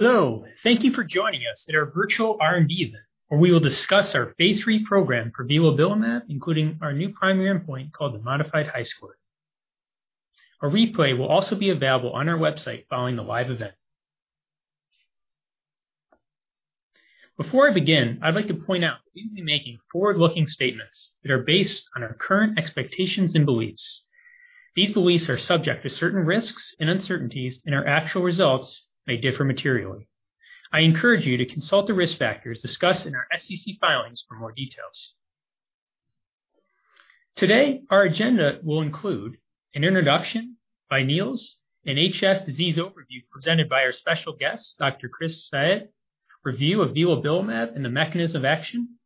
Hello. Thank you for joining us at our virtual R&D event, where we will discuss our phase III program for vilobelimab, including our new primary endpoint called the modified HiSCR. A replay will also be available on our website following the live event. Before I begin, I'd like to point out we will be making forward-looking statements that are based on our current expectations and beliefs. These beliefs are subject to certain risks and uncertainties, and our actual results may differ materially. I encourage you to consult the risk factors discussed in our SEC filings for more details. Today, our agenda will include an introduction by Niels, an HS disease overview presented by our special guest, Dr. Chris Sayed, review of vilobelimab and the mechanism of action,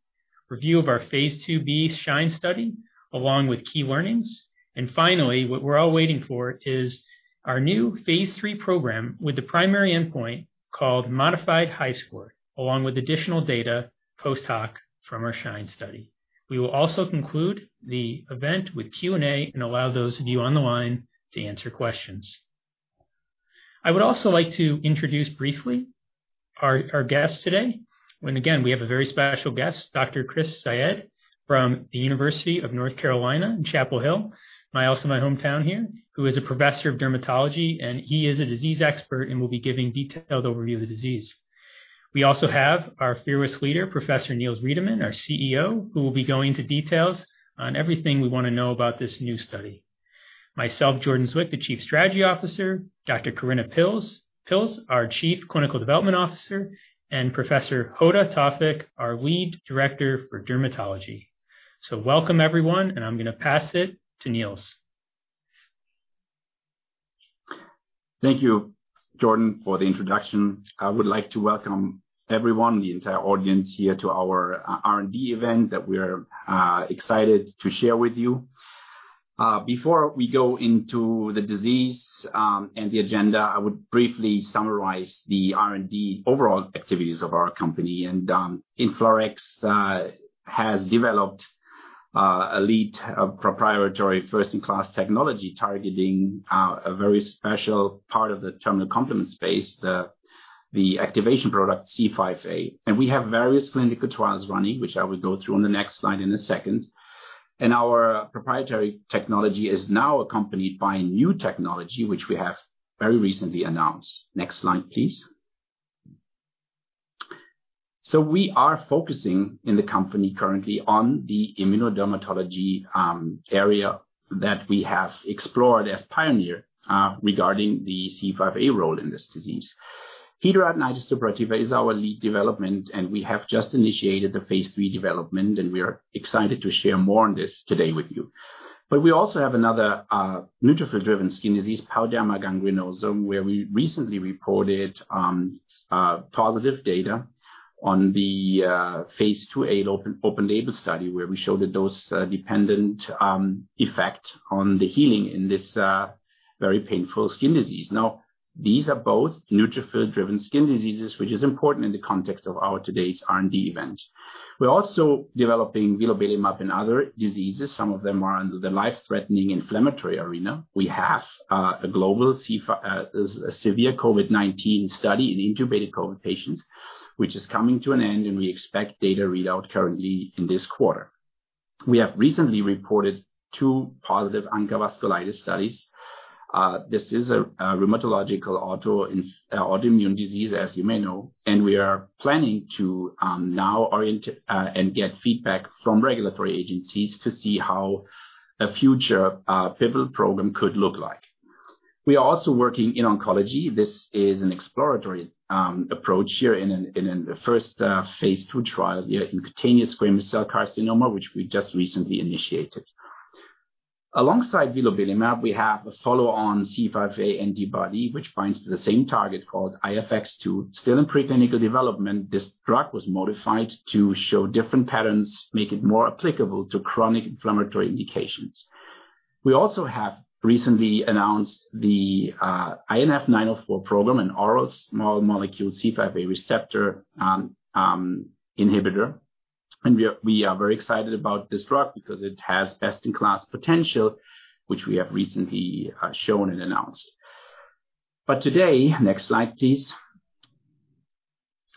review of our phase IIb SHINE study along with key learnings, and finally, what we're all waiting for is our new phase III program with the primary endpoint called modified HiSCR, along with additional data post hoc from our SHINE study. We will also conclude the event with Q&A and allow those of you on the line to answer questions. I would also like to introduce briefly our guest today, and again, we have a very special guest, Dr. Chris Sayed, from the University of North Carolina in Chapel Hill, also my hometown here, who is a professor of dermatology, and he is a disease expert and will be giving detailed overview of the disease. We also have our fearless leader, Professor Niels Riedemann, our CEO, who will be going into details on everything we wanna know about this new study. Myself, Jordan Zwick, Chief Strategy Officer, Dr. Korinna Pilz, our Chief Clinical Development Officer, and Professor Hoda Tawfik, our Lead Director for Dermatology. Welcome everyone, and I'm gonna pass it to Niels. Thank you, Jordan, for the introduction. I would like to welcome everyone, the entire audience here, to our R&D event that we're excited to share with you. Before we go into the disease and the agenda, I would briefly summarize the R&D overall activities of our company. InflaRx has developed a proprietary first-in-class technology targeting a very special part of the terminal complement space, the activation product C5a. We have various clinical trials running, which I will go through on the next slide in a second. Our proprietary technology is now accompanied by new technology, which we have very recently announced. Next slide, please. We are focusing in the company currently on the immunodermatology area that we have explored as pioneer regarding the C5a role in this disease. Hidradenitis suppurativa is our lead development, and we have just initiated the phase III development, and we are excited to share more on this today with you. We also have another neutrophil-driven skin disease, pyoderma gangrenosum, where we recently reported positive data on the phase IIa open-label study, where we showed a dose-dependent effect on the healing in this very painful skin disease. These are both neutrophil-driven skin diseases, which is important in the context of our today's R&D event. We're also developing vilobelimab in other diseases. Some of them are under the life-threatening inflammatory arena. We have a global severe COVID-19 study in intubated COVID patients, which is coming to an end, and we expect data readout currently in this quarter. We have recently reported two positive ANCA vasculitis studies. This is a rheumatological autoimmune disease, as you may know. We are planning to now orient and get feedback from regulatory agencies to see how a future pivotal program could look like. We are also working in oncology. This is an exploratory approach here in the first phase II trial, the cutaneous squamous cell carcinoma, which we just recently initiated. Alongside vilobelimab, we have a follow-on C5a antibody which binds to the same target called IFX-2, still in preclinical development. This drug was modified to show different patterns, make it more applicable to chronic inflammatory indications. We also have recently announced the INF904 program, an oral small molecule C5a receptor inhibitor. We are very excited about this drug because it has best-in-class potential, which we have recently shown and announced. Today, next slide please,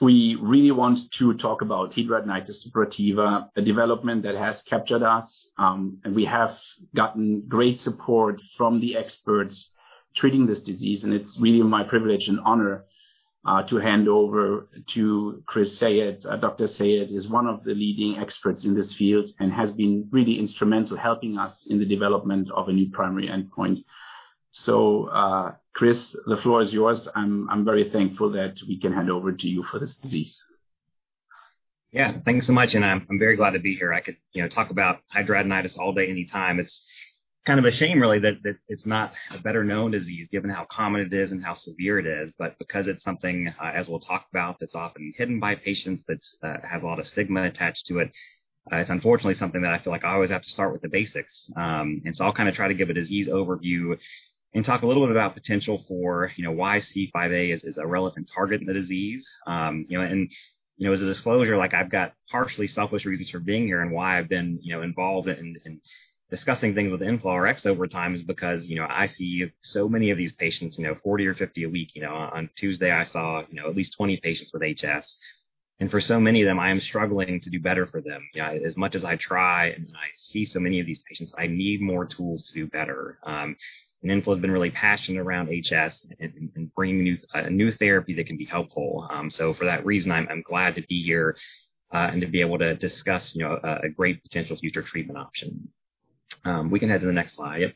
we really want to talk about hidradenitis suppurativa, a development that has captured us, and we have gotten great support from the experts treating this disease. It's really my privilege and honor to hand over to Christopher Sayed. Dr. Sayed is one of the leading experts in this field and has been really instrumental helping us in the development of a new primary endpoint. Chris, the floor is yours. I'm very thankful that we can hand over to you for this disease. Yeah. Thank you so much, and I'm very glad to be here. I could, you know, talk about hidradenitis all day, anytime. It's kind of a shame really that it's not a better-known disease given how common it is and how severe it is. Because it's something as we'll talk about that's often hidden by patients that has a lot of stigma attached to it's unfortunately something that I feel like I always have to start with the basics. I'll kind of try to give a disease overview and talk a little bit about potential for, you know, why C5a is a relevant target in the disease. You know, you know, as a disclosure, like, I've got partially selfish reasons for being here and why I've been, you know, involved and discussing things with InflaRx over time is because, you know, I see so many of these patients, you know, 40 or 50 a week. You know, on Tuesday, I saw, you know, at least 20 patients with HS. For so many of them, I am struggling to do better for them. As much as I try and I see so many of these patients, I need more tools to do better. InflaRx has been really passionate around HS and bringing a new therapy that can be helpful. For that reason, I'm glad to be here and to be able to discuss, you know, a great potential future treatment option. We can head to the next slide.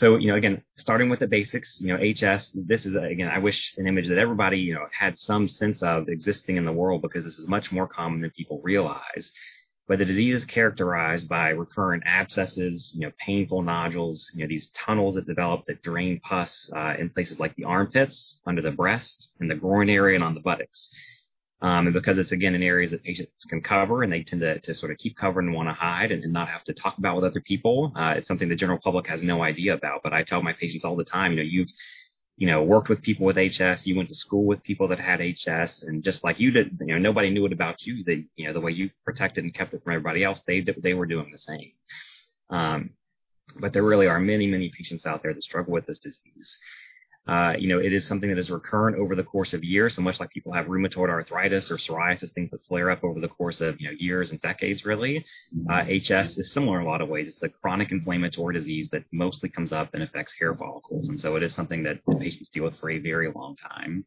You know, again, starting with the basics, you know, HS, this is, again, I wish an image that everybody, you know, had some sense of existing in the world because this is much more common than people realize. But the disease is characterized by recurrent abscesses, you know, painful nodules. You know, these tunnels that develop that drain pus in places like the armpits, under the breast, in the groin area and on the buttocks. Because it's, again, in areas that patients can cover and they tend to sort of keep covering and want to hide and not have to talk about with other people, it's something the general public has no idea about. I tell my patients all the time, you know, you've, you know, worked with people with HS, you went to school with people that had HS, and just like you didn't you know, nobody knew it about you, the, you know, the way you protected and kept it from everybody else, they were doing the same. There really are many, many patients out there that struggle with this disease. You know, it is something that is recurrent over the course of years. Much like people have rheumatoid arthritis or psoriasis, things that flare up over the course of, you know, years and decades really, HS is similar in a lot of ways. It's a chronic inflammatory disease that mostly comes up and affects hair follicles. It is something that patients deal with for a very long time.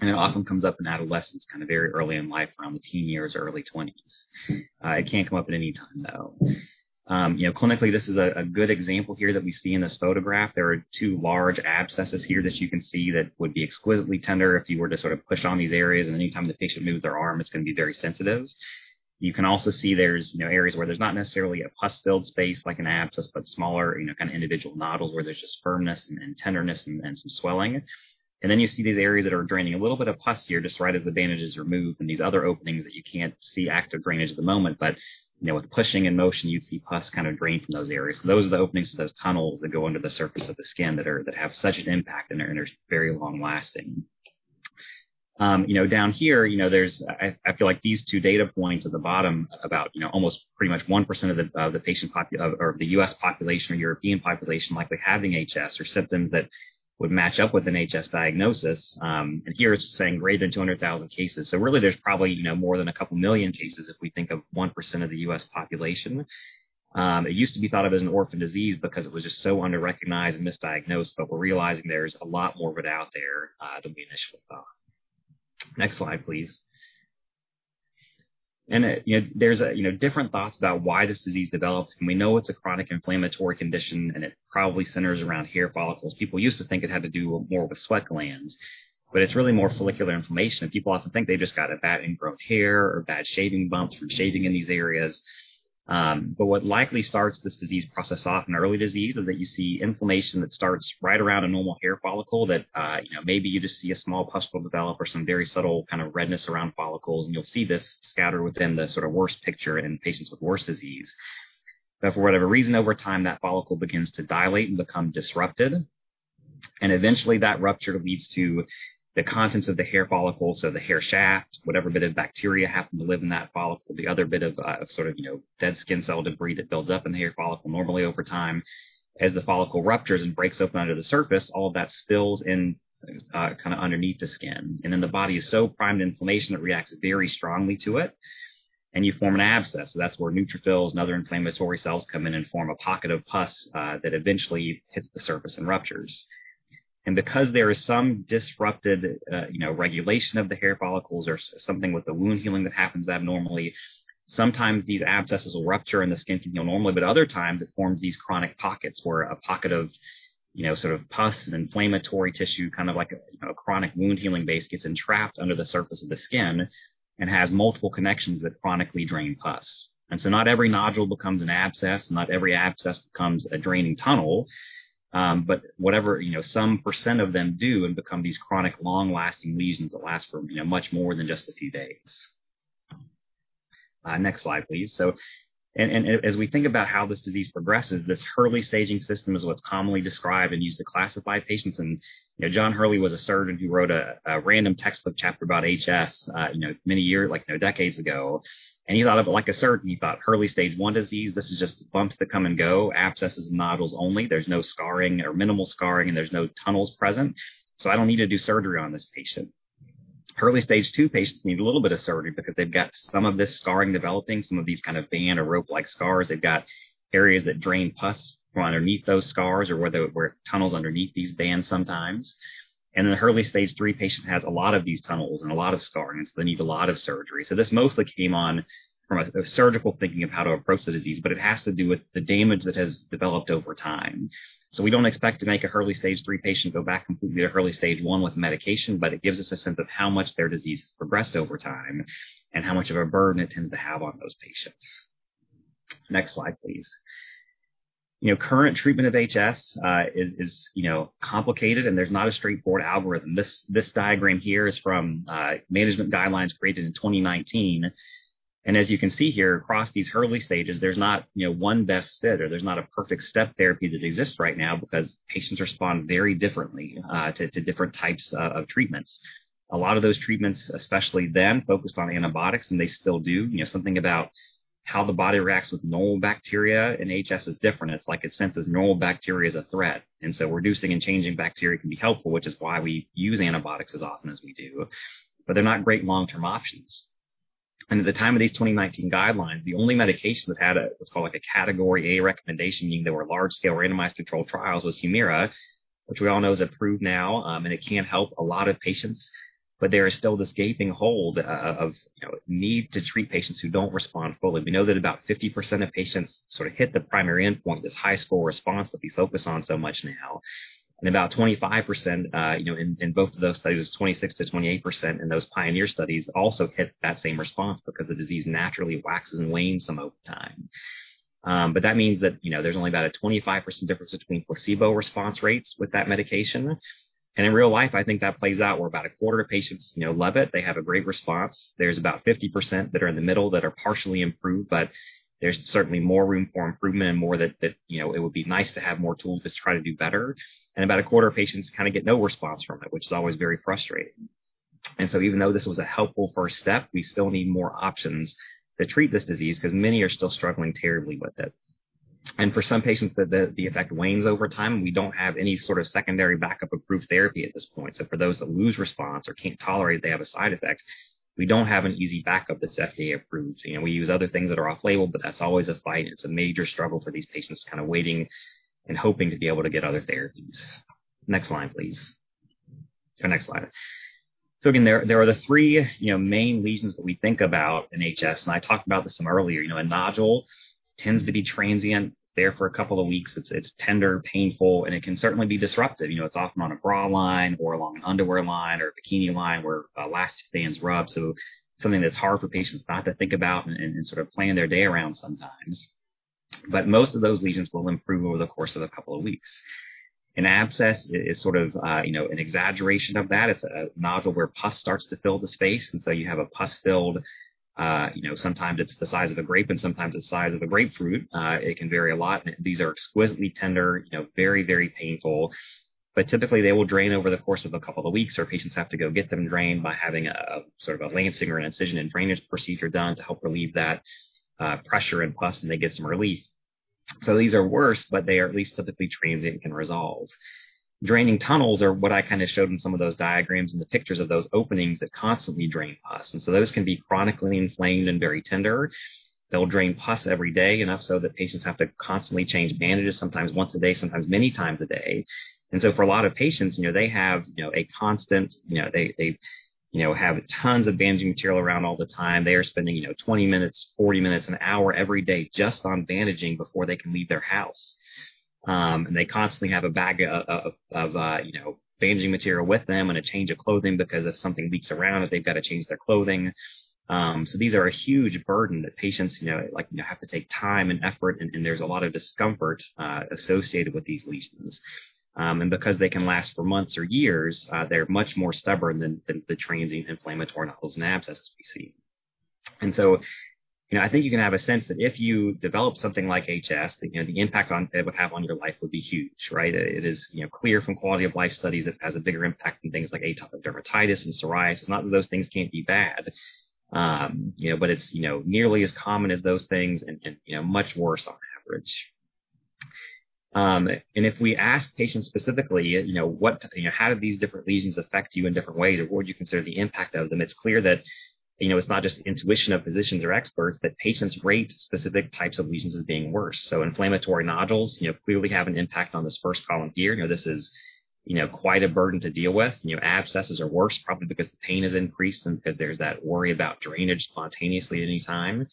It often comes up in adolescence, kind of very early in life, around the teen years or early twenties. It can come up at any time, though. You know, clinically, this is a good example here that we see in this photograph. There are two large abscesses here that you can see that would be exquisitely tender if you were to sort of push on these areas. Anytime the patient moves their arm, it's going to be very sensitive. You can also see there's, you know, areas where there's not necessarily a pus-filled space like an abscess, but smaller, you know, kind of individual nodules where there's just firmness and tenderness and some swelling. Then you see these areas that are draining a little bit of pus here, just right as the bandage is removed, and these other openings that you can't see active drainage at the moment. You know, with pushing in motion, you'd see pus kind of drain from those areas. Those are the openings to those tunnels that go under the surface of the skin that have such an impact and are very long-lasting. You know, down here, you know, there's I feel like these two data points at the bottom about, you know, almost pretty much 1% of the patient population or the U.S. population or European population likely having HS or symptoms that would match up with an HS diagnosis. Here it's saying greater than 200,000 cases. Really there's probably, you know, more than a couple million cases if we think of 1% of the U.S. population. It used to be thought of as an orphan disease because it was just so underrecognized and misdiagnosed, but we're realizing there's a lot more of it out there than we initially thought. Next slide, please. You know, there's, you know, different thoughts about why this disease develops. We know it's a chronic inflammatory condition, and it probably centers around hair follicles. People used to think it had to do more with sweat glands, but it's really more follicular inflammation. People often think they've just got a bad ingrown hair or bad shaving bumps from shaving in these areas. What likely starts this disease process off in early disease is that you see inflammation that starts right around a normal hair follicle that, you know, maybe you just see a small pustule develop or some very subtle kind of redness around follicles. You'll see this scattered within the sort of worst picture in patients with worse disease. For whatever reason, over time, that follicle begins to dilate and become disrupted, and eventually that rupture leads to the contents of the hair follicle. The hair shaft, whatever bit of bacteria happen to live in that follicle, the other bit of, sort of, you know, dead skin cell debris that builds up in the hair follicle normally over time, as the follicle ruptures and breaks open under the surface, all of that spills in, kind of underneath the skin. The body is so primed to inflammation, it reacts very strongly to it, and you form an abscess. That's where neutrophils and other inflammatory cells come in and form a pocket of pus, that eventually hits the surface and ruptures. Because there is some disrupted, you know, regulation of the hair follicles or something with the wound healing that happens abnormally, sometimes these abscesses will rupture, and the skin can heal normally. Other times, it forms these chronic pockets where a pocket of, you know, sort of pus and inflammatory tissue, kind of like a, you know, chronic wound healing base gets entrapped under the surface of the skin and has multiple connections that chronically drain pus. Not every nodule becomes an abscess. Not every abscess becomes a draining tunnel. Whatever, you know, some percent of them do and become these chronic, long-lasting lesions that last for, you know, much more than just a few days. Next slide, please. As we think about how this disease progresses, this Hurley staging system is what's commonly described and used to classify patients. You know, John Hurley was a surgeon who wrote a random textbook chapter about HS, many years, like, decades ago. He thought of it like a surgeon. He thought, Hurley stage one disease, this is just bumps that come and go, abscesses and nodules only. There's no scarring or minimal scarring, and there's no tunnels present. I don't need to do surgery on this patient. Hurley stage two patients need a little bit of surgery because they've got some of this scarring developing, some of these kind of band or rope-like scars. They've got areas that drain pus from underneath those scars or where there were tunnels underneath these bands sometimes. Then a Hurley stage three patient has a lot of these tunnels and a lot of scarring, so they need a lot of surgery. This mostly came on from a surgical thinking of how to approach the disease, but it has to do with the damage that has developed over time. We don't expect to make a Hurley stage three patient go back completely to Hurley stage one with medication, but it gives us a sense of how much their disease has progressed over time and how much of a burden it tends to have on those patients. Next slide, please. You know, current treatment of HS is, you know, complicated, and there's not a straightforward algorithm. This diagram here is from management guidelines created in 2019. As you can see here across these Hurley stages, there's not, you know, one best fit or there's not a perfect step therapy that exists right now because patients respond very differently to different types of treatments. A lot of those treatments, especially then, focused on antibiotics, and they still do. You know, something about how the body reacts with normal bacteria in HS is different. It's like it senses normal bacteria as a threat. Reducing and changing bacteria can be helpful, which is why we use antibiotics as often as we do. They're not great long-term options. At the time of these 2019 guidelines, the only medication that had what's called, like, a Category A recommendation, meaning there were large-scale randomized controlled trials, was Humira, which we all know is approved now, and it can help a lot of patients. There is still this gaping hole of, you know, need to treat patients who don't respond fully. We know that about 50% of patients sort of hit the primary endpoint, this HiSCR response that we focus on so much now. About 25%, you know, in both of those studies, it was 26%-28% in those PIONEER studies also hit that same response because the disease naturally waxes and wanes some over time. That means that, you know, there's only about a 25% difference between placebo response rates with that medication. In real life, I think that plays out where about a quarter of patients, you know, love it. They have a great response. There's about 50% that are in the middle that are partially improved, but there's certainly more room for improvement and more that, you know, it would be nice to have more tools to try to do better. About a quarter of patients kinda get no response from it, which is always very frustrating. Even though this was a helpful first step, we still need more options to treat this disease because many are still struggling terribly with it. For some patients, the effect wanes over time, and we don't have any sort of secondary backup approved therapy at this point. For those that lose response or can't tolerate, they have a side effect, we don't have an easy backup that's FDA-approved. You know, we use other things that are off-label, but that's always a fight, and it's a major struggle for these patients kinda waiting and hoping to be able to get other therapies. Next slide, please. To the next slide. Again, there are the three, you know, main lesions that we think about in HS, and I talked about this some earlier. You know, a nodule tends to be transient. It's there for a couple of weeks. It's tender, painful, and it can certainly be disruptive. You know, it's often on a bra line or along an underwear line or a bikini line where elastic bands rub. Something that's hard for patients not to think about and sort of plan their day around sometimes. Most of those lesions will improve over the course of a couple of weeks. An abscess is sort of, you know, an exaggeration of that. It's a nodule where pus starts to fill the space, and so you have a pus-filled, you know, sometimes it's the size of a grape and sometimes the size of a grapefruit. It can vary a lot. These are exquisitely tender, you know, very, very painful. Typically, they will drain over the course of a couple of weeks, or patients have to go get them drained by having a sort of a lancing or an incision and drainage procedure done to help relieve that pressure and pus, and they get some relief. These are worse, but they are at least typically transient and can resolve. Draining tunnels are what I kinda showed in some of those diagrams in the pictures of those openings that constantly drain pus. Those can be chronically inflamed and very tender. They'll drain pus every day enough so that patients have to constantly change bandages, sometimes once a day, sometimes many times a day. For a lot of patients, you know, they have a constant, you know, they have tons of bandaging material around all the time. They are spending, you know, 20 minutes, 40 minutes, one hour every day just on bandaging before they can leave their house. They constantly have a bag of, you know, bandaging material with them and a change of clothing because if something leaks around, they've got to change their clothing. These are a huge burden that patients, you know, like, you know, have to take time and effort and there's a lot of discomfort associated with these lesions. Because they can last for months or years, they're much more stubborn than the transient inflammatory nodules and abscesses we see. You know, I think you can have a sense that if you develop something like HS, you know, the impact on it would have on your life would be huge, right? It is, you know, clear from quality-of-life studies it has a bigger impact than things like atopic dermatitis and psoriasis. Not that those things can't be bad, you know, but it's, you know, nearly as common as those things and, you know, much worse on average. If we ask patients specifically, you know, what, you know, how do these different lesions affect you in different ways or what do you consider the impact of them? It's clear that, you know, it's not just the intuition of physicians or experts, but patients rate specific types of lesions as being worse. Inflammatory nodules, you know, clearly have an impact on this first column here. You know, this is, you know, quite a burden to deal with. You know, abscesses are worse probably because the pain is increased and because there's that worry about drainage spontaneously at any time.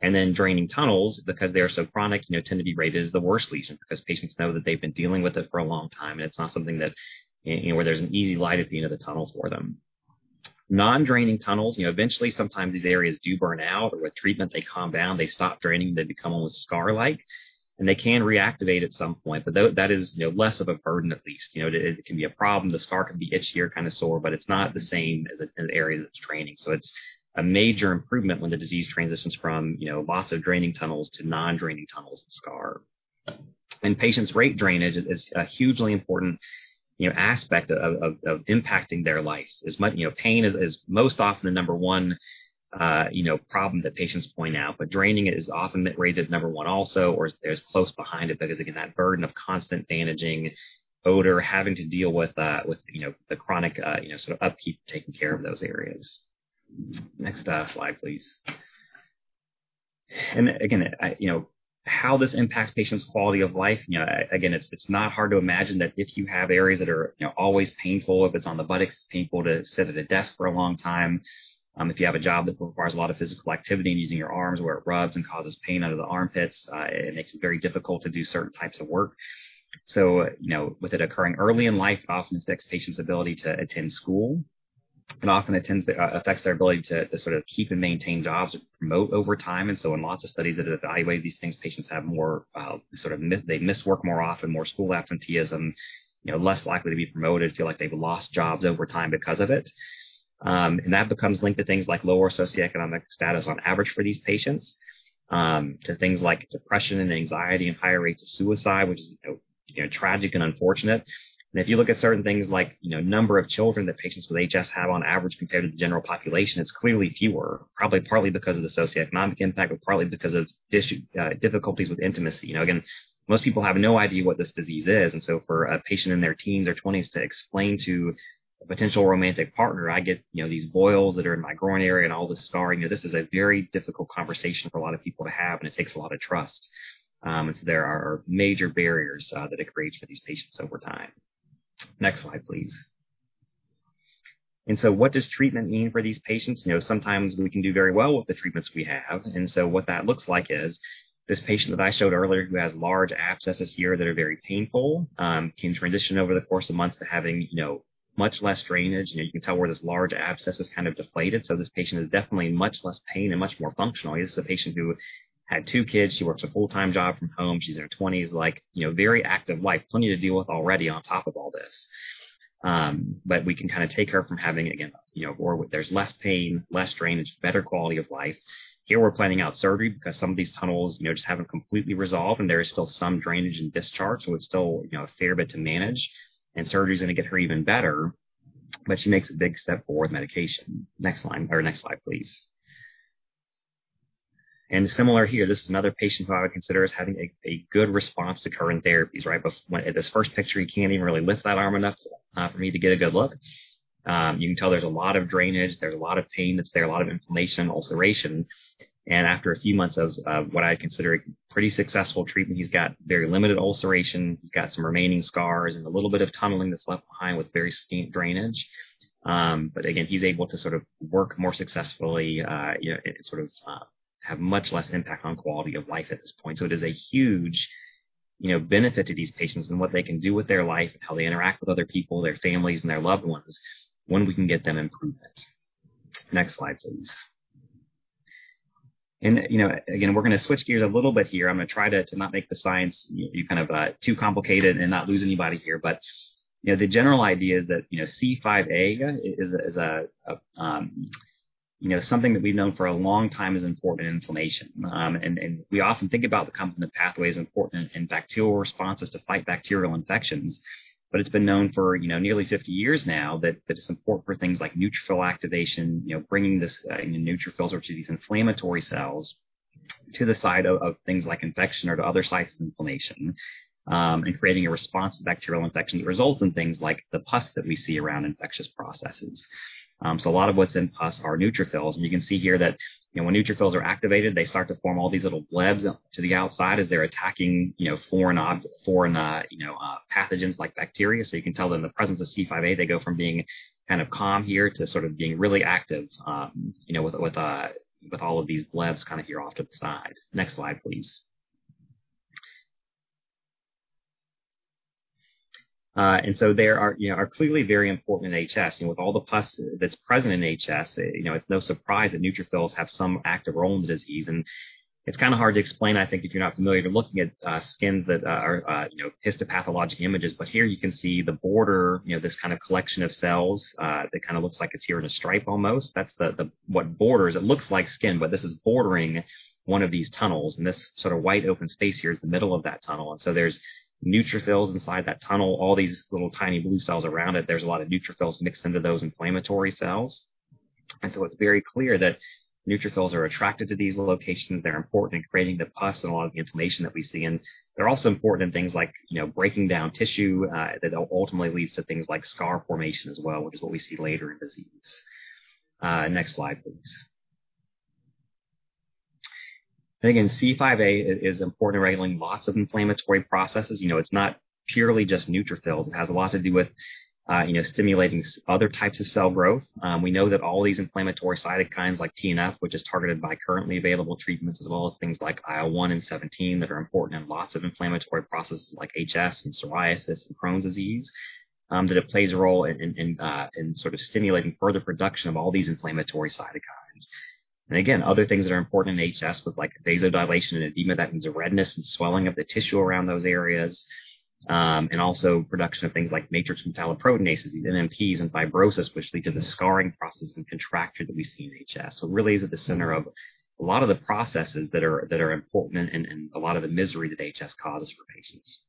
Then draining tunnels, because they are so chronic, you know, tend to be rated as the worst lesion because patients know that they've been dealing with it for a long time, and it's not something that's, you know, where there's an easy light at the end of the tunnels for them. Non-draining tunnels, you know, eventually sometimes these areas do burn out or with treatment, they calm down, they stop draining, they become almost scar-like, and they can reactivate at some point. That is, you know, less of a burden, at least. You know, it can be a problem. The scar can be itchy or kind of sore, but it's not the same as an area that's draining. It's a major improvement when the disease transitions from, you know, lots of draining tunnels to non-draining tunnels and scar. Patients rate drainage as a hugely important, you know, aspect of impacting their life. As much, you know, pain is most often the number one, you know, problem that patients point out, but draining it is often rated number one also, or is close behind it because, again, that burden of constant bandaging, odor, having to deal with, you know, the chronic, you know, sort of upkeep, taking care of those areas. Next slide, please. Again, I, you know, how this impacts patients' quality of life, you know, again, it's not hard to imagine that if you have areas that are, you know, always painful, if it's on the buttocks, it's painful to sit at a desk for a long time. If you have a job that requires a lot of physical activity and using your arms where it rubs and causes pain under the armpits, it makes it very difficult to do certain types of work. You know, with it occurring early in life, it often affects patients' ability to attend school and affects their ability to sort of keep and maintain jobs or promote over time. In lots of studies that have evaluated these things, patients have more, they miss work more often, more school absenteeism, you know, less likely to be promoted, feel like they've lost jobs over time because of it. That becomes linked to things like lower socioeconomic status on average for these patients, to things like depression and anxiety and higher rates of suicide, which is, you know, tragic and unfortunate. If you look at certain things like, you know, number of children that patients with HS have on average compared to the general population, it's clearly fewer. Probably partly because of the socioeconomic impact, but partly because of difficulties with intimacy. You know, again, most people have no idea what this disease is. For a patient in their teens or twenties to explain to a potential romantic partner, "I get, you know, these boils that are in my groin area and all this scarring," you know, this is a very difficult conversation for a lot of people to have, and it takes a lot of trust. So there are major barriers that it creates for these patients over time. Next slide, please. What does treatment mean for these patients? You know, sometimes we can do very well with the treatments we have. What that looks like is this patient that I showed earlier, who has large abscesses here that are very painful, can transition over the course of months to having, you know, much less drainage. You know, you can tell where this large abscess is kind of deflated. This patient is definitely in much less pain and much more functional. This is a patient who had two kids. She works a full-time job from home. She's in her twenties, like, you know, very active life, plenty to deal with already on top of all this. We can kind of take her from having, again, you know, there's less pain, less drainage, better quality of life. Here we're planning out surgery because some of these tunnels, you know, just haven't completely resolved, and there is still some drainage and discharge. It's still, you know, a fair bit to manage. Surgery is going to get her even better. She makes a big step forward with medication. Next line or next slide, please. Similar here, this is another patient who I would consider is having a good response to current therapies, right? At this first picture, he can't even really lift that arm enough for me to get a good look. You can tell there's a lot of drainage, there's a lot of pain that's there, a lot of inflammation, ulceration. After a few months of what I consider a pretty successful treatment, he's got very limited ulceration. He's got some remaining scars and a little bit of tunneling that's left behind with very slight drainage. Again, he's able to sort of work more successfully, you know, sort of have much less impact on quality of life at this point. It is a huge, you know, benefit to these patients and what they can do with their life and how they interact with other people, their families, and their loved ones when we can get them improvement. Next slide, please. You know, again, we're going to switch gears a little bit here. I'm going to try to not make the science be kind of too complicated and not lose anybody here. You know, the general idea is that you know, C5a is a you know, something that we've known for a long time is important in inflammation. We often think about the complement pathway as important in bacterial responses to fight bacterial infections. It's been known for you know, nearly 50 years now that it is important for things like neutrophil activation, you know, bringing this you know, neutrophils or to these inflammatory cells to the site of things like infection or to other sites of inflammation, and creating a response to bacterial infections that results in things like the pus that we see around infectious processes. A lot of what's in pus are neutrophils. You can see here that, you know, when neutrophils are activated, they start to form all these little blebs to the outside as they're attacking, you know, foreign pathogens like bacteria. You can tell that in the presence of C5a, they go from being kind of calm here to sort of being really active, you know, with all of these blebs kind of here off to the side. Next slide, please. They are, you know, clearly very important in HS. You know, with all the pus that's present in HS, you know, it's no surprise that neutrophils have some active role in the disease. It's kind of hard to explain, I think, if you're not familiar, to looking at skin that are, you know, histopathologic images. Here you can see the border, you know, this kind of collection of cells that kind of looks like it's here in a stripe almost. That's the what borders. It looks like skin, but this is bordering one of these tunnels. This sort of white open space here is the middle of that tunnel. There's neutrophils inside that tunnel, all these little tiny blue cells around it. There's a lot of neutrophils mixed into those inflammatory cells. It's very clear that neutrophils are attracted to these locations. They're important in creating the pus and a lot of the inflammation that we see. They're also important in things like, you know, breaking down tissue, that ultimately leads to things like scar formation as well, which is what we see later in disease. Next slide, please. C5a is important in regulating lots of inflammatory processes. You know, it's not purely just neutrophils. It has a lot to do with, you know, stimulating other types of cell growth. We know that all these inflammatory cytokines like TNF, which is targeted by currently available treatments, as well as things like IL-1 and 17 that are important in lots of inflammatory processes like HS and psoriasis and Crohn's disease, that it plays a role in sort of stimulating further production of all these inflammatory cytokines. Again, other things that are important in HS with like vasodilation and edema, that means the redness and swelling of the tissue around those areas. Also production of things like matrix metalloproteinases, these MMPs and fibrosis, which lead to the scarring process and contracture that we see in HS. It really is at the center of a lot of the processes that are important and a lot of the misery that HS causes for patients.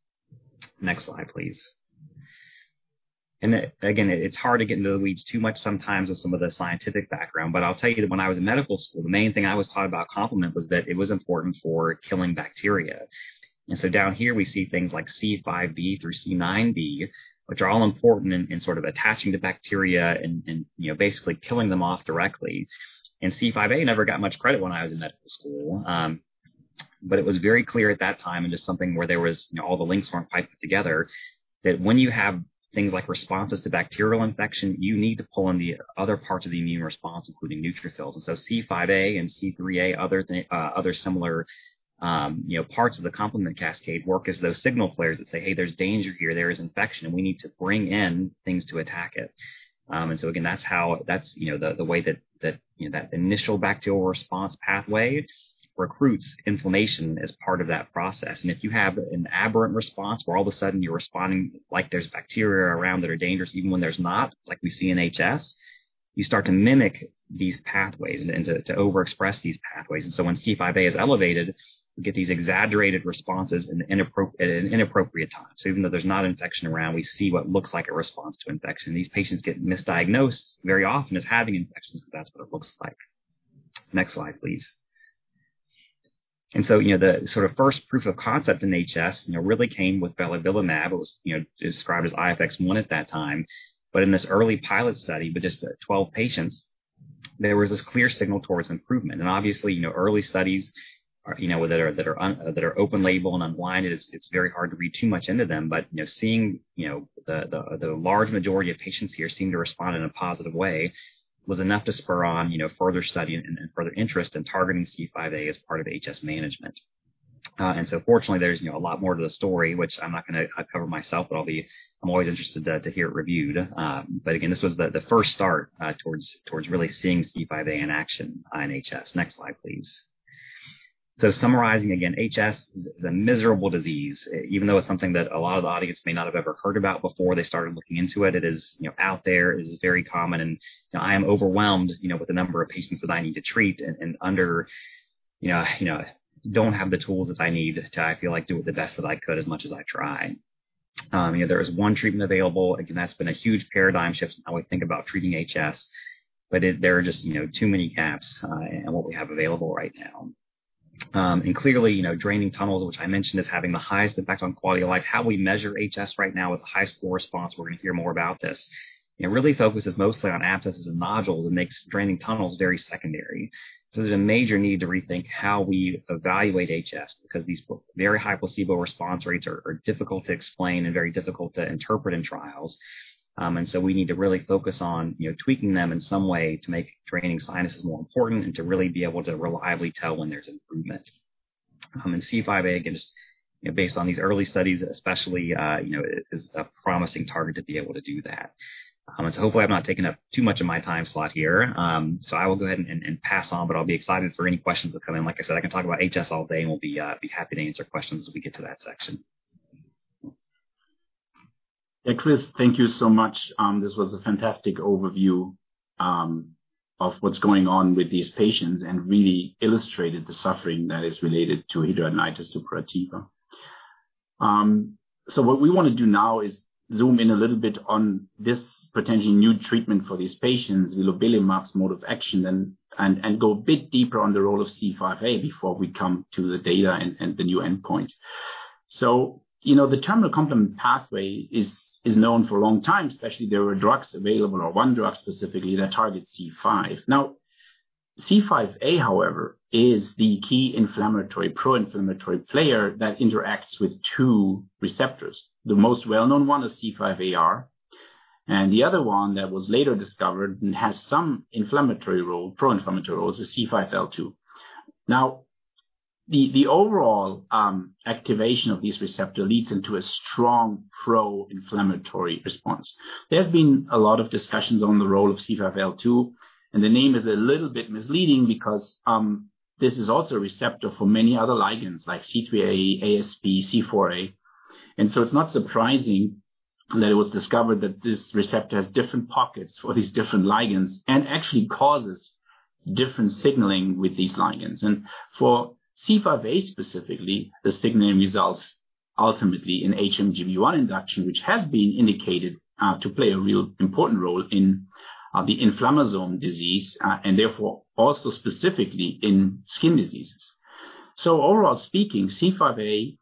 Next slide, please. Again, it's hard to get into the weeds too much sometimes with some of the scientific background, but I'll tell you that when I was in medical school, the main thing I was taught about complement was that it was important for killing bacteria. Down here we see things like C5b through C9b, which are all important in sort of attaching to bacteria and, you know, basically killing them off directly. C5a never got much credit when I was in medical school. It was very clear at that time, and just something where there was, you know, all the links weren't quite put together, that when you have things like responses to bacterial infection, you need to pull in the other parts of the immune response, including neutrophils. C5a and C3a, other similar, you know, parts of the complement cascade work as those signal flares that say, "Hey, there's danger here. There is infection, and we need to bring in things to attack it." Again, that's how... That's, you know, the way that you know that initial bacterial response pathway recruits inflammation as part of that process. If you have an aberrant response where all of a sudden you're responding like there's bacteria around that are dangerous, even when there's not, like we see in HS. You start to mimic these pathways and to overexpress these pathways. When C5a is elevated, we get these exaggerated responses in an inappropriate time. Even though there's not infection around, we see what looks like a response to infection. These patients get misdiagnosed very often as having infections, because that's what it looks like. Next slide, please. You know, the sort of first proof of concept in HS, you know, really came with vilobelimab. It was, you know, described as IFX-1 at that time. In this early pilot study with just 12 patients, there was this clear signal towards improvement. Obviously, early studies that are open label and unblinded, it's very hard to read too much into them. Seeing the large majority of patients here seem to respond in a positive way was enough to spur on further study and further interest in targeting C5a as part of HS management. Fortunately, there's a lot more to the story which I'm not going to cover myself, but I'm always interested to hear it reviewed. Again, this was the first start towards really seeing C5a in action in HS. Next slide, please. Summarizing again, HS is a miserable disease. Even though it's something that a lot of the audience may not have ever heard about before they started looking into it. It is, you know, out there. It is very common. You know, I am overwhelmed, you know, with the number of patients that I need to treat and under, you know, don't have the tools that I need to, I feel like, do it the best that I could as much as I try. You know, there is one treatment available. Again, that's been a huge paradigm shift in how we think about treating HS, but there are just, you know, too many gaps in what we have available right now. Clearly, you know, draining tunnels, which I mentioned, as having the highest impact on quality of life. How we measure HS right now with HiSCR, we're going to hear more about this. It really focuses mostly on abscesses and nodules and makes draining tunnels very secondary. There's a major need to rethink how we evaluate HS, because these very high placebo response rates are difficult to explain and very difficult to interpret in trials. We need to really focus on, you know, tweaking them in some way to make draining sinuses more important and to really be able to reliably tell when there's improvement. C5a, again, you know, based on these early studies especially, is a promising target to be able to do that. Hopefully, I've not taken up too much of my time slot here. I will go ahead and pass on, but I'll be excited for any questions that come in. Like I said, I can talk about HS all day and will be happy to answer questions as we get to that section. Yeah, Chris, thank you so much. This was a fantastic overview of what's going on with these patients and really illustrated the suffering that is related to hidradenitis suppurativa. What we want to do now is zoom in a little bit on this potential new treatment for these patients, vilobelimab mode of action, and go a bit deeper on the role of C5a before we come to the data and the new endpoint. You know, the terminal complement pathway is known for a long time, especially there were drugs available or one drug specifically that targets C5. Now, C5a, however, is the key pro-inflammatory player that interacts with two receptors. The most well-known one is C5aR, and the other one that was later discovered and has some pro-inflammatory role is the C5L2. Now, the overall activation of these receptor leads into a strong pro-inflammatory response. There's been a lot of discussions on the role of C5L2, and the name is a little bit misleading because this is also a receptor for many other ligands like C3a, ASP, C4a. It's not surprising that it was discovered that this receptor has different pockets for these different ligands and actually causes different signaling with these ligands. For C5a specifically, the signaling results ultimately in HMGB1 induction, which has been indicated to play a real important role in the inflammatory disease and therefore also specifically in skin diseases. Overall speaking, C5a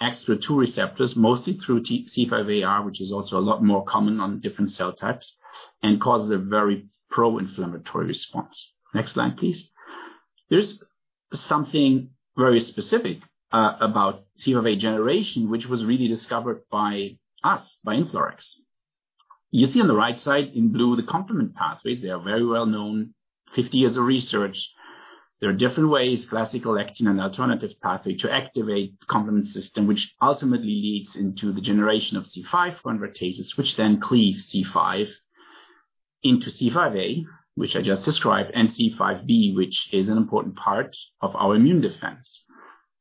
acts through two receptors, mostly through the C5aR, which is also a lot more common on different cell types and causes a very pro-inflammatory response. Next slide, please. There's something very specific about C5a generation, which was really discovered by us, by InflaRx. You see on the right side in blue the complement pathways. They are very well known, 50 years of research. There are different ways, classical, lectin, and alternative pathway, to activate the complement system, which ultimately leads into the generation of C5 convertases, which then cleave C5 into C5a, which I just described, and C5b, which is an important part of our immune defense.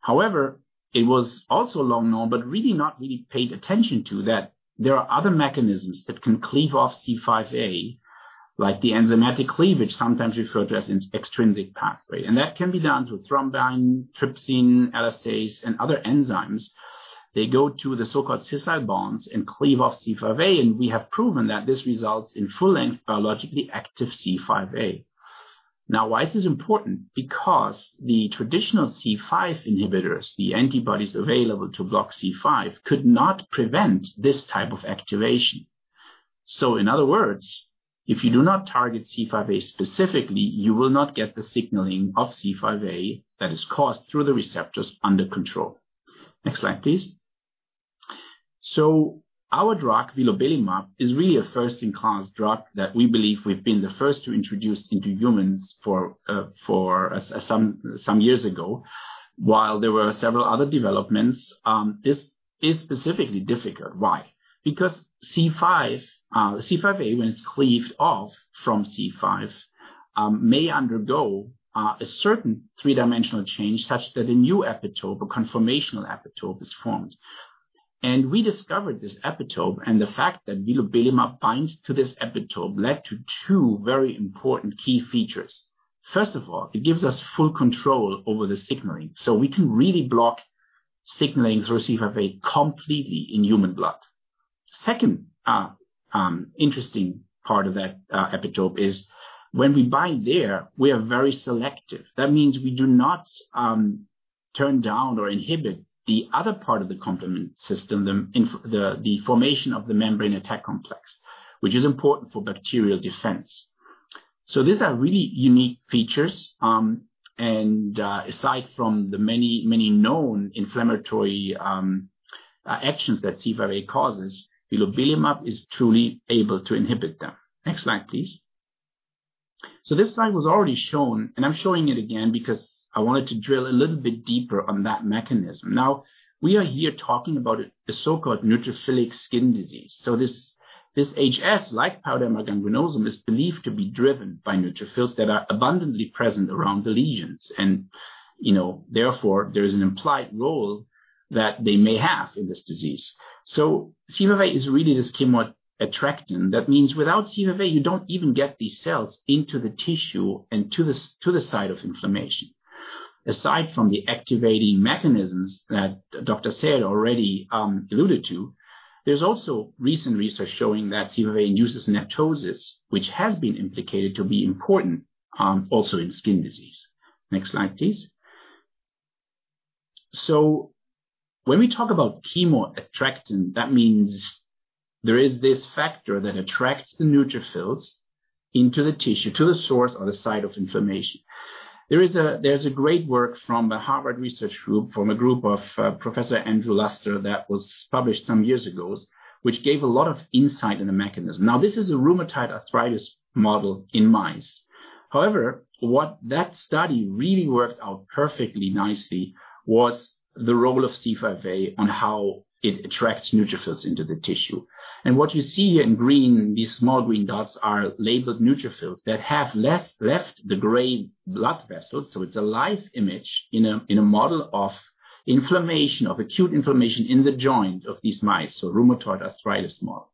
However, it was also long known but really not paid attention to, that there are other mechanisms that can cleave off C5a, like the enzymatic cleavage sometimes referred to as an extrinsic pathway. That can be done through thrombin, trypsin, elastase, and other enzymes. They go to the so-called scissile bonds and cleave off C5a, and we have proven that this results in full-length biologically active C5a. Now, why is this important? Because the traditional C5 inhibitors, the antibodies available to block C5, could not prevent this type of activation. In other words, if you do not target C5a specifically, you will not get the signaling of C5a that is caused through the receptors under control. Next slide, please. Our drug, vilobelimab, is really a first-in-class drug that we believe we've been the first to introduce into humans for some years ago. While there were several other developments, this is specifically difficult. Why? Because C5, C5a, when it's cleaved off from C5, may undergo a certain three-dimensional change such that a new epitope or conformational epitope is formed. We discovered this epitope, and the fact that vilobelimab binds to this epitope led to two very important key features. First of all, it gives us full control over the signaling. We can really block signaling through C5a completely in human blood. Second, interesting part of that, epitope is when we bind there, we are very selective. That means we do not turn down or inhibit the other part of the complement system, the formation of the membrane attack complex, which is important for bacterial defense. These are really unique features. Aside from the many, many known inflammatory actions that C5a causes, vilobelimab is truly able to inhibit them. Next slide, please. This slide was already shown, and I'm showing it again because I wanted to drill a little bit deeper on that mechanism. Now, we are here talking about a so-called neutrophilic skin disease. This HS, like pyoderma gangrenosum, is believed to be driven by neutrophils that are abundantly present around the lesions. You know, therefore, there is an implied role that they may have in this disease. C5a is really this chemoattractant. That means without C5a, you don't even get these cells into the tissue and to the site of inflammation. Aside from the activating mechanisms that Dr. Sayed already alluded to, there's also recent research showing that C5a uses NETosis, which has been implicated to be important also in skin disease. Next slide, please. When we talk about chemoattractant, that means there is this factor that attracts the neutrophils into the tissue, to the source or the site of inflammation. There's a great work from a Harvard research group of Professor Andrew Luster that was published some years ago, which gave a lot of insight in the mechanism. Now, this is a rheumatoid arthritis model in mice. However, what that study really worked out perfectly nicely was the role of C5a on how it attracts neutrophils into the tissue. What you see here in green, these small green dots are labeled neutrophils that have left the gray blood vessels. It's a live image in a model of inflammation, of acute inflammation in the joint of these mice, rheumatoid arthritis model.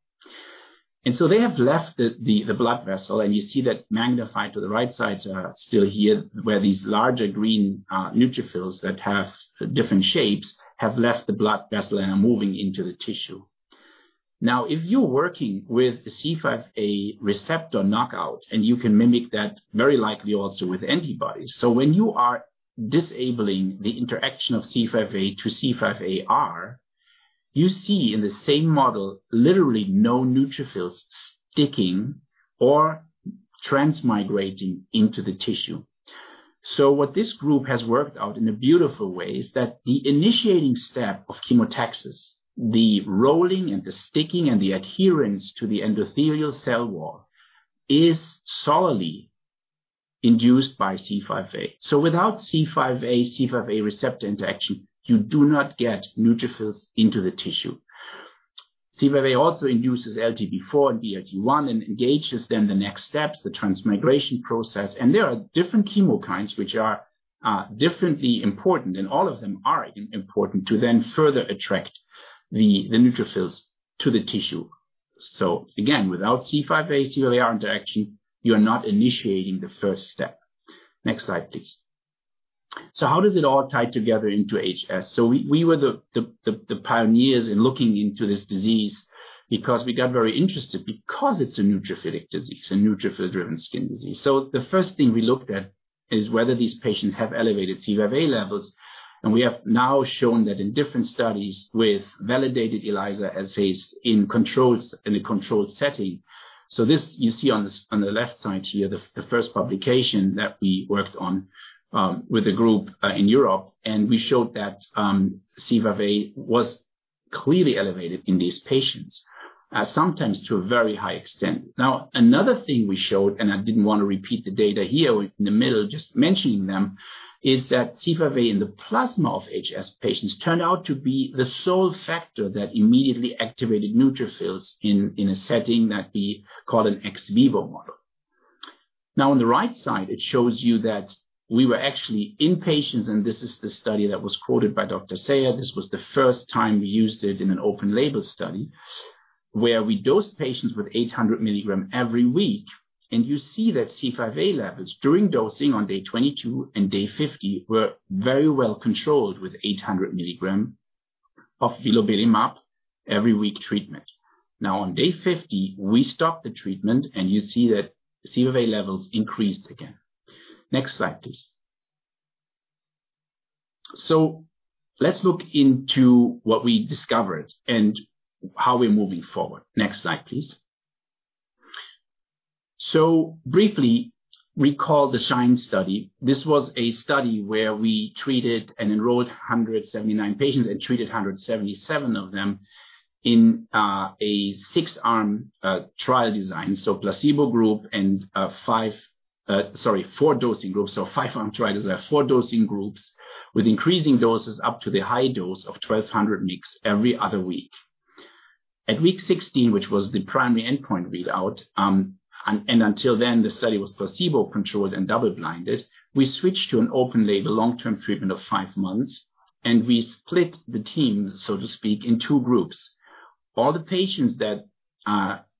They have left the blood vessel, and you see that magnified to the right side, still here, where these larger green neutrophils that have different shapes have left the blood vessel and are moving into the tissue. Now, if you're working with the C5a receptor knockout, and you can mimic that very likely also with antibodies. When you are disabling the interaction of C5a to C5aR, you see in the same model, literally no neutrophils sticking or transmigrating into the tissue. What this group has worked out in a beautiful way is that the initiating step of chemotaxis, the rolling and the sticking and the adherence to the endothelial cell wall, is solely induced by C5a. Without C5a receptor interaction, you do not get neutrophils into the tissue. C5a also induces LTB4 and CXCL1 and engages then the next steps, the transmigration process, and there are different chemokines which are differently important, and all of them are important to then further attract the neutrophils to the tissue. Again, without C5a, C5aR interaction, you're not initiating the first step. Next slide, please. How does it all tie together into HS? We were the pioneers in looking into this disease because we got very interested because it's a neutrophilic disease, a neutrophil-driven skin disease. The first thing we looked at is whether these patients have elevated C5a levels, and we have now shown that in different studies with validated ELISA assays in a controlled setting. This you see on the left side here, the first publication that we worked on with a group in Europe, and we showed that C5a was clearly elevated in these patients, sometimes to a very high extent. Now, another thing we showed, and I didn't want to repeat the data here in the middle, just mentioning them, is that C5a in the plasma of HS patients turned out to be the sole factor that immediately activated neutrophils in a setting that we call an ex vivo model. Now, on the right side, it shows you that we were actually in patients, and this is the study that was quoted by Dr. Sayed. This was the first time we used it in an open label study, where we dosed patients with 800 milligrams every week. You see that C5a levels during dosing on day 22 and day 50 were very well controlled with 800 mg of vilobelimab every week treatment. Now, on day 50, we stopped the treatment, and you see that C5a levels increased again. Next slide, please. Let's look into what we discovered and how we're moving forward. Next slide, please. Briefly, recall the SHINE study. This was a study where we treated and enrolled 179 patients and treated 177 of them in a six-arm trial design. Placebo group and five four dosing groups. A 5-arm trial design, for dosing groups with increasing doses up to the high dose of 1200 mg every other week. At week 16, which was the primary endpoint readout, and until then, the study was placebo-controlled and double-blinded. We switched to an open-label long-term treatment of five months, and we split them, so to speak, in two groups. All the patients that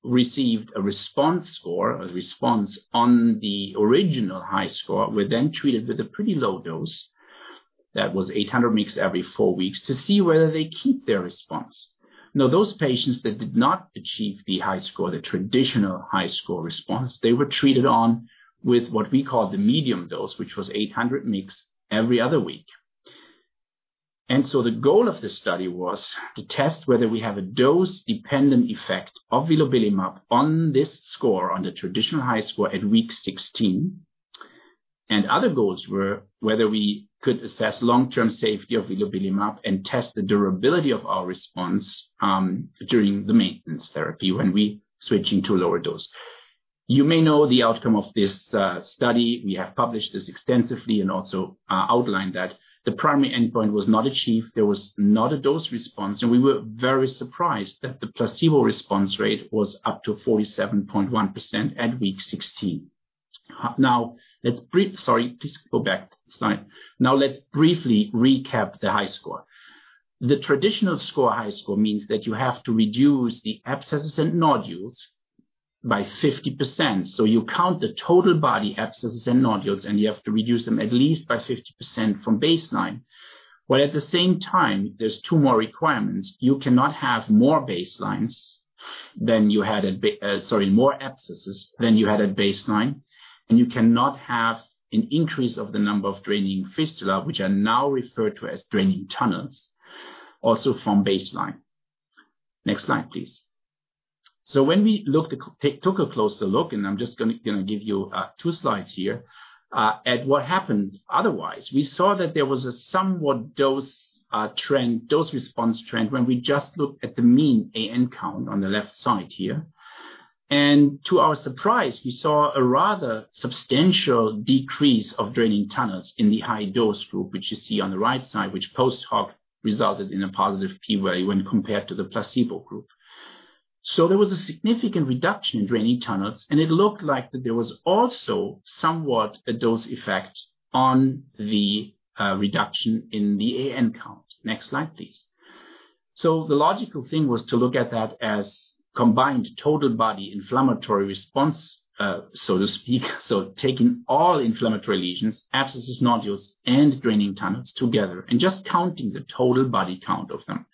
received a response score, a response on the original HiSCR, were then treated with a pretty low dose that was 800 mg every four weeks to see whether they keep their response. Now, those patients that did not achieve the HiSCR, the traditional HiSCR response, they were treated with what we call the medium dose, which was 800 mg every other week. The goal of this study was to test whether we have a dose-dependent effect of vilobelimab on this score, on the traditional HiSCR at week 16. Other goals were whether we could assess long-term safety of vilobelimab and test the durability of our response, during the maintenance therapy when we switching to a lower dose. You may know the outcome of this study. We have published this extensively and also, outlined that the primary endpoint was not achieved, there was not a dose response, and we were very surprised that the placebo response rate was up to 47.1% at week 16. Now, let's briefly recap the HiSCR. The traditional score, HiSCR, means that you have to reduce the abscesses and nodules by 50%. You count the total body abscesses and nodules, and you have to reduce them at least by 50% from baseline. While at the same time, there are two more requirements. You cannot have more abscesses than you had at baseline, and you cannot have an increase of the number of draining fistula, which are now referred to as draining tunnels, also from baseline. Next slide, please. When we took a closer look, and I'm just gonna give you two slides here at what happened otherwise. We saw that there was a somewhat dose trend, dose response trend when we just looked at the mean Abscess and Nodule (AN) count on the left side here. To our surprise, we saw a rather substantial decrease of draining tunnels in the high dose group, which you see on the right side, which post-hoc resulted in a positive P value when compared to the placebo group. There was a significant reduction in draining tunnels, and it looked like that there was also somewhat a dose effect on the reduction in the Abscess and Nodule (AN) count. Next slide, please. The logical thing was to look at that as combined total body inflammatory response, so to speak. Taking all inflammatory lesions, abscesses, nodules, and draining tunnels together and just counting the total body count of them.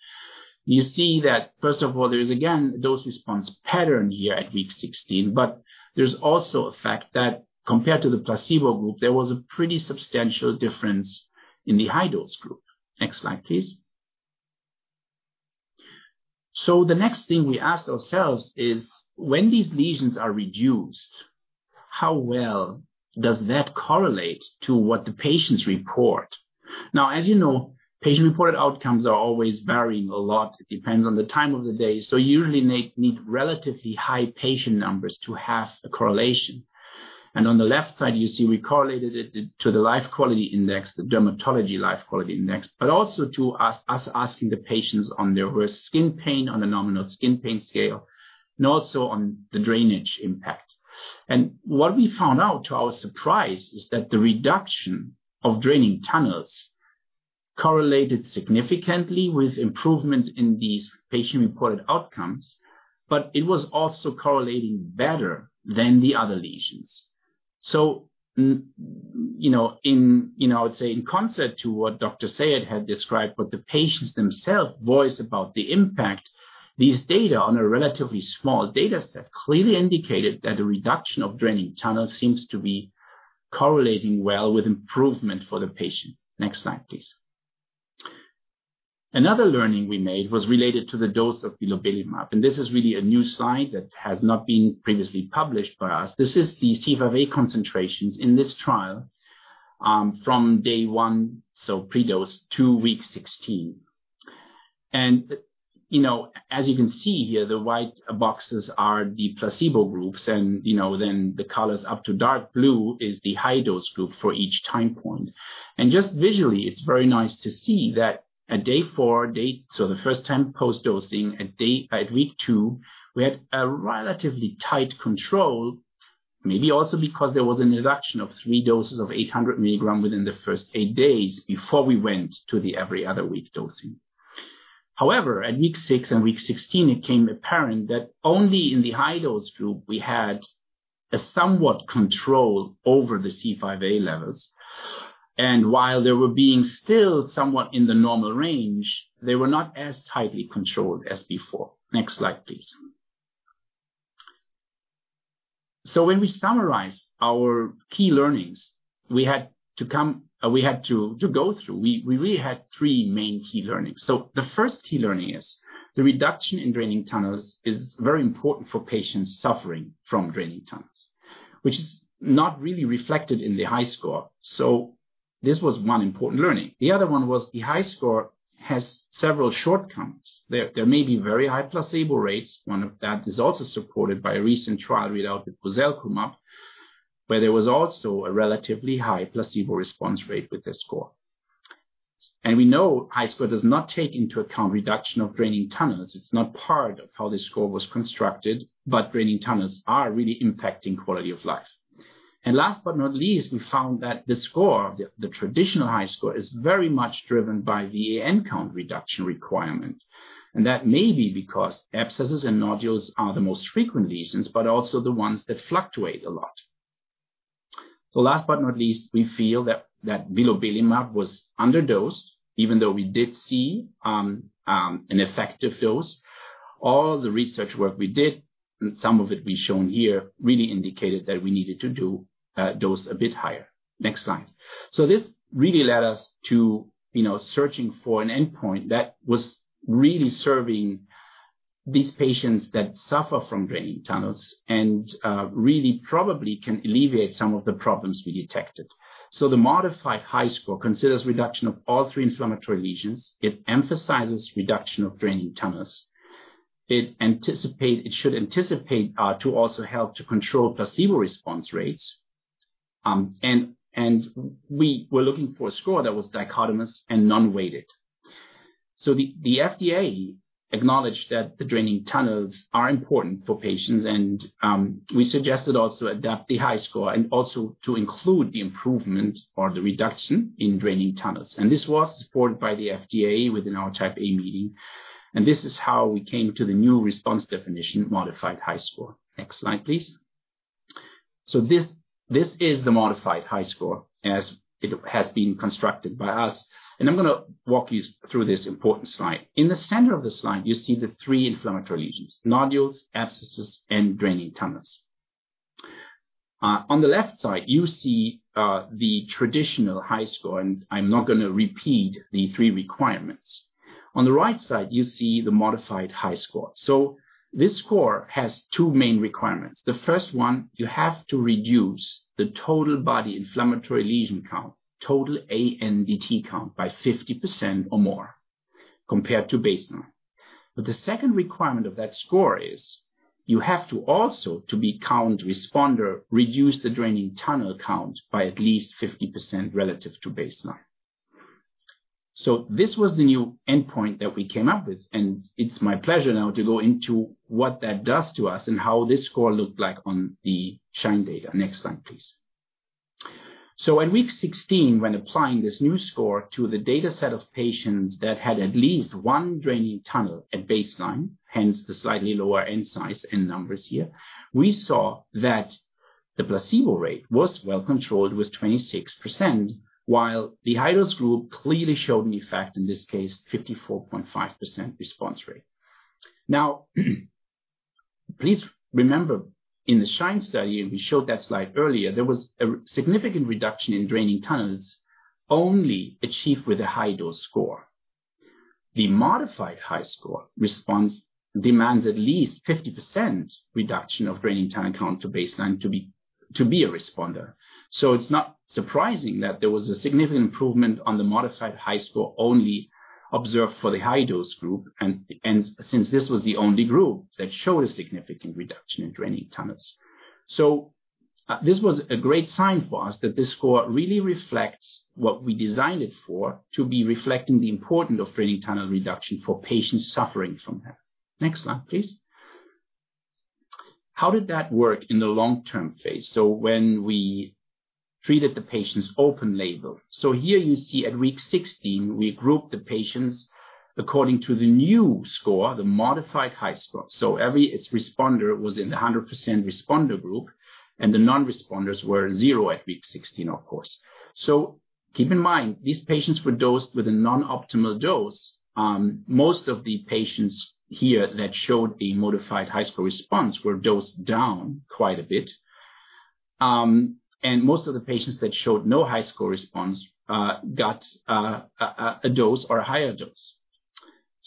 You see that, first of all, there is again, a dose response pattern here at week 16, but there's also a fact that compared to the placebo group, there was a pretty substantial difference in the high dose group. Next slide, please. The next thing we asked ourselves is when these lesions are reduced, how well does that correlate to what the patients report? Now, as you know, patient-reported outcomes are always varying a lot. It depends on the time of day. You really need relatively high patient numbers to have a correlation. On the left side, you see we correlated it to the life quality index, the Dermatology Life Quality Index, but also to us asking the patients on their worst skin pain on the numeric skin pain scale and also on the drainage impact. What we found out, to our surprise, is that the reduction of draining tunnels correlated significantly with improvement in these patient-reported outcomes, but it was also correlating better than the other lesions. You know, I would say in concept to what Dr. Sayed had described, what the patients themselves voiced about the impact, these data on a relatively small data set clearly indicated that the reduction of draining tunnels seems to be correlating well with improvement for the patient. Next slide, please. Another learning we made was related to the dose of vilobelimab, and this is really a new slide that has not been previously published by us. This is the C5a concentrations in this trial from day 1, so pre-dose to week 16. You know, as you can see here, the white boxes are the placebo groups and, you know, then the colors up to dark blue is the high dose group for each time point. Just visually, it's very nice to see that at day 4, day... The first time post-dosing at week 2, we had a relatively tight control, maybe also because there was an introduction of three doses of 800 mg within the first eight days before we went to the every other week dosing. However, at week six and week 16, it became apparent that only in the high dose group, we had somewhat control over the C5a levels. While they were being still somewhat in the normal range, they were not as tightly controlled as before. Next slide, please. When we summarize our key learnings, we had to go through. We really had three main key learnings. The first key learning is the reduction in draining tunnels is very important for patients suffering from draining tunnels, which is not really reflected in the HiSCR. This was one important learning. The other one was the HiSCR has several shortcomings. There may be very high placebo rates. One of them is also supported by a recent trial readout with risankizumab, where there was also a relatively high placebo response rate with this score. We know IHS4 does not take into account reduction of draining tunnels. It's not part of how the score was constructed, but draining tunnels are really impacting quality of life. Last but not least, we found that the score, the traditional IHS4 is very much driven by the Abscess and Nodule (AN) count reduction requirement, and that may be because abscesses and nodules are the most frequent lesions, but also the ones that fluctuate a lot. Last but not least, we feel that vilobelimab was under-dosed, even though we did see an effective dose. All the research work we did, and some of it we've shown here, really indicated that we needed to dose a bit higher. Next slide. This really led us to, you know, searching for an endpoint that was really serving these patients that suffer from draining tunnels and really probably can alleviate some of the problems we detected. The modified HiSCR considers reduction of all three inflammatory lesions. It emphasizes reduction of draining tunnels. It should anticipate to also help to control placebo response rates. And we were looking for a score that was dichotomous and non-weighted. The FDA acknowledged that the draining tunnels are important for patients and we suggested also adapt the HiSCR and also to include the improvement or the reduction in draining tunnels. This was supported by the FDA within our type A meeting, and this is how we came to the new response definition, modified HiSCR. Next slide, please. This is the modified HiSCR as it has been constructed by us, and I'm gonna walk you through this important slide. In the center of the slide, you see the three inflammatory lesions, nodules, abscesses, and draining tunnels. On the left side, you see the traditional HiSCR, and I'm not gonna repeat the three requirements. On the right side, you see the modified HiSCR. This score has two main requirements. The first one, you have to reduce the total body inflammatory lesion count, total ANDT count by 50% or more compared to baseline. The second requirement of that score is you have to also, to be count responder, reduce the draining tunnel count by at least 50% relative to baseline. This was the new endpoint that we came up with, and it's my pleasure now to go into what that does to us and how this score looked like on the SHINE data. Next slide, please. At week 16, when applying this new score to the dataset of patients that had at least one draining tunnel at baseline, hence the slightly lower n size and numbers here, we saw that the placebo rate was well controlled with 26%, while the high-dose group clearly showed an effect, in this case 54.5% response rate. Now, please remember, in the SHINE study, and we showed that slide earlier, there was a statistically significant reduction in draining tunnels only achieved with a high-dose SCR. The modified HiSCR response demands at least 50% reduction of draining tunnel count to baseline to be a responder. It's not surprising that there was a significant improvement on the modified HiSCR only observed for the high-dose group and since this was the only group that showed a significant reduction in draining tunnels. This was a great sign for us that this score really reflects what we designed it for, to be reflecting the importance of draining tunnel reduction for patients suffering from that. Next slide, please. How did that work in the long-term phase? When we treated the patients open label. Here you see at week 16, we grouped the patients according to the new score, the modified HiSCR. Every HiSCR-responder was in the 100% responder group, and the non-responders were 0 at week 16, of course. Keep in mind, these patients were dosed with a non-optimal dose. Most of the patients here that showed the modified HiSCR response were dosed down quite a bit. Most of the patients that showed no HiSCR response got a dose or a higher dose.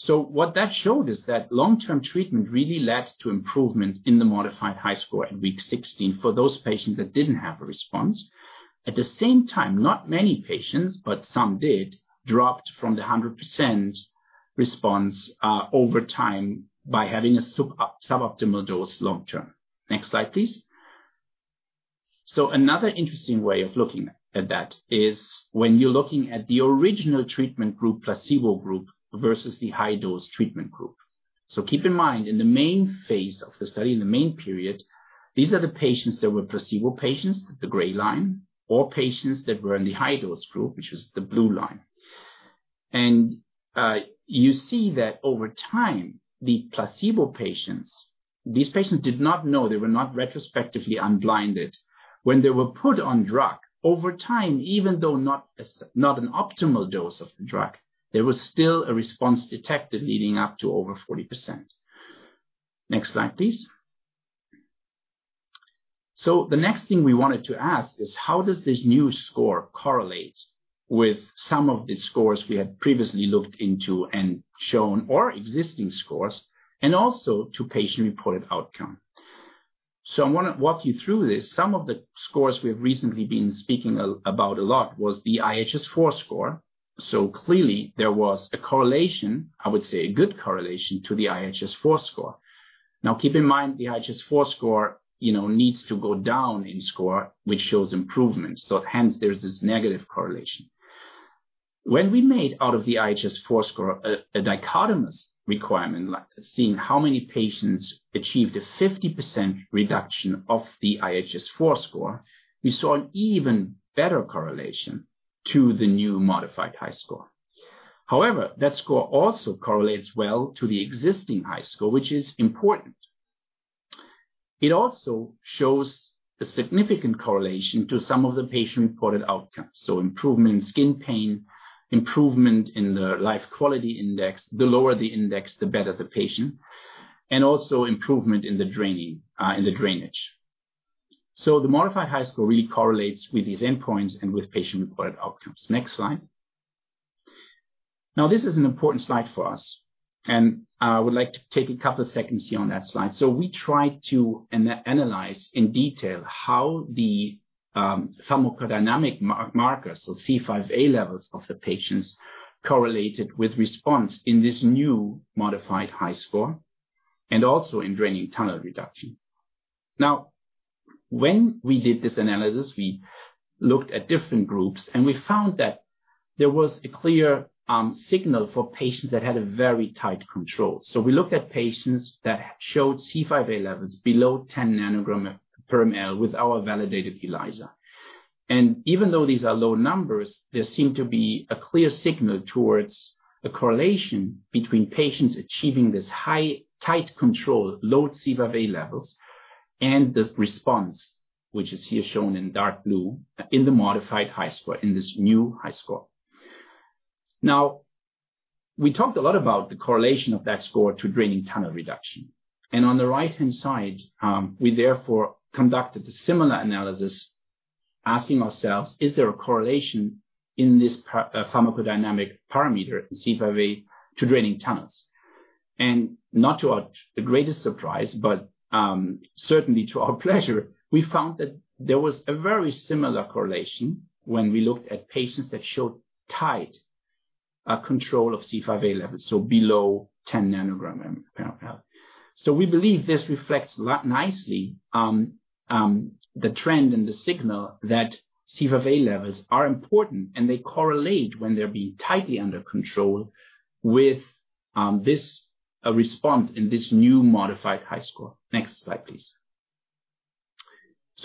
What that showed is that long-term treatment really led to improvement in the modified HiSCR at week 16 for those patients that didn't have a response. At the same time, not many patients, but some did, dropped from the 100% response over time by having a suboptimal dose long term. Next slide, please. Another interesting way of looking at that is when you're looking at the original treatment group, placebo group, versus the high-dose treatment group. Keep in mind, in the main phase of the study, in the main period, these are the patients that were placebo patients, the gray line, or patients that were in the high-dose group, which is the blue line. You see that over time, the placebo patients, these patients did not know, they were not retrospectively unblinded. When they were put on drug, over time, even though not an optimal dose of the drug, there was still a response detected leading up to over 40%. Next slide, please. The next thing we wanted to ask is, how does this new score correlate with some of the scores we had previously looked into and shown, or existing scores, and also to patient-reported outcome? I wanna walk you through this. Some of the scores we've recently been speaking about a lot was the IHS4 score. Clearly there was a correlation, I would say a good correlation, to the IHS4 score. Now keep in mind, the IHS4 score, you know, needs to go down in score, which shows improvement, so hence there's this negative correlation. When we made out of the IHS4 score a dichotomous requirement, like seeing how many patients achieved a 50% reduction of the IHS4 score, we saw an even better correlation to the new modified HiSCR. However, that score also correlates well to the existing HiSCR, which is important. It also shows a significant correlation to some of the patient-reported outcomes. Improvement in skin pain, improvement in the life quality index. The lower the index, the better the patient. Also improvement in the draining, in the drainage. The modified HiSCR really correlates with these endpoints and with patient-reported outcomes. Next slide. Now, this is an important slide for us, and I would like to take a couple of seconds here on that slide. We tried to analyze in detail how the pharmacodynamic markers, so C5a levels of the patients, correlated with response in this new modified HiSCR and also in draining tunnel reductions. Now, when we did this analysis, we looked at different groups, and we found that there was a clear signal for patients that had a very tight control. We looked at patients that showed C5a levels below 10 ng/mL with our validated ELISA. Even though these are low numbers, there seemed to be a clear signal towards a correlation between patients achieving this high tight control, low C5a levels, and this response, which is here shown in dark blue in the modified HiSCR, in this new HiSCR. Now, we talked a lot about the correlation of that score to draining tunnel reduction. On the right-hand side, we therefore conducted a similar analysis, asking ourselves, is there a correlation in this pharmacodynamic parameter in C5a to draining tunnels? Not to our greatest surprise, but certainly to our pleasure, we found that there was a very similar correlation when we looked at patients that showed tight control of C5a levels, so below 10 ng/mL. We believe this reflects nicely the trend and the signal that C5a levels are important, and they correlate when they're tightly under control with this response in this new modified HiSCR. Next slide, please.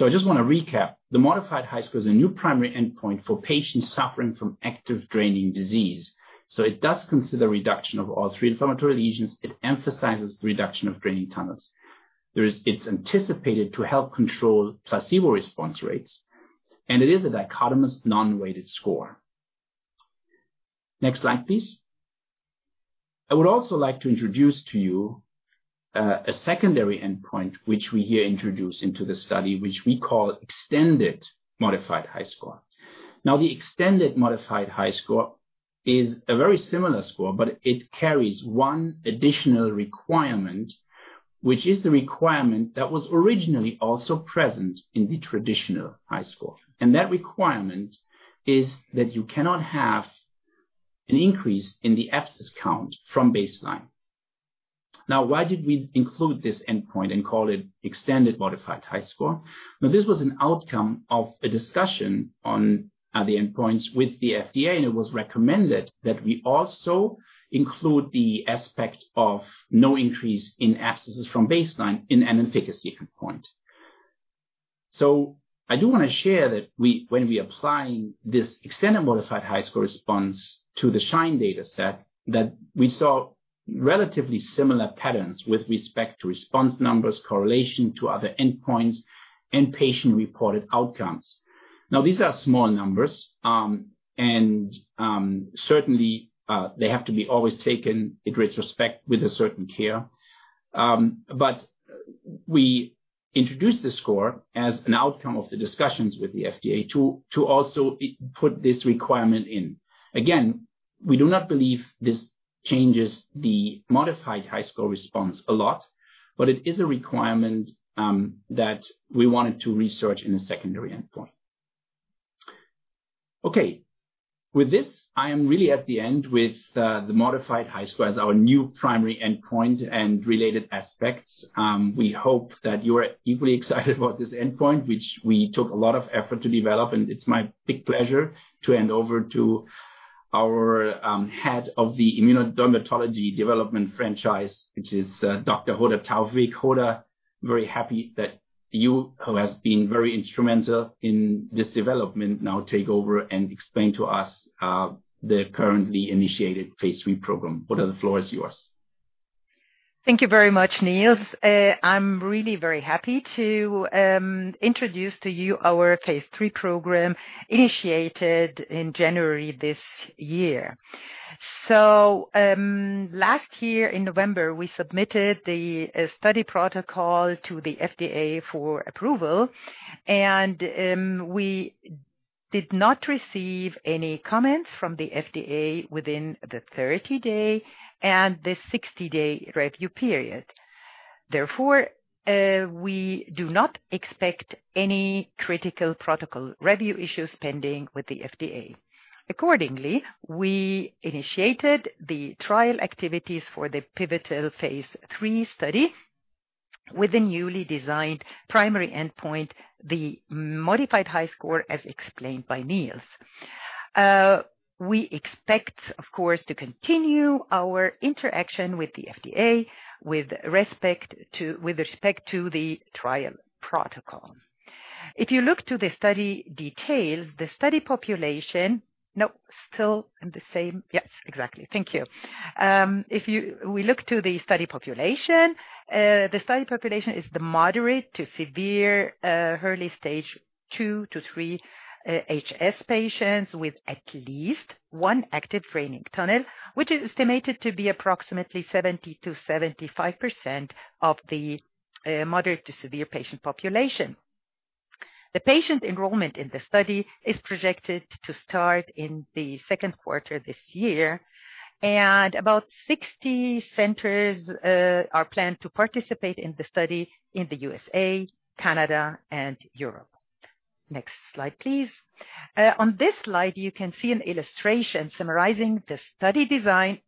I just want to recap. The modified HiSCR is a new primary endpoint for patients suffering from active draining disease. It does consider reduction of all three inflammatory lesions. It emphasizes the reduction of draining tunnels. It's anticipated to help control placebo response rates, and it is a dichotomous non-weighted score. Next slide, please. I would also like to introduce to you a secondary endpoint which we here introduce into the study which we call extended modified HiSCR. Now, the extended modified HiSCR is a very similar score, but it carries one additional requirement, which is the requirement that was originally also present in the traditional HiSCR, and that requirement is that you cannot have an increase in the abscess count from baseline. Now, why did we include this endpoint and call it extended modified HiSCR? Now, this was an outcome of a discussion on the endpoints with the FDA, and it was recommended that we also include the aspect of no increase in abscesses from baseline in an efficacy endpoint. I do want to share that we when we applying this extended modified HiSCR to the SHINE dataset, that we saw relatively similar patterns with respect to response numbers, correlation to other endpoints and patient-reported outcomes. Now, these are small numbers, and certainly, they have to be always taken in retrospect with a certain care. But we introduced the score as an outcome of the discussions with the FDA to also put this requirement in. Again, we do not believe this changes the modified HiSCR a lot, but it is a requirement that we wanted to research in a secondary endpoint. Okay, with this, I am really at the end with the modified HiSCR as our new primary endpoint and related aspects. We hope that you are equally excited about this endpoint, which we took a lot of effort to develop. It's my big pleasure to hand over to our head of the immunodermatology development franchise, which is Dr. Hoda Tawfik. Hoda, I'm very happy that you, who has been very instrumental in this development, now take over and explain to us the currently initiated phase III program. Hoda, the floor is yours. Thank you very much, Niels. I'm really very happy to introduce to you our phase III program, initiated in January this year. Last year in November, we submitted the study protocol to the FDA for approval, and we did not receive any comments from the FDA within the 30-day and the 60-day review period. Therefore, we do not expect any critical protocol review issues pending with the FDA. Accordingly, we initiated the trial activities for the pivotal phase III study with the newly designed primary endpoint, the modified HiSCR as explained by Niels. We expect, of course, to continue our interaction with the FDA with respect to the trial protocol. If you look to the study details, the study population. No, still in the same. Yes, exactly. Thank you. We look to the study population, the study population is the moderate-to-severe, early stage 2 to 3, HS patients with at least one active draining tunnel, which is estimated to be approximately 70%-75% of the moderate to severe patient population. The patient enrollment in the study is projected to start in the second quarter this year, and about 60 centers are planned to participate in the study in the USA, Canada, and Europe. Next slide, please. On this slide, you can see an illustration summarizing the study design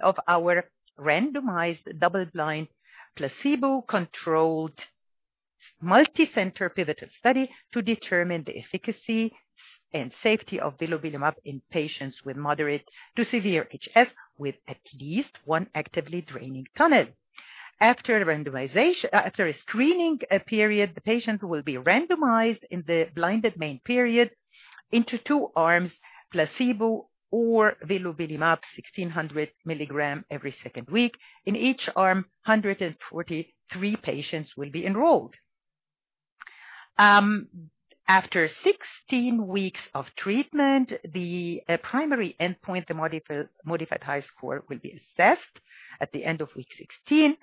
of our randomized double-blind, placebo-controlled, multicenter pivotal study to determine the efficacy and safety of vilobelimab in patients with moderate to severe HS with at least one actively draining tunnel. After a screening period, the patient will be randomized in the blinded main period into two arms, placebo or vilobelimab, 1600 milligram every second week. In each arm, 143 patients will be enrolled. After 16 weeks of treatment, the primary endpoint, the modified HiSCR will be assessed at the end of week 16.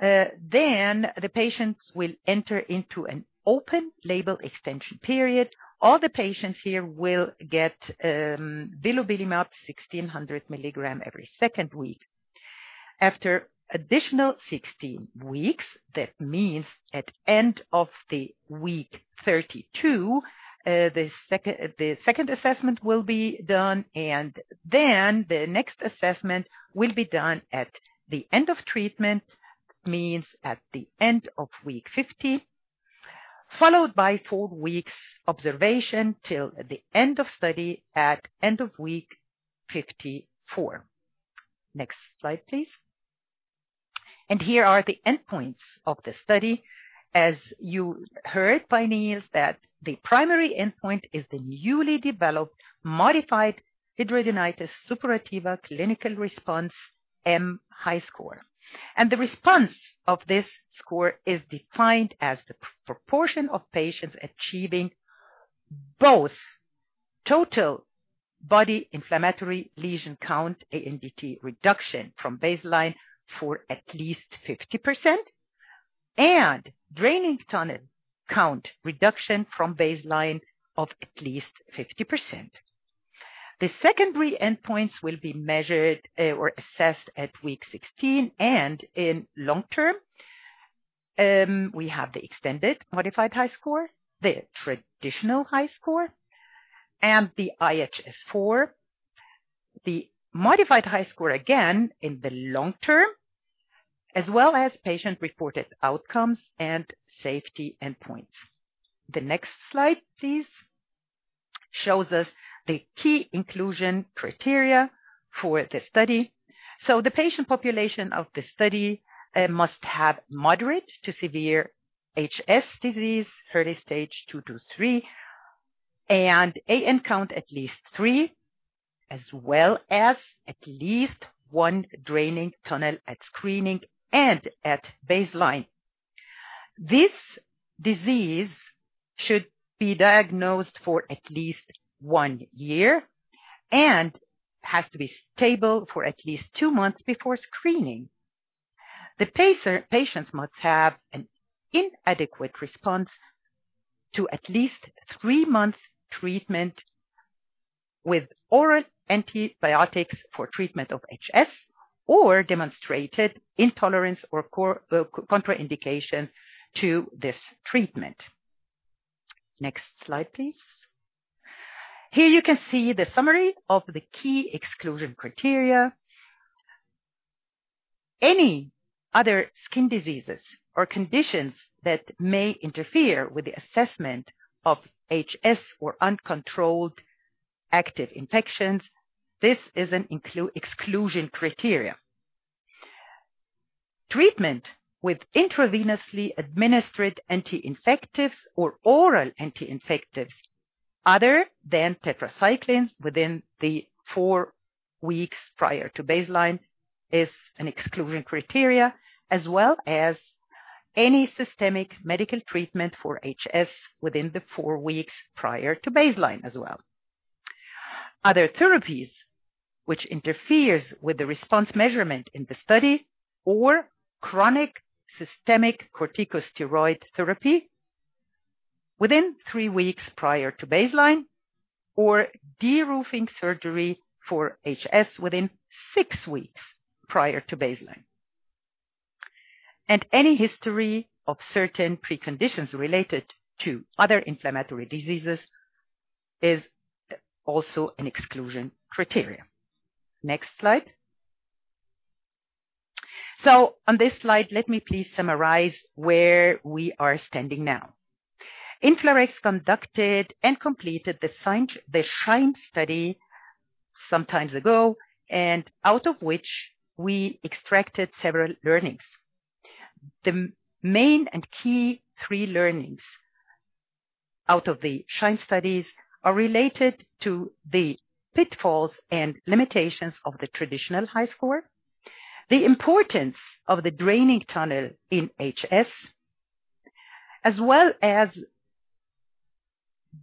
Then the patients will enter into an open label extension period. All the patients here will get vilobelimab 1600 milligram every second week. After additional 16 weeks, that means at end of the week 32, the second assessment will be done, and then the next assessment will be done at the end of treatment, means at the end of week 50, followed by four weeks observation till the end of study at end of week 54. Next slide, please. Here are the endpoints of the study. As you heard from Niels that the primary endpoint is the newly developed modified Hidradenitis Suppurativa Clinical Response (HiSCR). The response of this score is defined as the proportion of patients achieving both total body inflammatory lesion count Abscess and Nodule (AN) count reduction from baseline of at least 50% and draining tunnel count reduction from baseline of at least 50%. The secondary endpoints will be measured or assessed at week 16 and in the long term. We have the extended modified HiSCR, the traditional HiSCR, and the IHS4, the modified HiSCR again in the long term, as well as patient-reported outcomes and safety endpoints. The next slide, please, shows us the key inclusion criteria for the study. The patient population of the study must have moderate to severe HS disease, early stage two to three, and Abscess and Nodule (AN) count at least three, as well as at least one draining tunnel at screening and at baseline. This disease should be diagnosed for at least one year and has to be stable for at least two months before screening. Patients must have an inadequate response to at least three months treatment with oral antibiotics for treatment of HS, or demonstrated intolerance or contraindication to this treatment. Next slide, please. Here you can see the summary of the key exclusion criteria. Any other skin diseases or conditions that may interfere with the assessment of HS or uncontrolled active infections. This is an exclusion criteria. Treatment with intravenously administered anti-infectives or oral anti-infectives other than tetracyclines within the four weeks prior to baseline is an exclusion criteria, as well as any systemic medical treatment for HS within the four weeks prior to baseline as well. Other therapies which interferes with the response measurement in the study or chronic systemic corticosteroid therapy within three weeks prior to baseline or deroofing surgery for HS within six weeks prior to baseline. Any history of certain preconditions related to other inflammatory diseases is also an exclusion criteria. Next slide. On this slide, let me please summarize where we are standing now. InflaRx conducted and completed the SHINE study some time ago, and out of which we extracted several learnings. The main and key three learnings out of the SHINE studies are related to the pitfalls and limitations of the traditional HiSCR, the importance of the draining tunnel in HS, as well as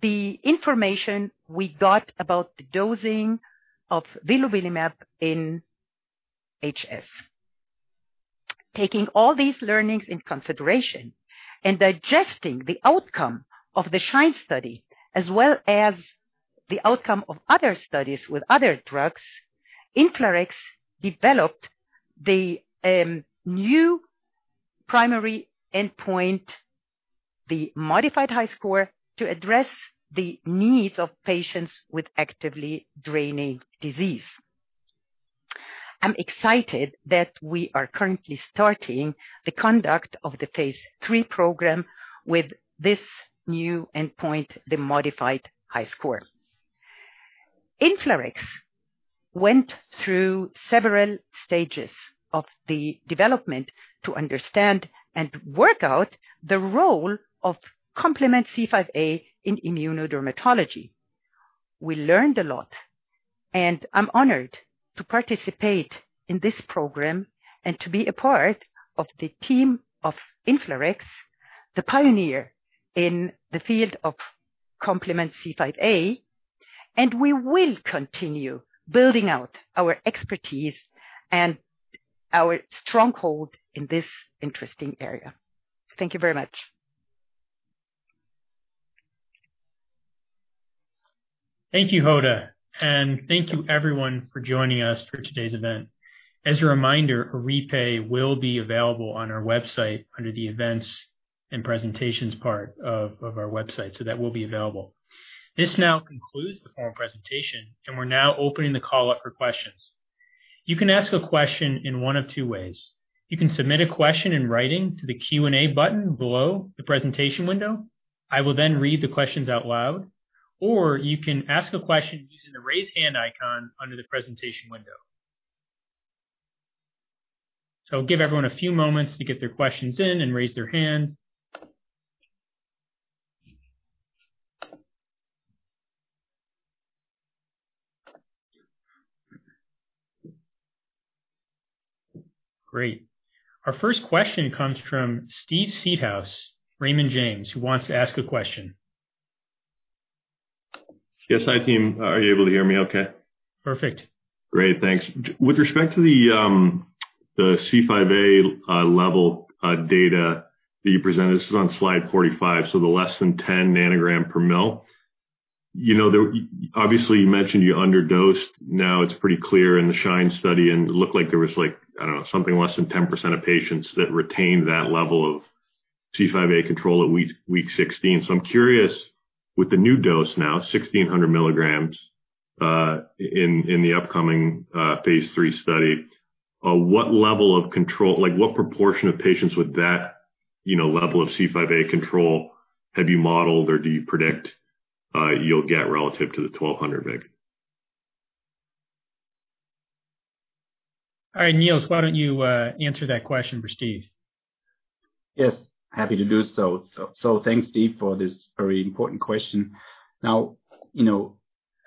the information we got about the dosing of vilobelimab in HS. Taking all these learnings in consideration and digesting the outcome of the SHINE study, as well as the outcome of other studies with other drugs, InflaRx developed the new primary endpoint, the modified HiSCR, to address the needs of patients with actively draining disease. I'm excited that we are currently starting the conduct of the phase III program with this new endpoint, the modified HiSCR. InflaRx went through several stages of the development to understand and work out the role of complement C5a in immunodermatology. We learned a lot, and I'm honored to participate in this program and to be a part of the team of InflaRx, the pioneer in the field of complement C5a, and we will continue building out our expertise and our stronghold in this interesting area. Thank you very much. Thank you, Hoda, and thank you everyone for joining us for today's event. As a reminder, a replay will be available on our website under the Events and Presentations part of our website, so that will be available. This now concludes the formal presentation, and we're now opening the call up for questions. You can ask a question in one of two ways. You can submit a question in writing to the Q&A button below the presentation window. I will then read the questions out loud. Or you can ask a question using the Raise Hand icon under the presentation window. So give everyone a few moments to get their questions in and raise their hand. Great. Our first question comes from Steve Seedhouse, Raymond James, who wants to ask a question. Yes. Hi, team. Are you able to hear me okay? Perfect. Great. Thanks. With respect to the C5a level data that you presented, this is on slide 45, so the less than 10 nanogram per ml. You know, obviously, you mentioned you underdosed. Now it's pretty clear in the SHINE study, and it looked like there was like, I don't know, something less than 10% of patients that retained that level of C5a control at week 16. I'm curious, with the new dose now, 1600 milligrams, in the upcoming phase III study, what level of control, like, what proportion of patients with that, you know, level of C5a control have you modeled or do you predict you'll get relative to the 1200 mg? All right, Niels, why don't you answer that question for Steve? Yes. Happy to do so. Thanks, Steve, for this very important question. You know,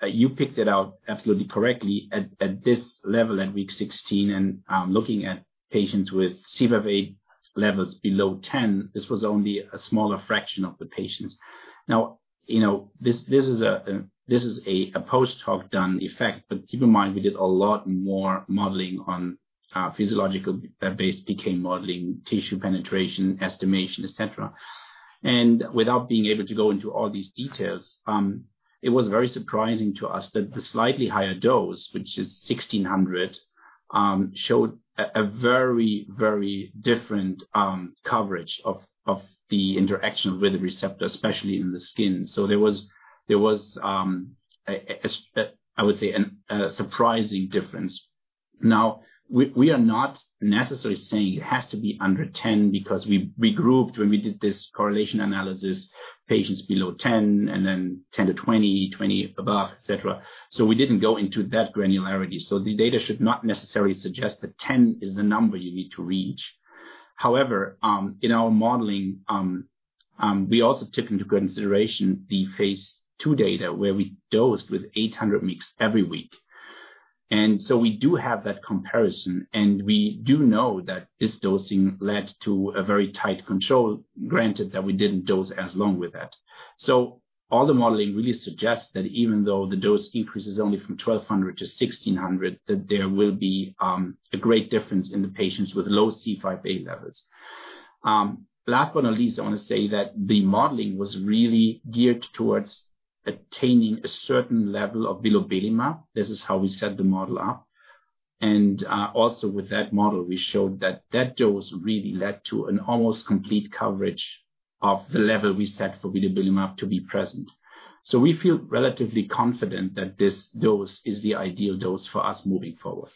you picked it out absolutely correctly at this level, at week 16, looking at patients with C5a levels below 10. This was only a smaller fraction of the patients. You know, this is a post-hoc dose effect, but keep in mind, we did a lot more modeling on physiological-based PK modeling, tissue penetration estimation, et cetera. Without being able to go into all these details, it was very surprising to us that the slightly higher dose, which is 1600, showed a very different coverage of the interaction with the receptor, especially in the skin. There was a surprising difference. Now, we are not necessarily saying it has to be under 10 because we grouped when we did this correlation analysis, patients below 10 and then 10 to 20 above, et cetera. We didn't go into that granularity. The data should not necessarily suggest that 10 is the number you need to reach. However, in our modeling, we also took into consideration the phase II data where we dosed with 800 mg every week. We do have that comparison, and we do know that this dosing led to a very tight control, granted that we didn't dose as long with it. All the modeling really suggests that even though the dose increases only from 1,200 to 1,600, that there will be a great difference in the patients with low C5a levels. Last but not least, I want to say that the modeling was really geared towards attaining a certain level of vilobelimab. This is how we set the model up. Also with that model, we showed that that dose really led to an almost complete coverage of the level we set for vilobelimab to be present. We feel relatively confident that this dose is the ideal dose for us moving forward.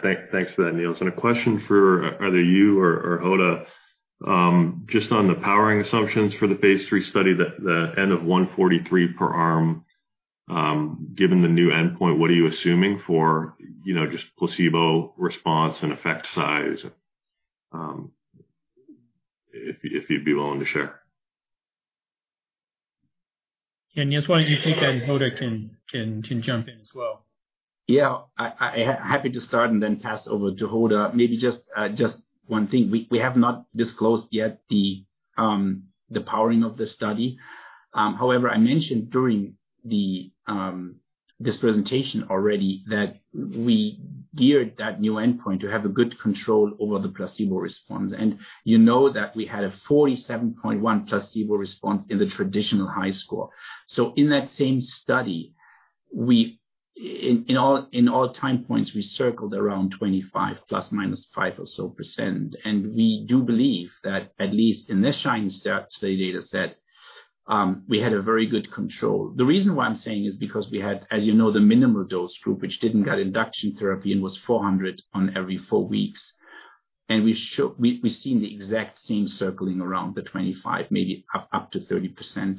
Thanks for that, Niels. A question for either you or Hoda, just on the powering assumptions for the phase III study that the N of 143 per arm, given the new endpoint, what are you assuming for, you know, just placebo response and effect size, if you'd be willing to share. Yeah, Niels, why don't you take that and Hoda can jump in as well. I'm happy to start and then pass over to Hoda. Maybe just one thing. We have not disclosed yet the powering of the study. However, I mentioned during this presentation already that we geared that new endpoint to have a good control over the placebo response. You know that we had a 47.1% placebo response in the traditional HiSCR. In that same study, in all time points, we circled around 25 ± 5% or so. We do believe that at least in this SHINE study data set, we had a very good control. The reason why I'm saying is because we had, as you know, the minimal dose group, which didn't get induction therapy and was 400 on every four weeks. We show we've seen the exact same circling around the 25%, maybe up to 30%.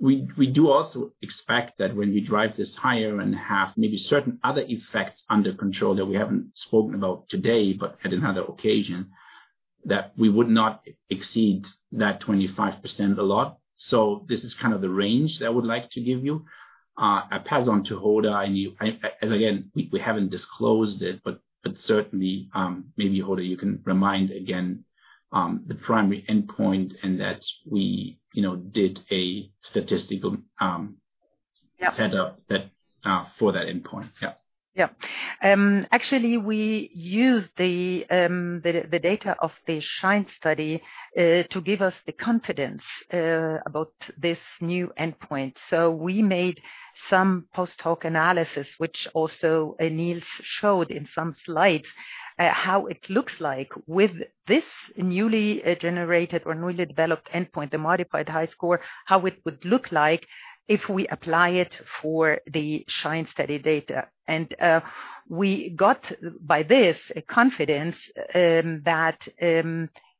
We do also expect that when we drive this higher and have maybe certain other effects under control that we haven't spoken about today, but at another occasion, that we would not exceed that 25% a lot. This is kind of the range that I would like to give you. I pass on to Hoda. Again, we haven't disclosed it, but certainly, maybe Hoda you can remind again the primary endpoint and that we, you know, did a statistical. Yeah. Set up that for that endpoint. Yeah. Yeah. Actually we used the data of the SHINE study to give us the confidence about this new endpoint. We made some post-hoc analysis, which also Niels showed in some slides, how it looks like with this newly generated or newly developed endpoint, the modified HiSCR, how it would look like if we apply it for the SHINE study data. We got by this a confidence that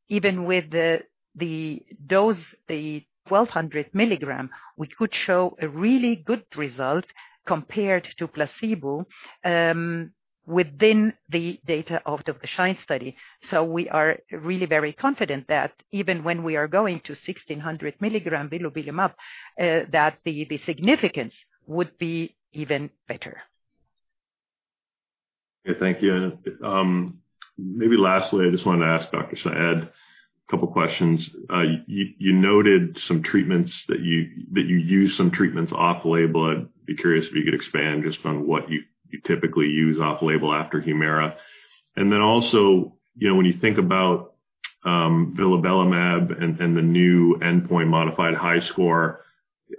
even with the dose, the 1,200 mg, which would show a really good result compared to placebo within the data of the SHINE study. We are really very confident that even when we are going to 1,600 mg vilobelimab, that the significance would be even better. Yeah. Thank you. Maybe lastly, I just wanted to ask Dr. Sayed a couple questions. You noted some treatments that you used off-label. I'd be curious if you could expand just on what you typically use off-label after Humira. Then also, you know, when you think about vilobelimab and the new endpoint modified HiSCR,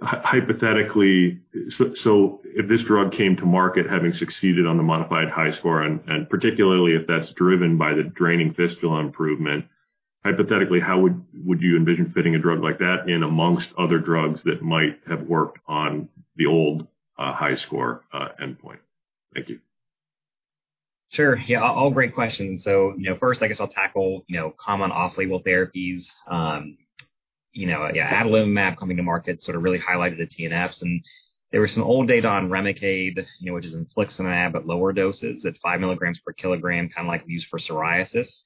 hypothetically, if this drug came to market having succeeded on the modified HiSCR, and particularly if that's driven by the draining fistula improvement, hypothetically, how would you envision fitting a drug like that in amongst other drugs that might have worked on the old HiSCR endpoint? Thank you. Sure. Yeah, all great questions. First I guess I'll tackle common off-label therapies. You know, yeah, adalimumab coming to market sort of really highlighted the TNFs. There was some old data on Remicade, you know, which is infliximab at lower doses at 5 mg/kg, kinda like we use for psoriasis.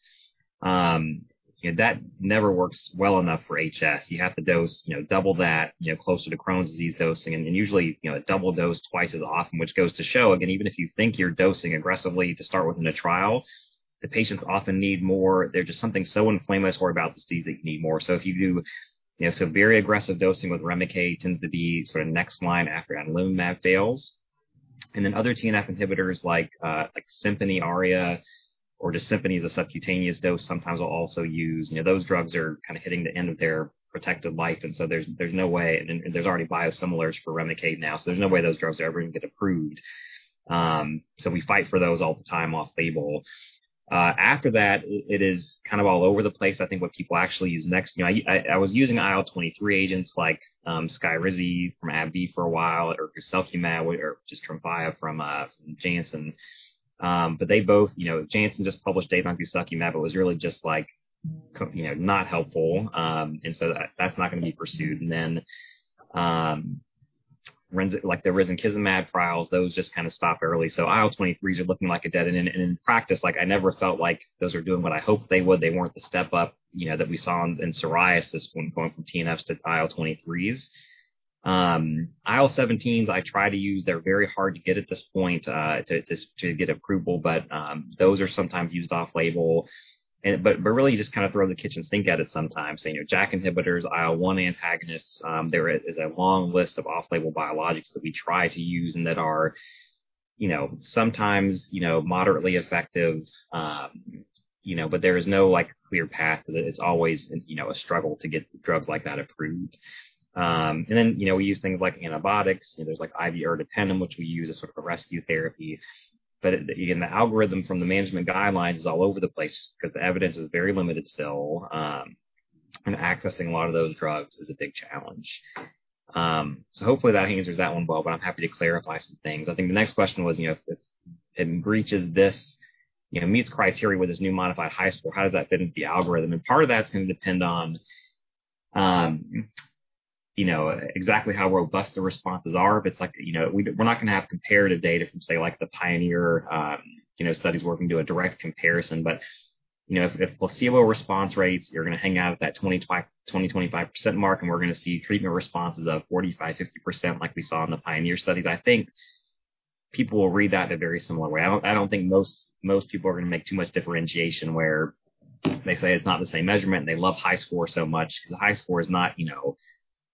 You know, that never works well enough for HS. You have to dose, you know, double that, you know, closer to Crohn's disease dosing. Usually, you know, double dose twice as often. Which goes to show, again, even if you think you're dosing aggressively to start with in a trial, the patients often need more. They're just so inflamed and so worried about this disease, they need more. If you do, you know, some very aggressive dosing with Remicade tends to be sort of next line after adalimumab fails. Then other TNF inhibitors like Simponi ARIA or just Simponi as a subcutaneous dose sometimes we'll also use. You know, those drugs are kind of hitting the end of their protective life, and so there's no way. Then there's already biosimilars for Remicade now, so there's no way those drugs are ever gonna get approved. So we fight for those all the time off-label. After that, it is kind of all over the place, I think what people actually use next. You know, I was using IL-23 agents like Skyrizi from AbbVie for a while, or guselkumab or just Tremfya from Janssen. But they both, you know, Janssen just published data on guselkumab. It was really just like you know, not helpful. That's not gonna be pursued. Like the risankizumab trials, those just kinda stopped early. IL-23s are looking like a dead-end. In practice, like I never felt like those were doing what I hoped they would. They weren't the step up, you know, that we saw in psoriasis when going from TNFs to IL-23s. IL-17s I try to use. They're very hard to get at this point, to get approval, but those are sometimes used off-label. Really you just kind of throw the kitchen sink at it sometimes, you know, JAK inhibitors, IL-1 antagonists. There is a long list of off-label biologics that we try to use and that are, you know, sometimes, you know, moderately effective. You know, but there is no, like, clear path. It's always, you know, a struggle to get drugs like that approved. And then, you know, we use things like antibiotics. There's like IV ertapenem, which we use as sort of a rescue therapy. But again, the algorithm from the management guidelines is all over the place 'cause the evidence is very limited still, and accessing a lot of those drugs is a big challenge. So hopefully that answers that one well, but I'm happy to clarify some things. I think the next question was, you know, if it meets criteria with this new modified HiSCR, how does that fit into the algorithm? Part of that's gonna depend on, you know, exactly how robust the responses are. If it's like, you know, we're not gonna have comparative data from, say, like, the PIONEER studies where we can do a direct comparison. If placebo response rates are gonna hang out at that 20%-25% mark, and we're gonna see treatment responses of 45%-50% like we saw in the PIONEER studies, I think people will read that in a very similar way. I don't think most people are gonna make too much differentiation where they say it's not the same measurement and they love HiSCR so much 'cause the HiSCR is not, you know.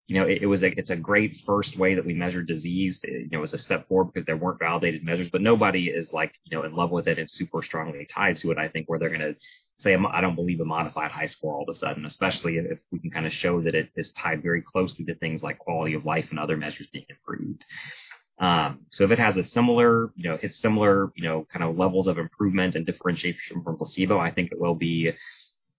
You know, it was a, it's a great first way that we measured disease. You know, it was a step forward because there weren't validated measures, but nobody is like, you know, in love with it and super strongly tied to it, I think, where they're gonna say, "I don't believe in modified HiSCR all of a sudden," especially if we can kind of show that it is tied very closely to things like quality of life and other measures being improved. So if it has a similar, you know, if it's similar, you know, kind of levels of improvement and differentiation from placebo, I think it will be,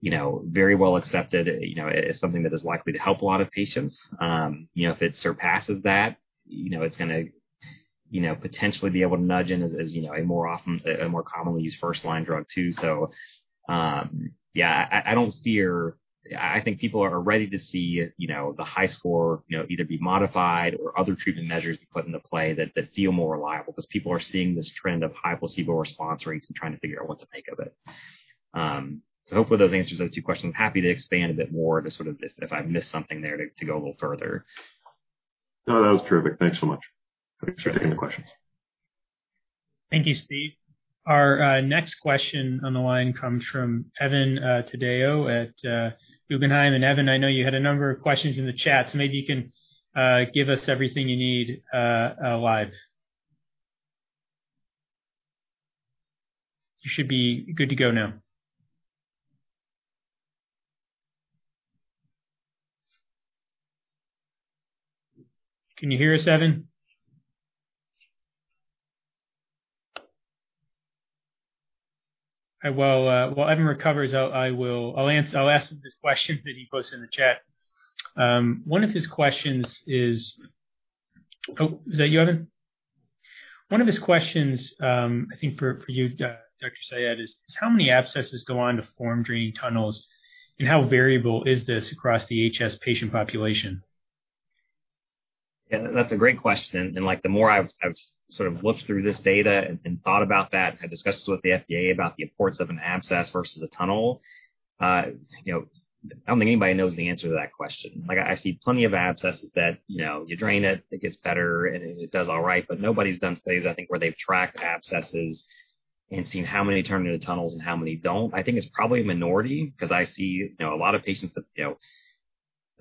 you know, very well accepted, you know, as something that is likely to help a lot of patients. You know, if it surpasses that, you know, it's gonna, you know, potentially be able to nudge in as a more commonly used first-line drug too. I don't fear. I think people are ready to see, you know, the HiSCR, you know, either be modified or other treatment measures be put into play that feel more reliable because people are seeing this trend of high placebo response rates and trying to figure out what to make of it. Hopefully that answers those two questions. I'm happy to expand a bit more to sort of if I've missed something there to go a little further. No, that was terrific. Thanks so much. Thanks for taking the questions. Thank you, Steve. Our next question on the line comes from Evan Seigerman at Guggenheim. Evan, I know you had a number of questions in the chat, so maybe you can give us everything you need live. You should be good to go now. Can you hear us, Evan? While Evan recovers, I'll ask him this question that he posted in the chat. One of his questions is. Oh, is that you, Evan? One of his questions, I think for you, Dr. Sayed, is how many abscesses go on to form draining tunnels, and how variable is this across the HS patient population? Yeah, that's a great question. Like, the more I've sort of looked through this data and thought about that, had discussions with the FDA about the importance of an abscess versus a tunnel, you know, I don't think anybody knows the answer to that question. Like, I see plenty of abscesses that, you know, you drain it gets better, and it does all right. Nobody's done studies, I think, where they've tracked abscesses and seen how many turn into tunnels and how many don't. I think it's probably a minority, 'cause I see, you know, a lot of patients that, you know,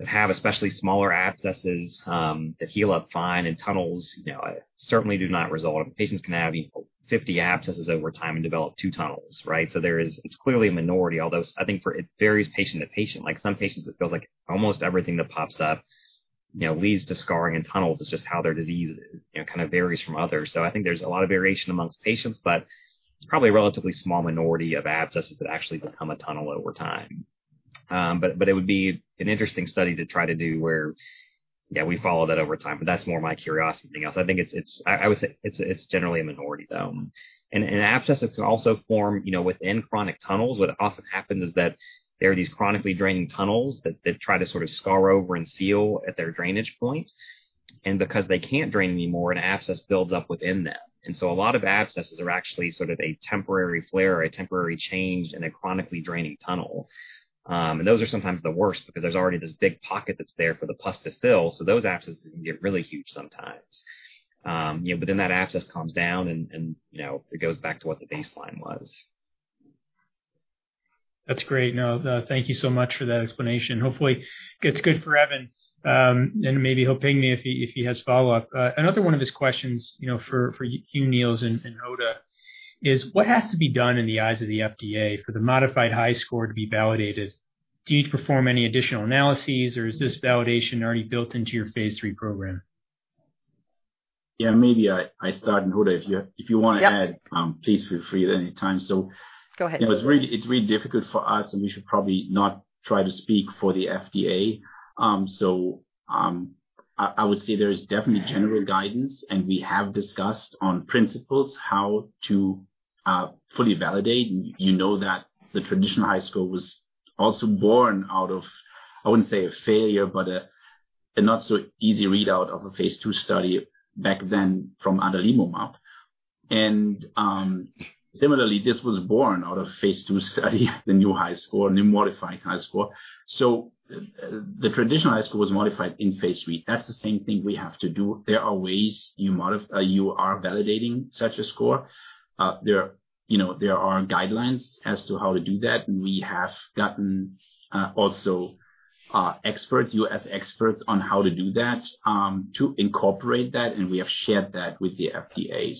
that have especially smaller abscesses, that heal up fine, and tunnels, you know, certainly do not result. Patients can have even 50 abscesses over time and develop two tunnels, right? It's clearly a minority, although I think it varies patient to patient. Like, some patients, it feels like almost everything that pops up, you know, leads to scarring and tunnels. It's just how their disease, you know, kind of varies from others. I think there's a lot of variation amongst patients, but it's probably a relatively small minority of abscesses that actually become a tunnel over time. But it would be an interesting study to try to do where, yeah, we follow that over time, but that's more my curiosity than else. I think it's generally a minority, though. Abscesses can also form, you know, within chronic tunnels. What often happens is that there are these chronically draining tunnels that try to sort of scar over and seal at their drainage point. Because they can't drain anymore, an abscess builds up within them. A lot of abscesses are actually sort of a temporary flare or a temporary change in a chronically draining tunnel. Those are sometimes the worst because there's already this big pocket that's there for the pus to fill. Those abscesses can get really huge sometimes. You know, then that abscess calms down and, you know, it goes back to what the baseline was. That's great. No, no, thank you so much for that explanation. Hopefully it gets to Evan, and maybe Ho-Ping Tseng if he has follow-up. Another one of his questions, you know, for you, Niels and Hoda, is what has to be done in the eyes of the FDA for the modified HiSCR to be validated? Do you need to perform any additional analyses, or is this validation already built into your phase III program? Yeah, maybe I start, and Hoda, if you want to add- Yep. Please feel free at any time. Go ahead. You know, it's really difficult for us, and we should probably not try to speak for the FDA. I would say there is definitely general guidance, and we have discussed in principle how to fully validate. You know that the traditional HiSCR was also born out of, I wouldn't say a failure, but a not so easy readout of a phase II study back then from adalimumab. Similarly, this was born out of phase II study, the new HiSCR, new modified HiSCR. The traditional HiSCR was modified in phase III. That's the same thing we have to do. There are ways you are validating such a score. You know, there are guidelines as to how to do that. We have gotten also U.S. experts on how to do that, to incorporate that, and we have shared that with the FDA.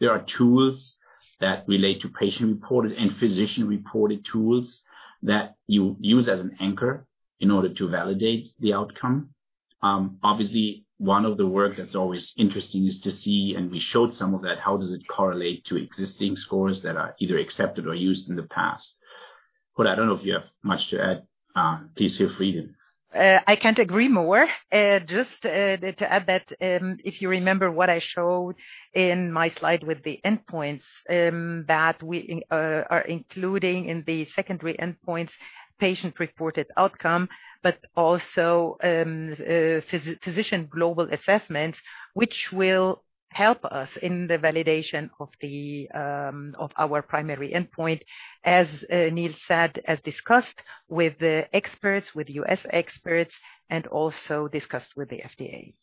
There are tools that relate to patient-reported and physician-reported tools that you use as an anchor in order to validate the outcome. Obviously, one of the work that's always interesting is to see, and we showed some of that, how does it correlate to existing scores that are either accepted or used in the past. I don't know if you have much to add, please feel free to. I can't agree more. Just to add that, if you remember what I showed in my slide with the endpoints, that we are including in the secondary endpoints patient-reported outcome, but also physician global assessment, which will help us in the validation of our primary endpoint, as Niels said, as discussed with the experts, with U.S. experts and also discussed with the FDA.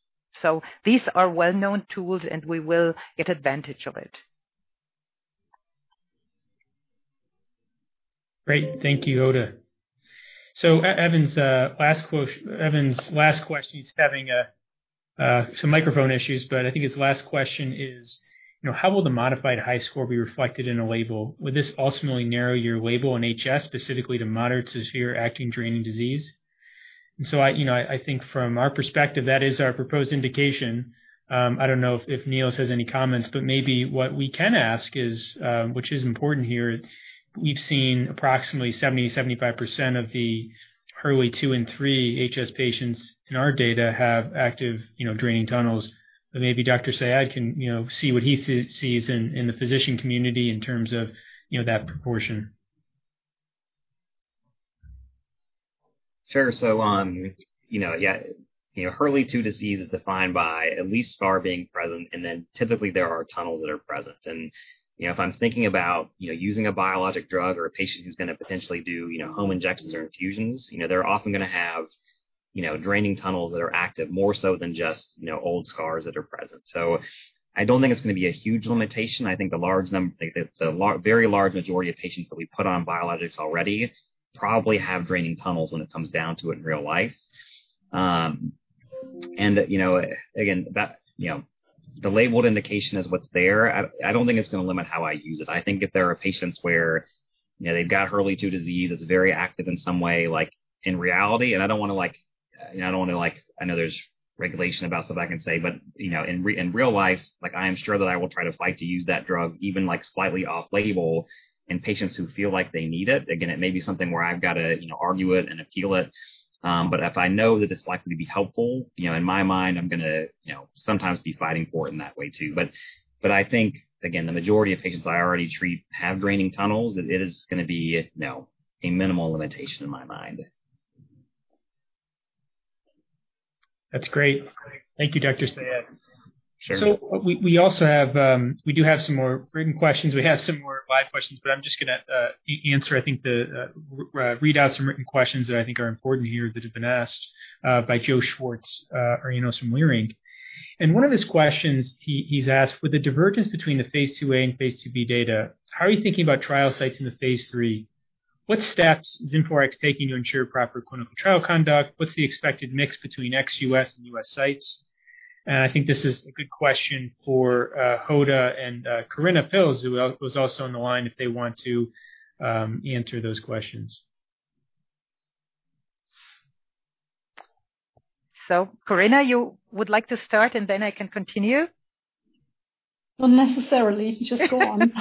These are well-known tools, and we will get advantage of it. Great. Thank you, Hoda. Evan's last question. He's having some microphone issues, but I think his last question is, you know, how will the modified HiSCR be reflected in a label? Would this ultimately narrow your label in HS, specifically to moderate to severe active draining disease? I think from our perspective, that is our proposed indication. I don't know if Niels has any comments, but maybe what we can ask is, which is important here, we've seen approximately 75% of the Hurley 2 and 3 HS patients in our data have active, you know, draining tunnels. But maybe Dr. Sayed can, you know, see what he sees in the physician community in terms of, you know, that proportion. Sure. You know, yeah, you know, Hurley Stage II disease is defined by at least a scar being present, and then typically there are tunnels that are present. You know, if I'm thinking about using a biologic drug or a patient who's going to potentially do home injections or infusions, you know, they're often going to have draining tunnels that are active more so than just old scars that are present. I don't think it's going to be a huge limitation. I think the very large majority of patients that we put on biologics already probably have draining tunnels when it comes down to it in real life. You know, again, that the labeled indication is what's there. I don't think it's going to limit how I use it. I think if there are patients where, you know, they've got Hurley II disease that's very active in some way, like in reality, and I don't want to like, you know, I know there's regulation about stuff I can say, but, you know, in real life, like, I am sure that I will try to fight to use that drug even, like, slightly off-label in patients who feel like they need it. Again, it may be something where I've got to, you know, argue it and appeal it. But if I know that it's likely to be helpful, you know, in my mind, I'm gonna, you know, sometimes be fighting for it in that way too. But I think, again, the majority of patients I already treat have draining tunnels. It is going to be, you know, a minimal limitation in my mind. That's great. Thank you, Dr. Sayed. Sure. We also have some more written questions. We have some more live questions, but I'm just going to answer I think the read out some written questions that I think are important here that have been asked by Joe Schwartz, or, you know, from Leerink. One of his questions he's asked, with the divergence between the phase II A and phase II B data, how are you thinking about trial sites in the phase III? What steps is InflaRx taking to ensure proper clinical trial conduct? What's the expected mix between ex-U.S. and U.S. sites? I think this is a good question for Hoda and Korinna Pilz, who was also on the line, if they want to answer those questions. Korinna, you would like to start and then I can continue? Not necessarily. Just go on.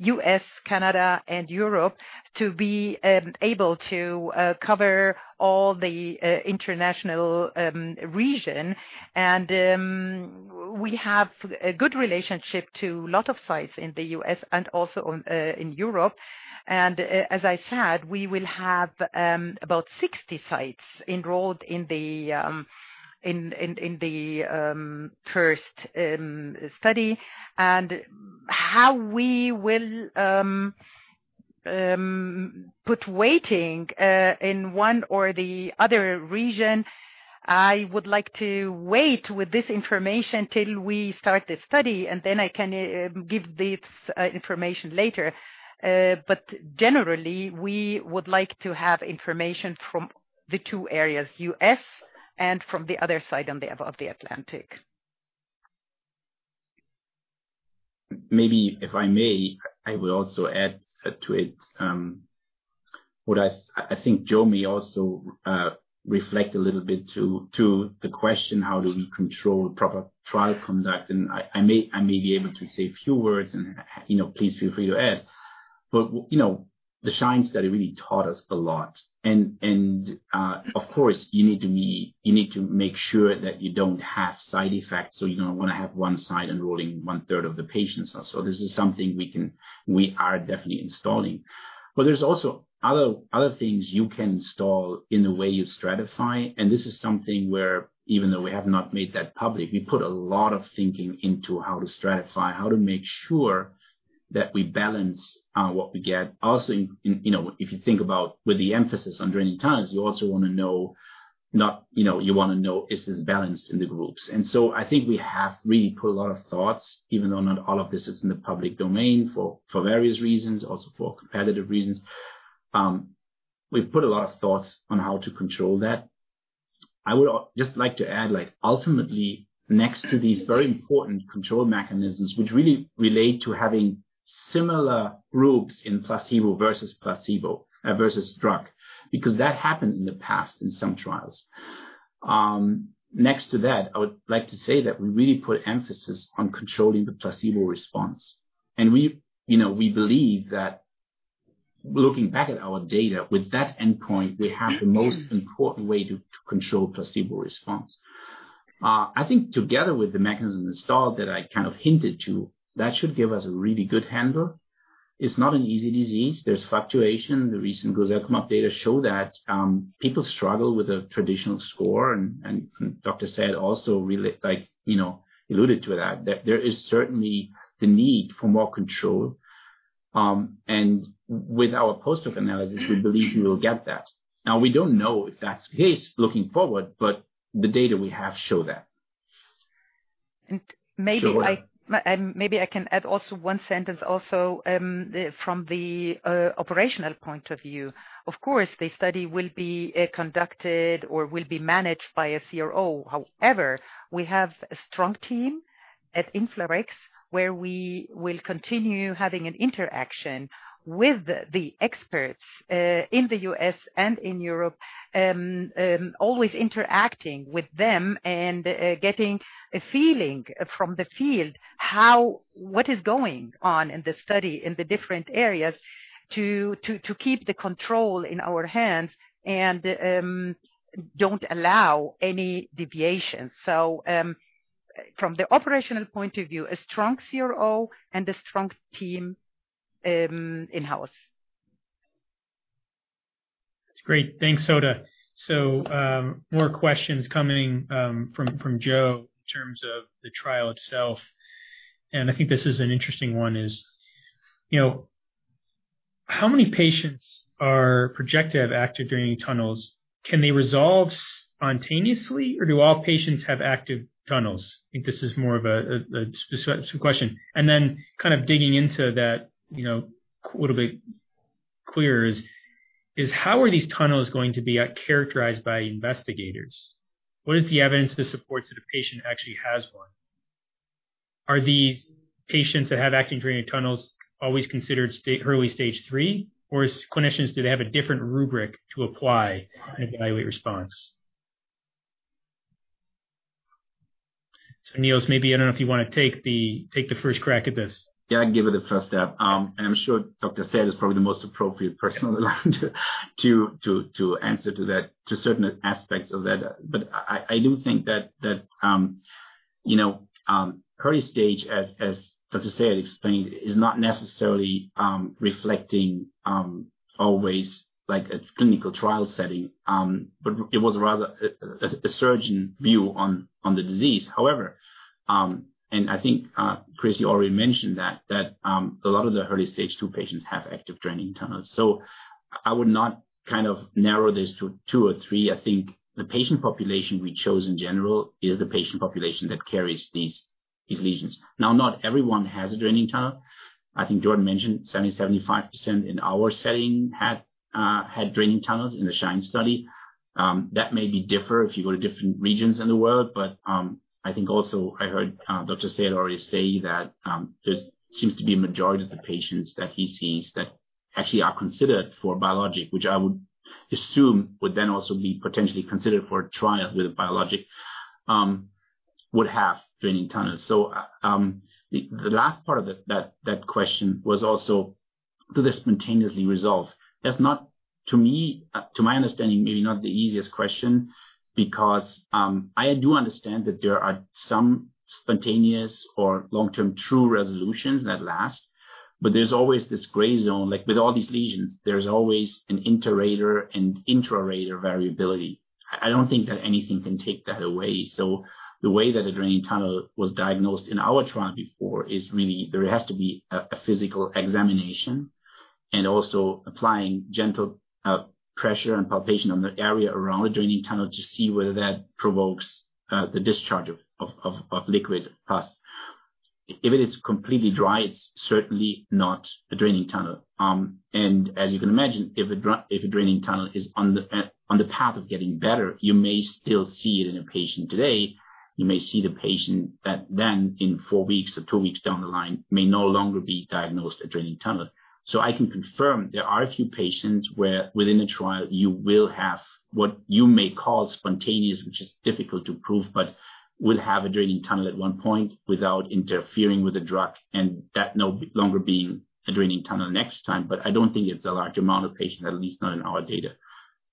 In the phase III study, we have, as you said, a mix of U.S., Canada and Europe to be able to cover all the international region. We have a good relationship to a lot of sites in the U.S. and also in Europe. As I said, we will have about 60 sites enrolled in the first study. How we will put weighting in one or the other region. I would like to wait with this information till we start the study, and then I can give this information later. Generally, we would like to have information from the two areas, U.S. and from the other side of the Atlantic. Maybe if I may, I will also add to it what I think Joe may also reflect a little bit to the question how do we control proper trial conduct? I may be able to say a few words and, you know, please feel free to add. You know, the SHINE study really taught us a lot. Of course, you need to make sure that you don't have side effects, so you don't want to have one side enrolling one-third of the patients. This is something we are definitely installing. There's also other things you can install in the way you stratify. This is something where even though we have not made that public, we put a lot of thinking into how to stratify, how to make sure that we balance what we get. Also, you know, if you think about with the emphasis on draining tunnels, you also want to know is this balanced in the groups. I think we have really put a lot of thoughts, even though not all of this is in the public domain for various reasons, also for competitive reasons. We've put a lot of thoughts on how to control that. I would just like to add, ultimately, next to these very important control mechanisms which really relate to having similar groups in placebo versus placebo versus drug, because that happened in the past in some trials. Next to that, I would like to say that we really put emphasis on controlling the placebo response. We, you know, we believe that looking back at our data with that endpoint, we have the most important way to control placebo response. I think together with the mechanism installed that I kind of hinted to, that should give us a really good handle. It's not an easy disease. There's fluctuation. The recent golimumab data show that people struggle with a traditional score. Dr. Sayed also really, like, you know, alluded to that there is certainly the need for more control. With our post hoc analysis, we believe we will get that. Now, we don't know if that's the case looking forward, but the data we have show that. Maybe I can add also one sentence also from the operational point of view. Of course, the study will be conducted or will be managed by a CRO. However, we have a strong team at InflaRx, where we will continue having an interaction with the experts in the U.S. and in Europe, always interacting with them and getting a feeling from the field how what is going on in the study in the different areas to keep the control in our hands and don't allow any deviation. From the operational point of view, a strong CRO and a strong team in-house. That's great. Thanks, Hoda Tawfik. More questions coming from Joe in terms of the trial itself, and I think this is an interesting one, you know, how many patients are projected to have active draining tunnels? Can they resolve spontaneously, or do all patients have active tunnels? I think this is more of a specific question. Then kind of digging into that, you know, little bit clear is how are these tunnels going to be characterized by investigators? What is the evidence that supports that a patient actually has one? Are these patients that have active draining tunnels always considered early stage three, or as clinicians, do they have a different rubric to apply and evaluate response? Niels, maybe I don't know if you want to take the first crack at this. Yeah, I can give it a first stab. I'm sure Dr. Sayed is probably the most appropriate person to answer that, to certain aspects of that. I do think that you know early stage, as Dr. Sayed explained, is not necessarily reflecting always like a clinical trial setting, but it was rather a surgeon view on the disease. However, I think Chris, you already mentioned that a lot of the early stage two patients have active draining tunnels. So I would not kind of narrow this to two or three. I think the patient population we chose in general is the patient population that carries these lesions. Now, not everyone has a draining tunnel. I think Jordan mentioned 70%-75% in our setting had draining tunnels in the SHINE study. That may differ if you go to different regions in the world. I think also I heard Dr. Sayed already say that there seems to be a majority of the patients that he sees that actually are considered for biologic, which I would assume would then also be potentially considered for a trial with a biologic, would have draining tunnels. The last part of that question was also do they spontaneously resolve? That's not, to me, to my understanding, maybe not the easiest question because I do understand that there are some spontaneous or long-term true resolutions that last, but there's always this gray zone. Like with all these lesions, there's always an inter-rater and intra-rater variability. I don't think that anything can take that away. The way that a draining tunnel was diagnosed in our trial before is really there has to be a physical examination and also applying gentle pressure and palpation on the area around the draining tunnel to see whether that provokes the discharge of liquid pus. If it is completely dry, it's certainly not a draining tunnel. As you can imagine, if a draining tunnel is on the path of getting better, you may still see it in a patient today. You may see the patient that then in four weeks or two weeks down the line may no longer be diagnosed a draining tunnel. I can confirm there are a few patients where within a trial you will have what you may call spontaneous, which is difficult to prove, but will have a draining tunnel at one point without interfering with the drug and that no longer being a draining tunnel next time. I don't think it's a large amount of patients, at least not in our data.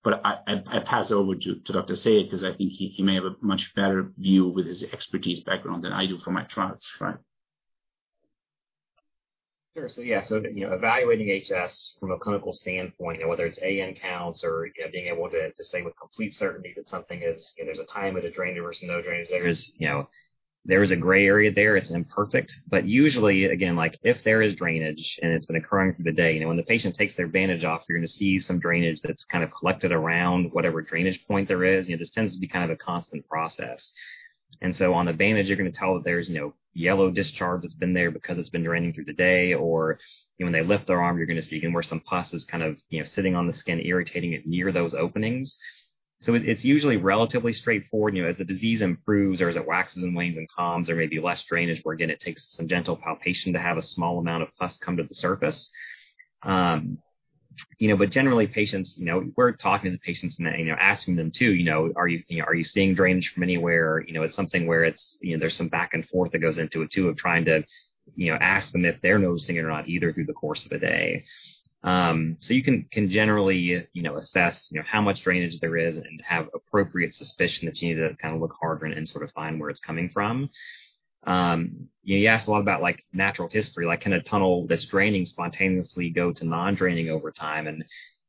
I pass over to Dr. Sayed because I think he may have a much better view with his expertise background than I do for my trials. Right. Sure. Yeah, you know, evaluating HS from a clinical standpoint, whether it's Abscess and Nodule (AN) counts or being able to say with complete certainty that something is, you know, there's a time with a drain versus no drain. There is a gray area there. It's imperfect, but usually, again, like, if there is drainage and it's been occurring through the day, you know, when the patient takes their bandage off, you're gonna see some drainage that's kind of collected around whatever drainage point there is. You know, this tends to be kind of a constant process. On the bandage you're gonna see that there's no yellow discharge that's been there because it's been draining through the day, or, you know, when they lift their arm, you're gonna see again where some pus is kind of, you know, sitting on the skin, irritating it near those openings. It's usually relatively straightforward. You know, as the disease improves or as it waxes and wanes and calms, there may be less drainage, where again it takes some gentle palpation to have a small amount of pus come to the surface. You know, generally patients, you know, we're talking to the patients and, you know, asking them too, you know, "Are you seeing drainage from anywhere?" You know, it's something where it's, you know, there's some back and forth that goes into it too, of trying to, you know, ask them if they're noticing it or not either through the course of a day. You can generally, you know, assess, you know, how much drainage there is and have appropriate suspicion that you need to kind of look harder and sort of find where it's coming from. You know, you asked a lot about, like, natural history, like can a tunnel that's draining spontaneously go to non-draining over time?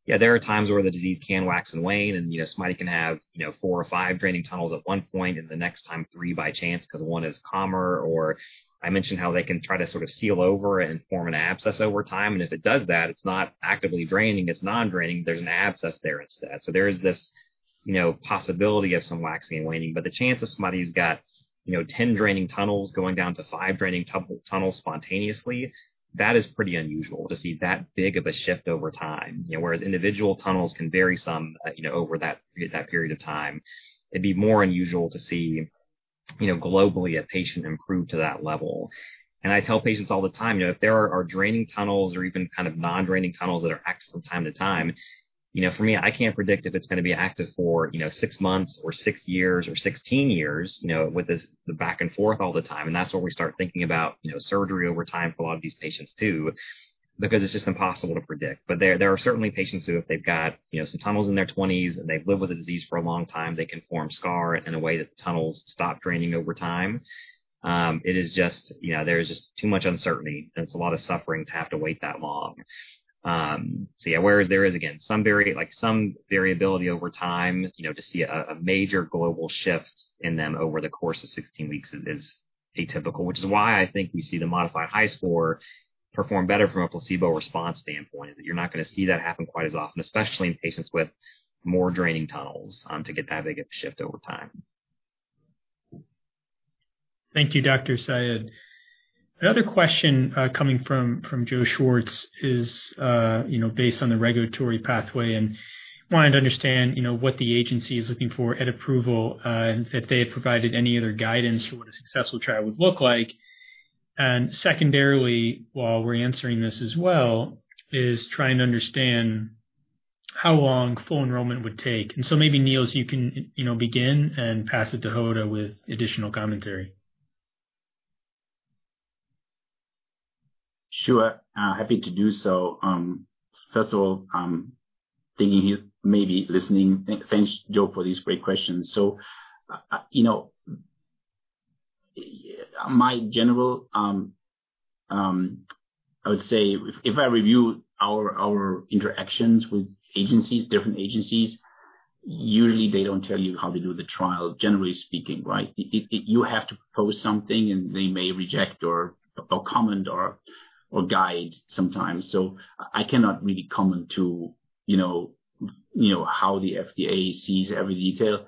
Yeah, there are times where the disease can wax and wane and, you know, somebody can have, you know, four or five draining tunnels at one point and the next time three by chance because one is calmer or I mentioned how they can try to sort of seal over and form an abscess over time. If it does that, it's not actively draining, it's non-draining, there's an abscess there instead. There is this, you know, possibility of some waxing and waning, but the chance of somebody who's got, you know, 10 draining tunnels going down to five draining tunnels spontaneously, that is pretty unusual to see that big of a shift over time. You know, whereas individual tunnels can vary some, you know, over that period of time. It'd be more unusual to see, you know, globally a patient improve to that level. I tell patients all the time, you know, if there are draining tunnels or even kind of non-draining tunnels that are active from time to time, you know, for me, I can't predict if it's gonna be active for, you know, six months or six years or 16 years, you know, with this, the back and forth all the time. That's where we start thinking about, you know, surgery over time for a lot of these patients too, because it's just impossible to predict. There are certainly patients who, if they've got, you know, some tunnels in their twenties and they've lived with the disease for a long time, they can form scar in a way that the tunnels stop draining over time. It is just, you know, there is just too much uncertainty, and it's a lot of suffering to have to wait that long. So yeah, whereas there is again, some variability over time, you know, to see a major global shift in them over the course of 16 weeks is atypical. Which is why I think you see the modified HiSCR perform better from a placebo response standpoint, that is you're not gonna see that happen quite as often, especially in patients with more draining tunnels, to get that big of a shift over time. Thank you, Dr. Sayed. Another question coming from Joe Schwartz is, you know, based on the regulatory pathway and wanted to understand, you know, what the agency is looking for at approval, if they have provided any other guidance for what a successful trial would look like. Secondarily, while we're answering this as well, is trying to understand how long full enrollment would take. Maybe Niels, you can, you know, begin and pass it to Hoda with additional commentary. Sure. Happy to do so. First of all, thanks, Joe, for these great questions. You know, my general, I would say if I review our interactions with agencies, different agencies, usually they don't tell you how to do the trial, generally speaking, right? You have to propose something, and they may reject or comment or guide sometimes. I cannot really comment to you know how the FDA sees every detail.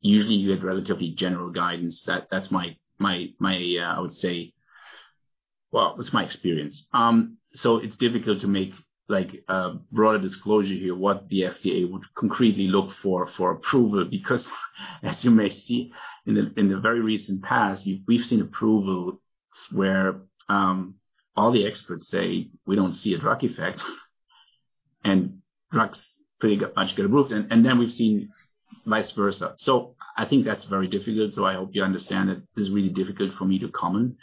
Usually, you get relatively general guidance. That's my I would say. Well, that's my experience. It's difficult to make, like, a broader disclosure here, what the FDA would concretely look for for approval, because as you may see in the very recent past, we've seen approval where all the experts say we don't see a drug effect and drugs pretty much get approved, and then we've seen vice versa. I think that's very difficult, so I hope you understand that it's really difficult for me to comment.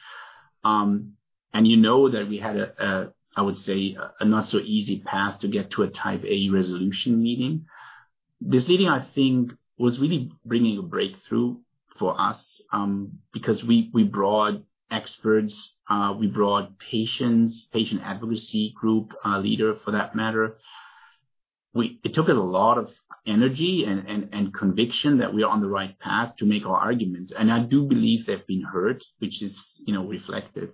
You know that we had, I would say, a not so easy path to get to a type A resolution meeting. This meeting, I think, was really bringing a breakthrough for us, because we brought experts, we brought patients, patient advocacy group, leader for that matter. It took us a lot of energy and conviction that we are on the right path to make our arguments, and I do believe they've been heard, which is, you know, reflected.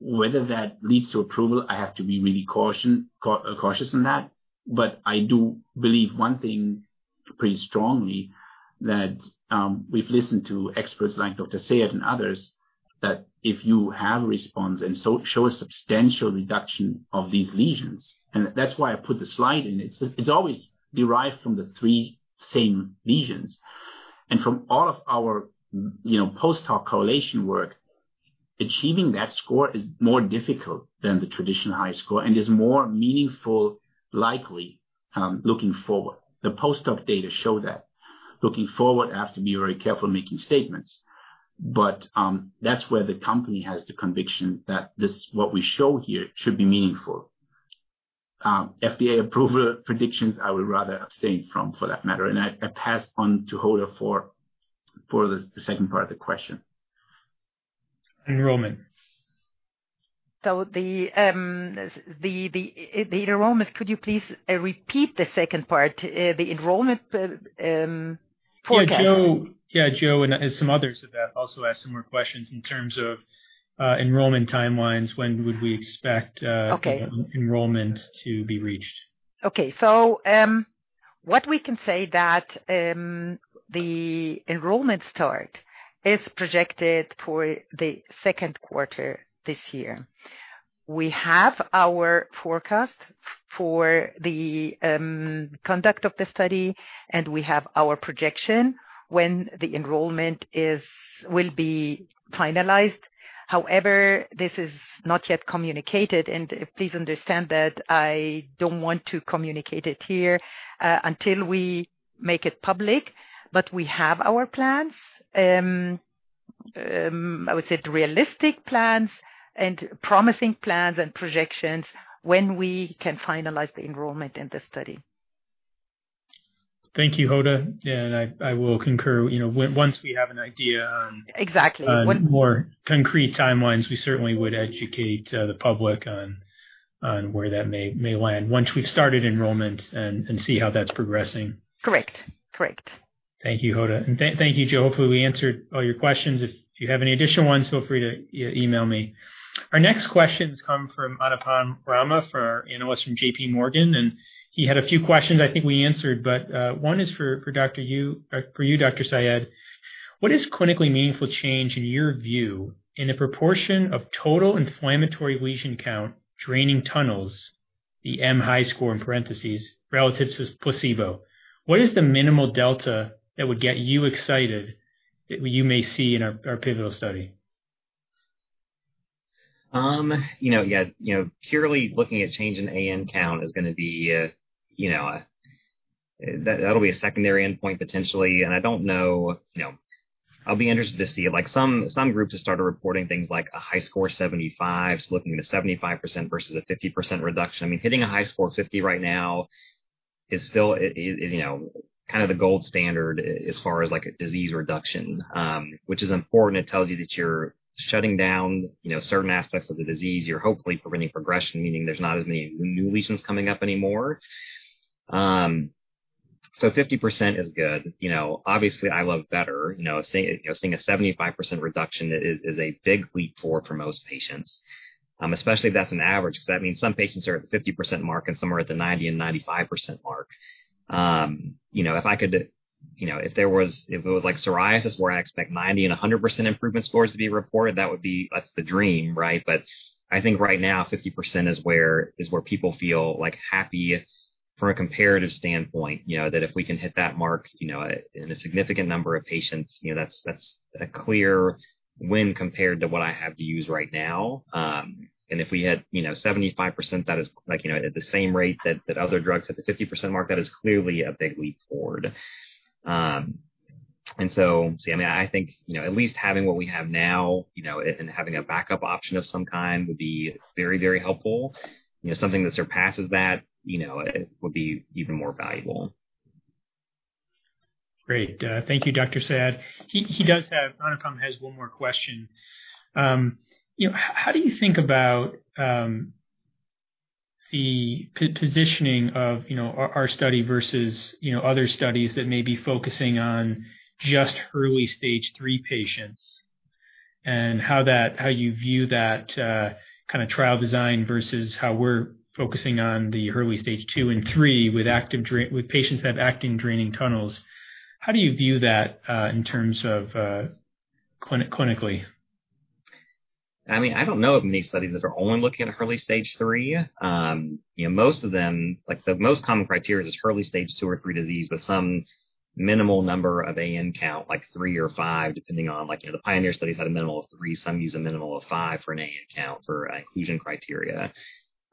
Whether that leads to approval, I have to be really cautious in that. I do believe one thing pretty strongly, that we've listened to experts like Dr. Sayed and others, that if you have response and so show a substantial reduction of these lesions, and that's why I put the slide in. It's always derived from the three same lesions. From all of our, you know, post-hoc correlation work, achieving that score is more difficult than the traditional HiSCR and is more meaningful, likely, looking forward. The post-hoc data show that. Looking forward, I have to be very careful making statements, but that's where the company has the conviction that this, what we show here should be meaningful. FDA approval predictions, I would rather abstain from, for that matter. I pass on to Hoda for the second part of the question. Enrollment. The enrollment, could you please repeat the second part, the enrollment forecast? Yeah, Joe and some others have also asked some more questions in terms of enrollment timelines. When would we expect Okay. When is the enrollment to be reached? Okay. What we can say that the enrollment start is projected for the second quarter this year. We have our forecast for the conduct of the study, and we have our projection when the enrollment will be finalized. However, this is not yet communicated, and please understand that I don't want to communicate it here until we make it public. We have our plans. I would say realistic plans and promising plans and projections when we can finalize the enrollment in the study. Thank you, Hoda. I will concur. You know, once we have an idea on- Exactly. On more concrete timelines, we certainly would educate the public on where that may land once we've started enrollment and see how that's progressing. Correct. Correct. Thank you, Hoda. Thank you, Joe. Hopefully, we answered all your questions. If you have any additional ones, feel free to email me. Our next questions come from Anupam Rama, our analyst from J.P. Morgan, and he had a few questions I think we answered, but one is for you, Dr. Sayed. What is clinically meaningful change in your view in the proportion of total inflammatory lesion count draining tunnels, the CR in parentheses, relative to placebo? What is the minimal delta that would get you excited that you may see in our pivotal study? You know, yeah, you know, purely looking at change in Abscess and Nodule (AN) count is gonna be, you know, that'll be a secondary endpoint potentially. I don't know, you know. I'll be interested to see, like, some groups have started reporting things like a HiSCR 75, so looking at a 75% versus a 50% reduction. I mean, hitting a HiSCR of 50 right now is still, you know, kind of the gold standard as far as, like, a disease reduction, which is important. It tells you that you're shutting down, you know, certain aspects of the disease. You're hopefully preventing progression, meaning there's not as many new lesions coming up anymore. 50% is good. You know, obviously, I love better. You know, seeing a 75% reduction is a big leap forward for most patients, especially if that's an average 'cause that means some patients are at the 50% mark and some are at the 90% and 95% mark. You know, if I could, you know, if it was like psoriasis where I expect 90% and 100% improvement scores to be reported, that's the dream, right? But I think right now 50% is where people feel, like, happy from a comparative standpoint. You know, that if we can hit that mark, you know, in a significant number of patients, you know, that's a clear win compared to what I have to use right now. If we had, you know, 75% that is like, you know, at the same rate that other drugs at the 50% mark, that is clearly a big leap forward. I mean, I think, you know, at least having what we have now, you know, and having a backup option of some kind would be very, very helpful. You know, something that surpasses that, you know, it would be even more valuable. Great. Thank you, Dr. Sayed. Anupam has one more question. You know, how do you think about the positioning of our study versus other studies that may be focusing on just early stage three patients and how you view that kind of trial design versus how we're focusing on the early stage two and three with patients that have active draining tunnels. How do you view that in terms of clinically? I mean, I don't know of many studies that are only looking at early stage 3. You know, most of them, like the most common criteria is early stage 2 or 3 disease with some minimal number of Abscess and Nodule (AN) count, like three or five, depending on like, you know, the PIONEER studies had a minimal of three. Some use a minimal of five for an Abscess and Nodule (AN) count for inclusion criteria.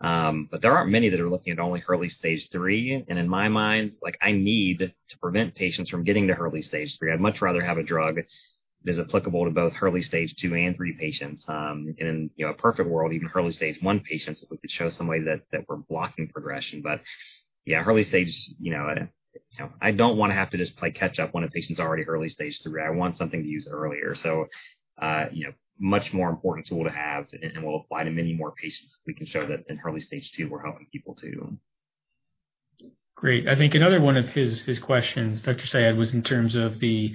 There aren't many that are looking at only early stage 3. In my mind, like, I need to prevent patients from getting to early stage 3. I'd much rather have a drug that is applicable to both early stage 2 and 3 patients. You know, a perfect world, even early stage 1 patients, if we could show some way that we're blocking progression. Yeah, early stage, you know, you know, I don't wanna have to just play catch up when a patient's already early stage three. I want something to use earlier. You know, much more important tool to have, and will apply to many more patients if we can show that in early stage two, we're helping people too. Great. I think another one of his questions, Dr. Sayed, was in terms of the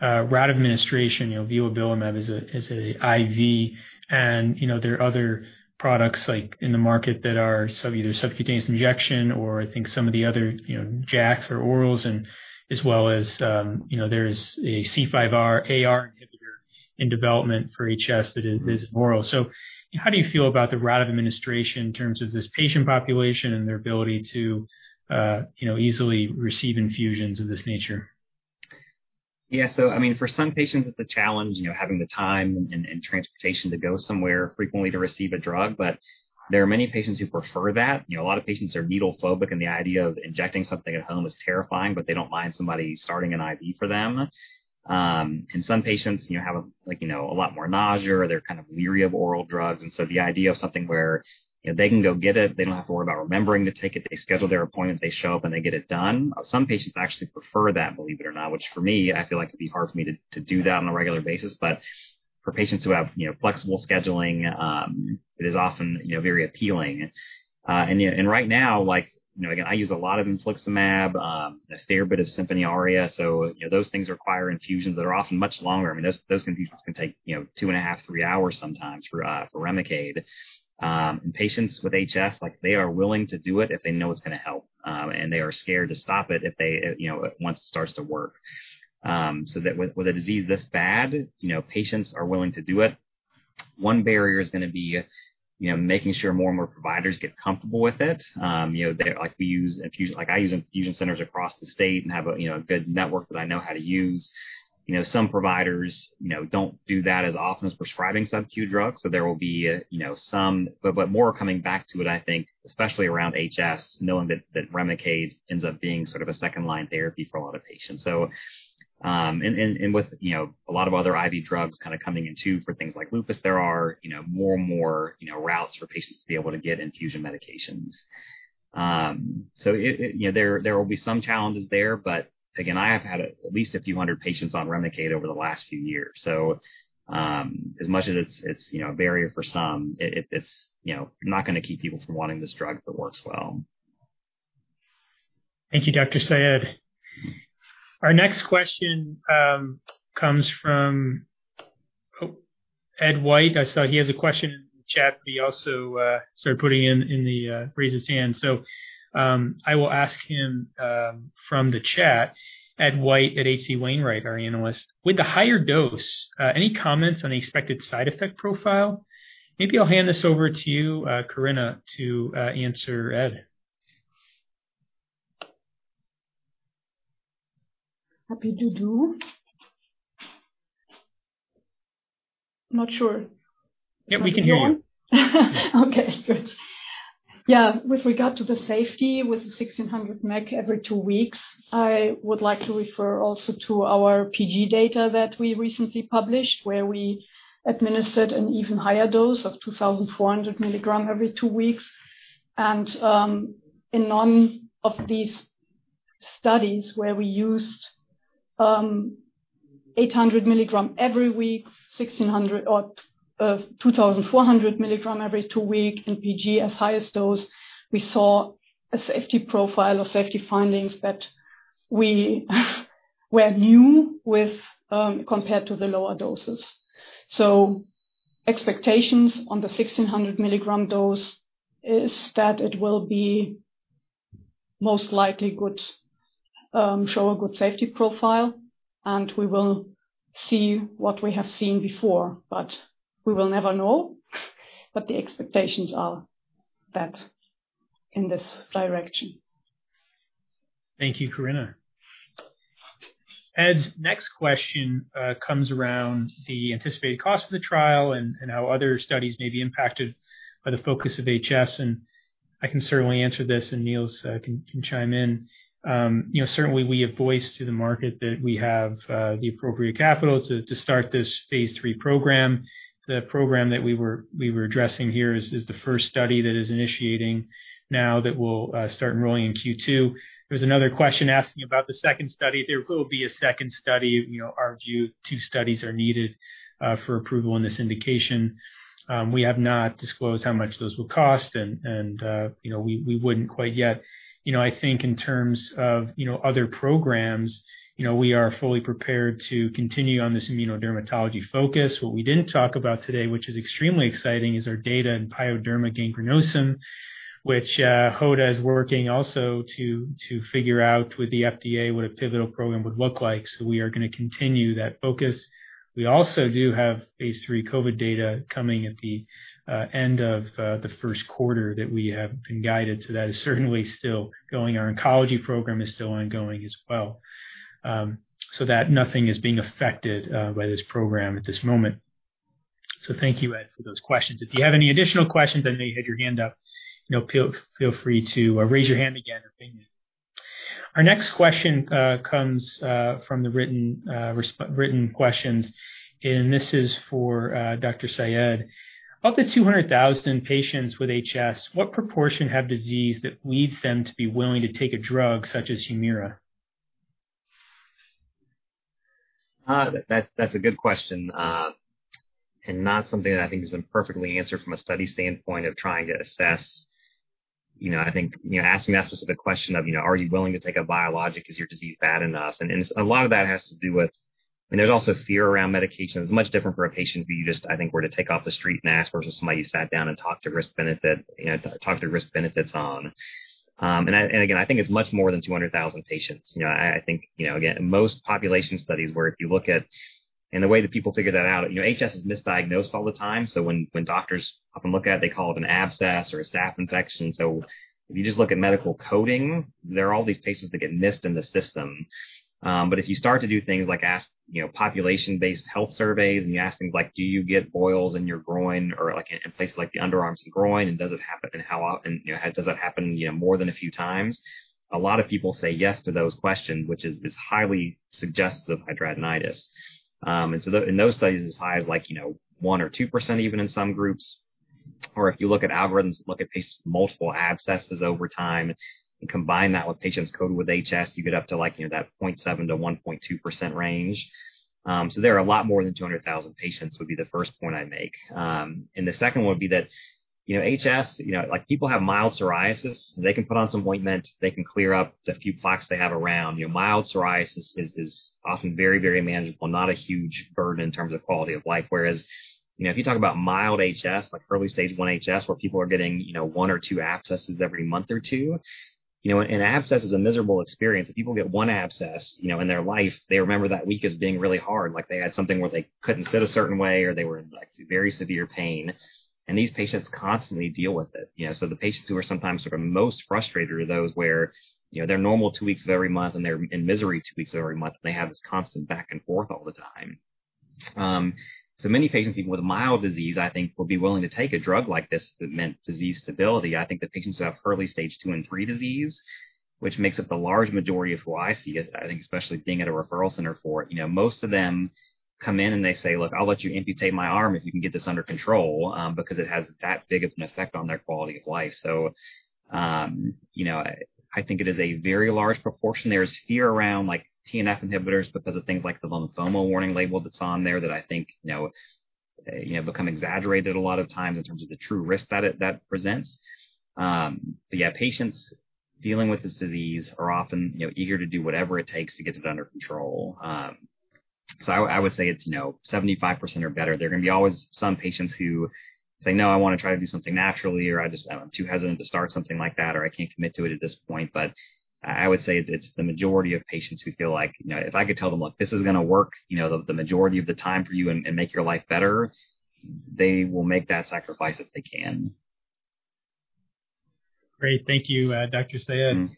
route of administration. You know, vilobelimab is an IV and, you know, there are other products like in the market that are either subcutaneous injection or I think some of the other, you know, JAKs or orals and as well as, you know, there's a C5aR inhibitor in development for HS that is oral. So how do you feel about the route of administration in terms of this patient population and their ability to, you know, easily receive infusions of this nature? I mean, for some patients, it's a challenge, you know, having the time and transportation to go somewhere frequently to receive a drug, but there are many patients who prefer that. You know, a lot of patients are needle-phobic, and the idea of injecting something at home is terrifying, but they don't mind somebody starting an IV for them. Some patients, you know, have a lot more nausea. They're kind of leery of oral drugs. The idea of something where, you know, they can go get it, they don't have to worry about remembering to take it. They schedule their appointment, they show up, and they get it done. Some patients actually prefer that, believe it or not, which for me, I feel like it'd be hard for me to do that on a regular basis. For patients who have, you know, flexible scheduling, it is often, you know, very appealing. Yeah, right now, like, you know, again, I use a lot of infliximab, a fair bit of Simponi ARIA. Those things require infusions that are often much longer. I mean, those infusions can take, you know, 2.5-3 hours sometimes for Remicade. Patients with HS, like, they are willing to do it if they know it's gonna help, and they are scared to stop it if they, you know, once it starts to work. That with a disease this bad, you know, patients are willing to do it. One barrier is gonna be, you know, making sure more and more providers get comfortable with it. You know, they're. Like we use infusion. Like I use infusion centers across the state and have a you know a good network that I know how to use. You know, some providers you know don't do that as often as prescribing sub-Q drugs. There will be you know some. But more coming back to it, I think, especially around HS, knowing that Remicade ends up being sort of a second line therapy for a lot of patients. And with you know a lot of other IV drugs kind of coming in too for things like lupus, there are you know more and more you know routes for patients to be able to get infusion medications. It you know there will be some challenges there, but again, I have had at least a few hundred patients on Remicade over the last few years. As much as it's a barrier for some, it's you know not gonna keep people from wanting this drug that works well. Thank you, Dr. Sayed. Our next question comes from Ed White. I saw he has a question in the chat, but he also raised his hand. I will ask him from the chat. Ed White at H.C. Wainwright, our analyst. With the higher dose, any comments on the expected side effect profile? Maybe I'll hand this over to you, Korinna, to answer Ed. Happy to do. Not sure. Yeah, we can hear you. Okay, good. Yeah. With regard to the safety with the 1600 mg every two weeks, I would like to refer also to our PG data that we recently published, where we administered an even higher dose of 2400 mg every two weeks. In none of these studies where we used 800 mg every week, 1600 or 2400 mg every two weeks in PG as highest dose, we saw a safety profile or safety findings that were new to us, compared to the lower doses. Expectations on the 1600 mg dose is that it will be most likely good, show a good safety profile, and we will see what we have seen before. We will never know, but the expectations are that in this direction. Thank you, Korinna. Ed's next question comes around the anticipated cost of the trial and how other studies may be impacted by the focus of HS, and I can certainly answer this and Niels can chime in. You know, certainly we have voiced to the market that we have the appropriate capital to start this phase III program. The program that we were addressing here is the first study that is initiating now that will start enrolling in Q2. There was another question asking about the second study. There will be a second study. You know, our view, two studies are needed for approval in this indication. We have not disclosed how much those will cost and, you know, we wouldn't quite yet. You know, I think in terms of, you know, other programs, you know, we are fully prepared to continue on this immunodermatology focus. What we didn't talk about today, which is extremely exciting, is our data in pyoderma gangrenosum, which Hoda is working also to figure out with the FDA what a pivotal program would look like. We are gonna continue that focus. We also do have phase III COVID data coming at the end of the first quarter that we have been guided, so that is certainly still going. Our oncology program is still ongoing as well. That nothing is being affected by this program at this moment. Thank you, Ed, for those questions. If you have any additional questions, I know you had your hand up, you know, feel free to raise your hand again or ping me. Our next question comes from the written questions, and this is for Dr. Sayed. Of the 200,000 patients with HS, what proportion have disease that leads them to be willing to take a drug such as Humira? That's a good question and not something that I think has been perfectly answered from a study standpoint of trying to assess. You know, I think, you know, asking that specific question of, you know, are you willing to take a biologic? Is your disease bad enough? It's a lot of that has to do with, I mean, there's also fear around medication. It's much different for a patient who you just, I think, were to take off the street and ask versus somebody you sat down and talked their risk benefits on. You know, and again, I think it's much more than 200,000 patients. You know, I think, you know, again, most population studies where if you look at. The way that people figure that out, you know, HS is misdiagnosed all the time, so when doctors often look at it, they call it an abscess or a staph infection. So if you just look at medical coding, there are all these patients that get missed in the system. But if you start to do things like ask, you know, population-based health surveys and you ask things like, "Do you get boils in your groin or, like, in places like the underarms and groin, and does it happen, and how often, you know, does that happen, you know, more than a few times?" A lot of people say yes to those questions, which is highly suggestive of hidradenitis. In those studies, it's as high as like, you know, 1% or 2% even in some groups. If you look at algorithms that look at patients with multiple abscesses over time and combine that with patients coded with HS, you get up to, like, you know, that 0.7%-1.2% range. There are a lot more than 200,000 patients, would be the first point I make. The second one would be that, you know, HS, you know, like, people have mild psoriasis, they can put on some ointment, they can clear up the few plaques they have around. You know, mild psoriasis is often very, very manageable, not a huge burden in terms of quality of life. Whereas, you know, if you talk about mild HS, like early stage one HS, where people are getting, you know, one or two abscesses every month or two, you know, and an abscess is a miserable experience. If people get one abscess, you know, in their life, they remember that week as being really hard. Like, they had something where they couldn't sit a certain way or they were in, like, very severe pain. And these patients constantly deal with it, you know. The patients who are sometimes sort of most frustrated are those where, you know, they're normal two weeks of every month and they're in misery two weeks of every month, and they have this constant back and forth all the time. Many patients, even with mild disease, I think will be willing to take a drug like this if it meant disease stability. I think the patients who have early stage two and three disease, which makes up the large majority of who I see, I think especially being at a referral center for it, you know, most of them come in and they say, "Look, I'll let you amputate my arm if you can get this under control," because it has that big of an effect on their quality of life. You know, I think it is a very large proportion. There is fear around, like, TNF inhibitors because of things like the lymphoma warning label that's on there that I think, you know, become exaggerated a lot of times in terms of the true risk that it presents. Yeah, patients dealing with this disease are often, you know, eager to do whatever it takes to get it under control. I would say it's, you know, 75% or better. There are gonna be always some patients who say, "No, I want to try to do something naturally," or, "I just, I'm too hesitant to start something like that," or, "I can't commit to it at this point." I would say it's the majority of patients who feel like, you know, if I could tell them, "Look, this is gonna work, you know, the majority of the time for you and make your life better," they will make that sacrifice if they can. Great. Thank you, Dr. Sayed.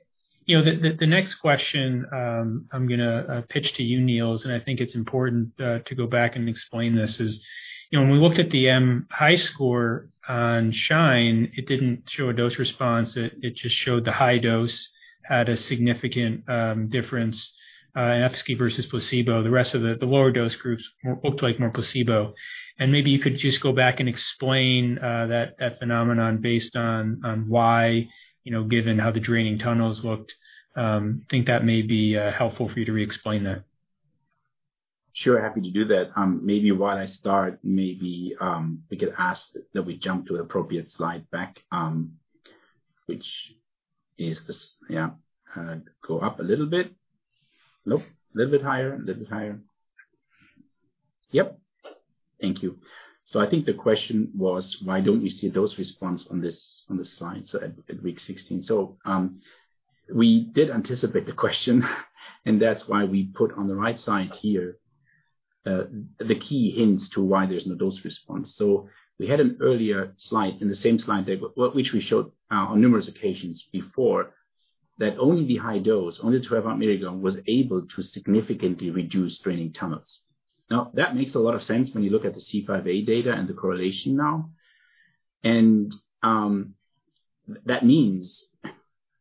You know, the next question, I'm gonna pitch to you, Niels, and I think it's important to go back and explain this is, you know, when we looked at the R on SHINE, it didn't show a dose response. It just showed the high dose had a significant difference in HiSCR versus placebo. The rest of the lower dose groups looked like more placebo. Maybe you could just go back and explain that phenomenon based on why, you know, given how the draining tunnels looked. I think that may be helpful for you to re-explain that. Sure. Happy to do that. Maybe while I start, we could ask that we jump to the appropriate slide back, which is this. Yeah. Go up a little bit. Nope. A little bit higher. A little bit higher. Yep. Thank you. I think the question was why don't we see a dose response on this slide, so at week 16. We did anticipate the question, and that's why we put on the right side here, the key hints to why there's no dose response. We had an earlier slide in the same slide deck, which we showed on numerous occasions before, that only the high dose, only 1,200 milligrams was able to significantly reduce draining tunnels. Now, that makes a lot of sense when you look at the C5a data and the correlation now. That means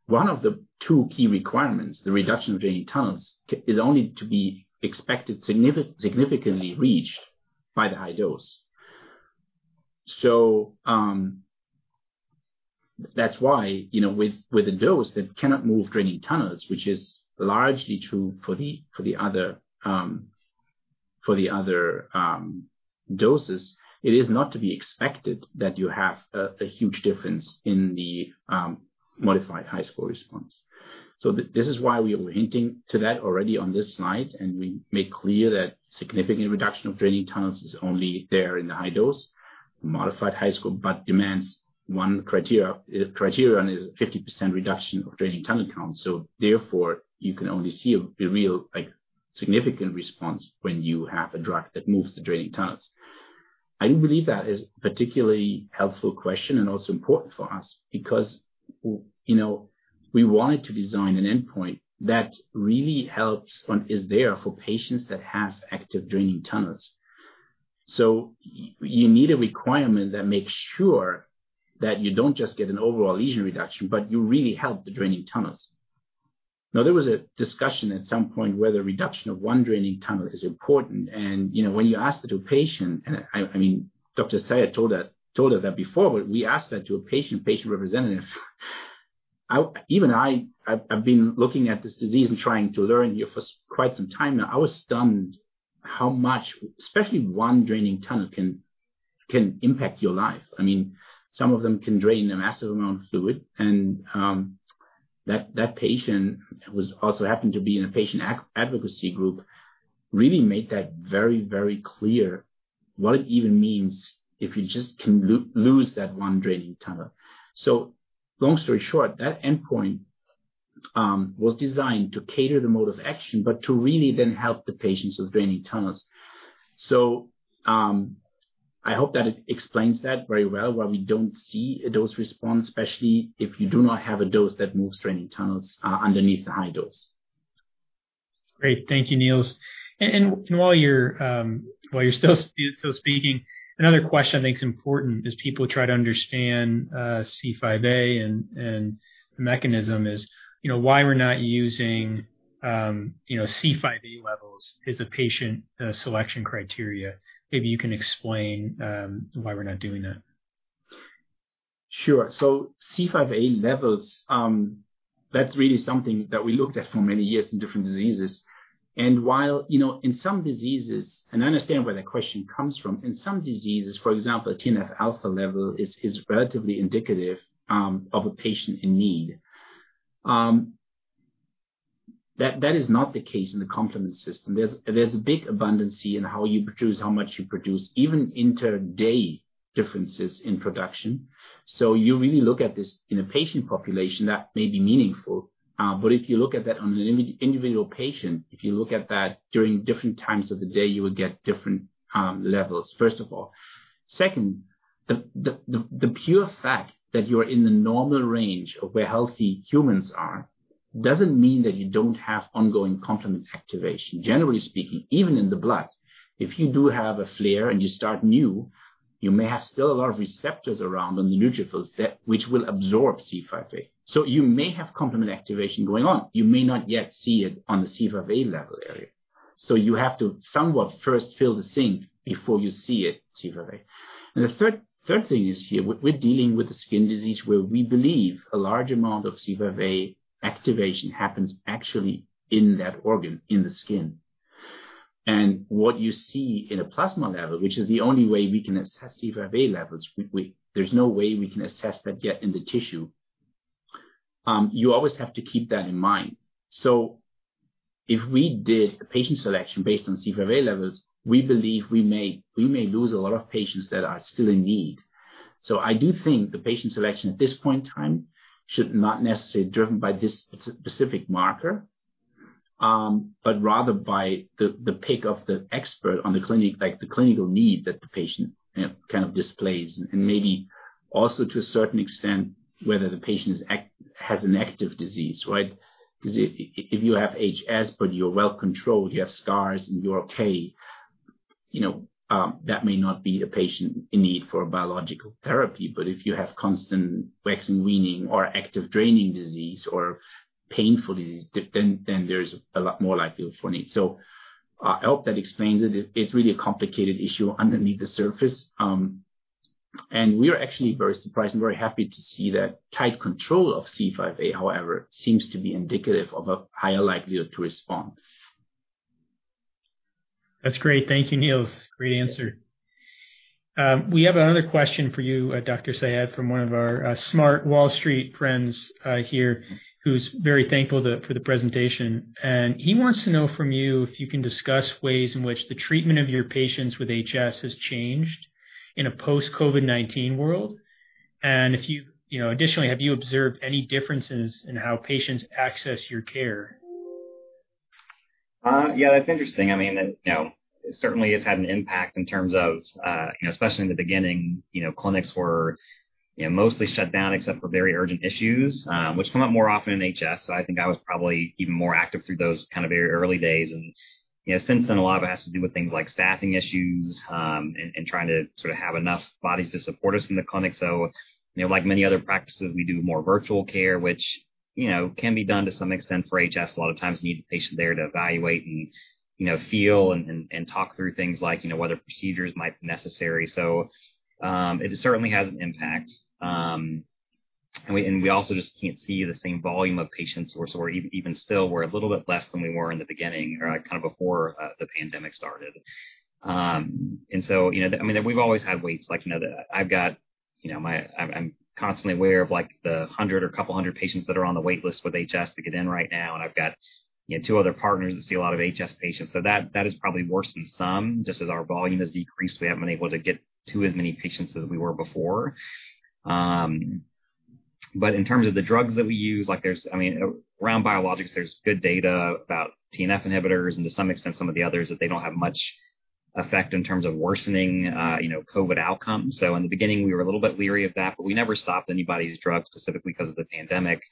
one of the two key requirements, the reduction of draining tunnels, is only to be expected significantly reached by the high dose. That's why, you know, with a dose that cannot move draining tunnels, which is largely true for the other doses, it is not to be expected that you have a huge difference in the modified HiSCR response. This is why we were hinting to that already on this slide, and we made clear that significant reduction of draining tunnels is only there in the high-dose modified HiSCR, but one criterion is 50% reduction of draining tunnel count. Therefore, you can only see a real, like, significant response when you have a drug that moves the draining tunnels. I do believe that is particularly helpful question and also important for us because, you know, we wanted to design an endpoint that really helps and is there for patients that have active draining tunnels. You need a requirement that makes sure that you don't just get an overall lesion reduction, but you really help the draining tunnels. Now, there was a discussion at some point whether reduction of one draining tunnel is important. You know, when you ask that to a patient, I mean, Dr. Sayed told us that before, but we asked that to a patient representative. Even I've been looking at this disease and trying to learn here for quite some time now. I was stunned how much, especially one draining tunnel can impact your life. I mean, some of them can drain a massive amount of fluid. That patient who was also happened to be in a patient advocacy group really made that very, very clear what it even means if you just can lose that one draining tunnel. Long story short, that endpoint was designed to cater the mode of action, but to really then help the patients with draining tunnels. I hope that explains that very well, why we don't see a dose response, especially if you do not have a dose that moves draining tunnels underneath the high dose. Great. Thank you, Niels. While you're still speaking, another question I think is important as people try to understand C5a and the mechanism is, you know, why we're not using C5a levels as a patient selection criteria. Maybe you can explain why we're not doing that. Sure. C5a levels, that's really something that we looked at for many years in different diseases. While, you know, in some diseases, and I understand where the question comes from, in some diseases, for example, TNF-alpha level is relatively indicative of a patient in need. That is not the case in the complement system. There's a big abundance in how you produce, how much you produce, even inter-day differences in production. You really look at this in a patient population that may be meaningful. If you look at that on an individual patient, if you look at that during different times of the day, you would get different levels, first of all. Second, the pure fact that you're in the normal range of where healthy humans are, doesn't mean that you don't have ongoing complement activation. Generally speaking, even in the blood, if you do have a flare and you start new, you may have still a lot of receptors around on the neutrophils that which will absorb C5a. So you may have complement activation going on. You may not yet see it on the C5a level area. So you have to somewhat first fill the sink before you see it, C5a. The third thing is here, we're dealing with a skin disease where we believe a large amount of C5a activation happens actually in that organ, in the skin. What you see in a plasma level, which is the only way we can assess C5a levels, there's no way we can assess that yet in the tissue. You always have to keep that in mind. If we did patient selection based on C5a levels, we believe we may lose a lot of patients that are still in need. I do think the patient selection at this point in time should not necessarily be driven by this specific marker, but rather by the pick of the expert in the clinic, like, the clinical need that the patient, you know, kind of displays, and maybe also to a certain extent, whether the patient has an active disease, right? Because if you have HS, but you're well controlled, you have scars, and you're okay, you know, that may not be a patient in need for a biological therapy. But if you have constant waxing, waning or active draining disease or painful disease, then there's a lot more likelihood for need. I hope that explains it. It's really a complicated issue underneath the surface. We are actually very surprised and very happy to see that tight control of C5a, however, seems to be indicative of a higher likelihood to respond. That's great. Thank you, Niels. Great answer. We have another question for you, Dr. Sayed, from one of our smart Wall Street friends here, who's very thankful for the presentation. He wants to know from you if you can discuss ways in which the treatment of your patients with HS has changed in a post-COVID-19 world. If you know, additionally, have you observed any differences in how patients access your care? Yeah, that's interesting. I mean, you know, certainly it's had an impact in terms of, you know, especially in the beginning, you know, clinics were, you know, mostly shut down except for very urgent issues, which come up more often in HS. I think I was probably even more active through those kind of very early days. You know, since then, a lot of it has to do with things like staffing issues, and trying to sort of have enough bodies to support us in the clinic. You know, like many other practices, we do more virtual care, which, you know, can be done to some extent for HS. A lot of times you need the patient there to evaluate and, you know, feel and talk through things like, you know, whether procedures might be necessary. It certainly has an impact. We also just can't see the same volume of patients or so we're even still a little bit less than we were in the beginning or, like, kind of before the pandemic started. You know, I mean, we've always had waits like you know. I've got you know I'm constantly aware of like the 100 or couple hundred patients that are on the wait list with HS to get in right now. I've got you know two other partners that see a lot of HS patients. That is probably worse in some, just as our volume has decreased, we haven't been able to get to as many patients as we were before. In terms of the drugs that we use, like there's I mean, around biologics, there's good data about TNF inhibitors and to some extent some of the others, that they don't have much effect in terms of worsening, you know, COVID outcomes. In the beginning, we were a little bit leery of that, but we never stopped anybody's drugs specifically 'cause of the pandemic.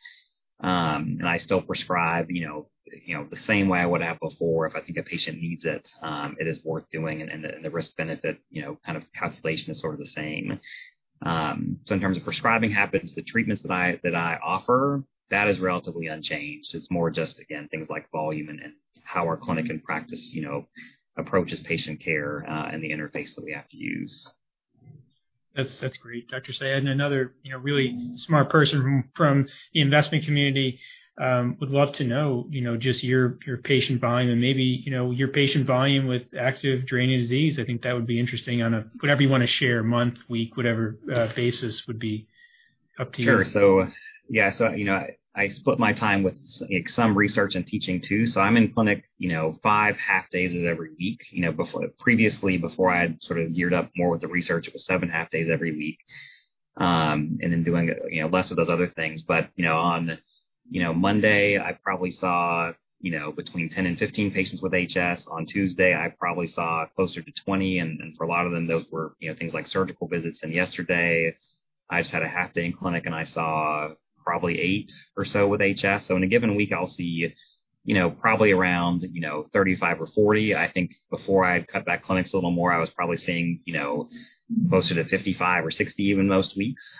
I still prescribe, you know, the same way I would have before. If I think a patient needs it is worth doing and the risk benefit, you know, kind of calculation is sort of the same. In terms of prescribing habits, the treatments that I offer, that is relatively unchanged. It's more just, again, things like volume and how our clinic and practice, you know, approaches patient care, and the interface that we have to use. That's great, Dr. Sayed. Another, you know, really smart person from the investment community would love to know, you know, just your patient volume and maybe, you know, your patient volume with active draining disease. I think that would be interesting on a whatever you wanna share, month, week, whatever, basis would be up to you. Sure. Yeah. I split my time with, like, some research and teaching too. I'm in clinic, you know, five half days of every week. You know, previously, before I had sort of geared up more with the research, it was seven half days every week, and then doing, you know, less of those other things. You know, on Monday, I probably saw, you know, between 10 and 15 patients with HS. On Tuesday, I probably saw closer to 20, and for a lot of them, those were, you know, things like surgical visits. Yesterday, I just had a half day in clinic, and I saw probably eight or so with HS. In a given week, I'll see, you know, probably around, you know, 35 or 40. I think before I cut back clinics a little more, I was probably seeing, you know, closer to 55 or 60 even most weeks.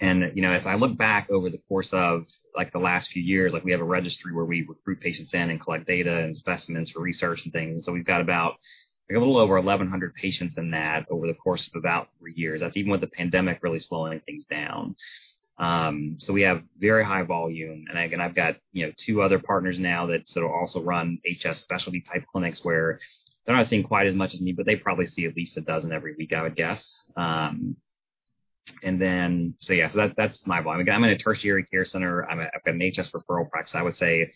You know, as I look back over the course of, like, the last few years, like, we have a registry where we recruit patients in and collect data and specimens for research and things. We've got about, like, a little over 1,100 patients in that over the course of about three years. That's even with the pandemic really slowing things down. We have very high volume. Again, I've got, you know, two other partners now that sort of also run HS specialty type clinics where they're not seeing quite as much as me, but they probably see at least 12 every week, I would guess. Yeah, that's my volume. Again, I'm in a tertiary care center. I've got an HS referral practice. I would say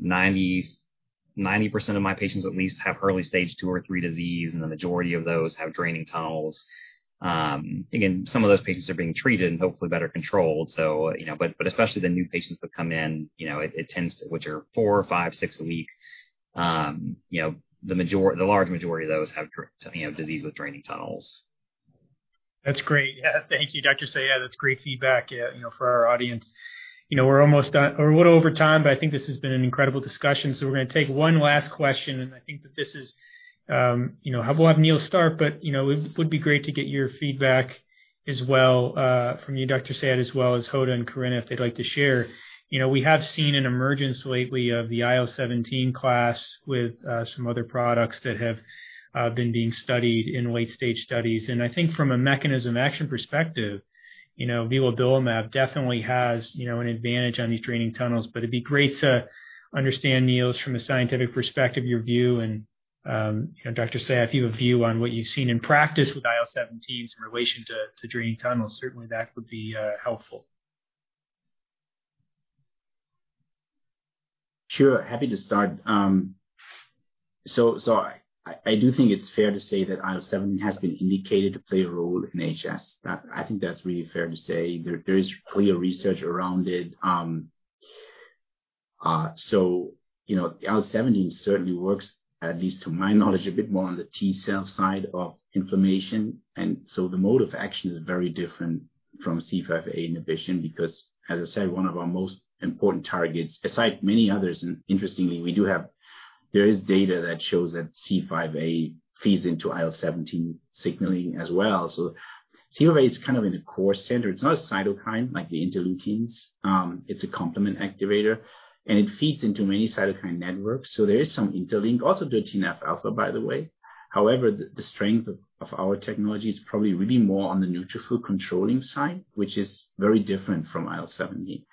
90% of my patients at least have early stage 2 or 3 disease, and the majority of those have draining tunnels. Again, some of those patients are being treated and hopefully better controlled. You know, but especially the new patients that come in, you know, it tends to, which are four, five, six a week, you know, the large majority of those have you know, disease with draining tunnels. That's great. Yeah. Thank you, Dr. Sayed. That's great feedback, yeah, you know, for our audience. You know, we're almost done. We're a little over time, but I think this has been an incredible discussion. We're gonna take one last question, and I think that this is, you know, we'll have Niels start, but, you know, it would be great to get your feedback as well, from you, Dr. Sayed, as well as Hoda and Corinna, if they'd like to share. You know, we have seen an emergence lately of the IL-17 class with, some other products that have, been being studied in late-stage studies. I think from a mechanism of action perspective, you know, vilobelimab definitely has, you know, an advantage on these draining tunnels. It'd be great to understand, Niels, from a scientific perspective, your view and, Dr. Sayed, if you have a view on what you've seen in practice with IL-17s in relation to draining tunnels. Certainly, that would be helpful. Sure. Happy to start. I do think it's fair to say that IL-17 has been indicated to play a role in HS. I think that's really fair to say. There is clear research around it. You know, IL-17 certainly works, at least to my knowledge, a bit more on the T-cell side of inflammation, and so the mode of action is very different from C5a inhibition because, as I said, one of our most important targets, aside many others, and interestingly, we do have data that shows that C5a feeds into IL-17 signaling as well. C5a is kind of in the core center. It's not a cytokine like the interleukins. It's a complement activator, and it feeds into many cytokine networks. There is some interlink. Also to TNF-alpha, by the way. However, the strength of our technology is probably really more on the neutrophil controlling side, which is very different from IL-17.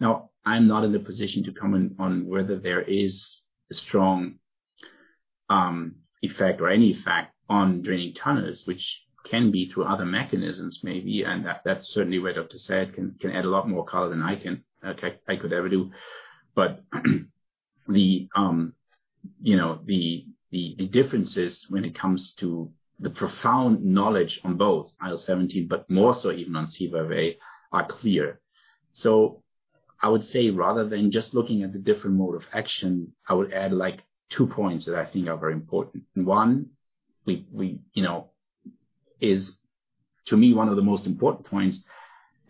Now, I'm not in a position to comment on whether there is a strong effect or any effect on draining tunnels, which can be through other mechanisms maybe. That's certainly where Dr. Sayed can add a lot more color than I could ever do. The differences when it comes to the profound knowledge on both IL-17 but more so even on C5a are clear. I would say rather than just looking at the different mode of action, I would add, like, two points that I think are very important. One you know is to me one of the most important points,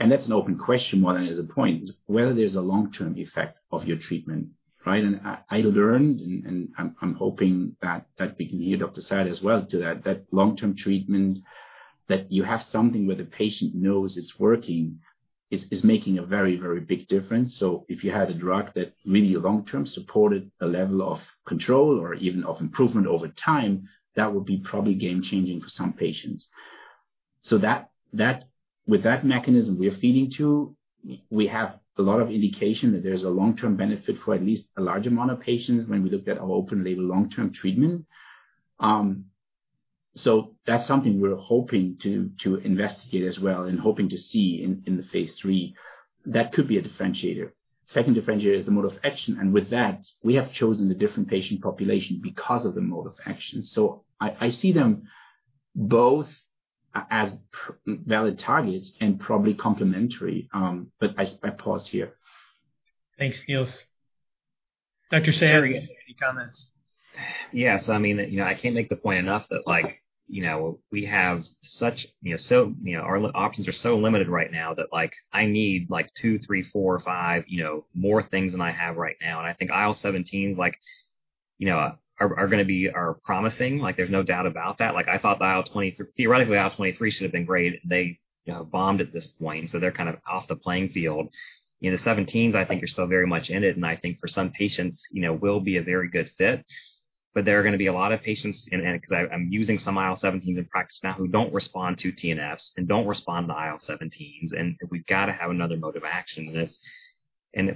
and that's an open question more than it is a point: whether there's a long-term effect of your treatment, right? I learned and I'm hoping that we can hear Dr. Sayed as well to that long-term treatment, that you have something where the patient knows it's working is making a very, very big difference. If you had a drug that really long-term supported a level of control or even of improvement over time, that would be probably game-changing for some patients. With that mechanism we are seeing, too, we have a lot of indication that there's a long-term benefit for at least a large amount of patients when we looked at our open label long-term treatment. That's something we're hoping to investigate as well and hoping to see in phase III. That could be a differentiator. Second differentiator is the mode of action, and with that, we have chosen the different patient population because of the mode of action. I see them both as valid targets and probably complementary. I pause here. Thanks, Niels. Dr. Sayed, any comments? Yes. I mean, you know, I can't make the point enough that, like, you know, we have such, you know, so, you know, our options are so limited right now that, like, I need, like, two, three, four, five, you know, more things than I have right now. I think IL-17s, like, you know, are promising. Like, there's no doubt about that. Like, I thought theoretically, IL-23 should have been great. They, you know, bombed at this point, so they're kind of off the playing field. You know, the 17s I think are still very much in it, and I think for some patients, you know, will be a very good fit. There are gonna be a lot of patients in it because I'm using some IL-17s in practice now who don't respond to TNFs and don't respond to IL-17s, and we've gotta have another mode of action.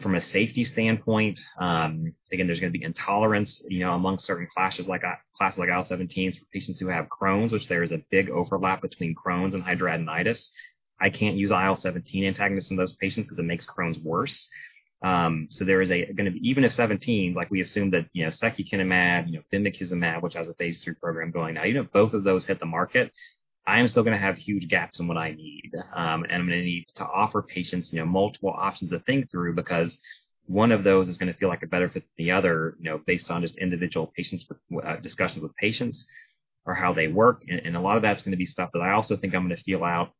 From a safety standpoint, again, there's gonna be intolerance, you know, amongst certain classes like IL-17s for patients who have Crohn's, which there is a big overlap between Crohn's and hidradenitis. I can't use IL-17 antagonists in those patients because it makes Crohn's worse. There is gonna be even an IL-17, like, we assume that, you know, secukinumab, you know, bimekizumab, which has a phase III program going now, even if both of those hit the market, I am still gonna have huge gaps in what I need. I'm gonna need to offer patients, you know, multiple options to think through because one of those is gonna feel like a better fit than the other, you know, based on just individual patients, discussions with patients or how they work. A lot of that's gonna be stuff that I also think I'm gonna feel out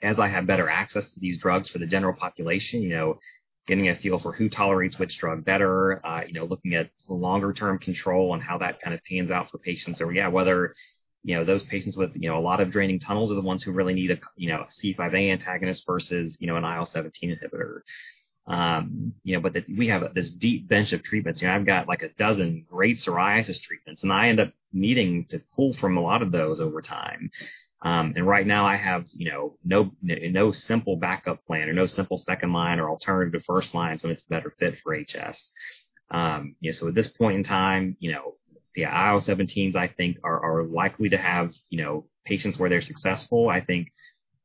as I have better access to these drugs for the general population. You know, getting a feel for who tolerates which drug better, you know, looking at the longer-term control and how that kind of pans out for patients over, yeah, whether, you know, those patients with, you know, a lot of draining tunnels are the ones who really need a, you know, C5a antagonist versus, you know, an IL-17 inhibitor. You know, we have this deep bench of treatments. You know, I've got, like, a dozen great psoriasis treatments, and I end up needing to pull from a lot of those over time. Right now I have, you know, no simple backup plan or no simple second line or alternative to first line, so it's a better fit for HS. You know, at this point in time, you know, the IL-17s, I think are likely to have, you know, patients where they're successful. I think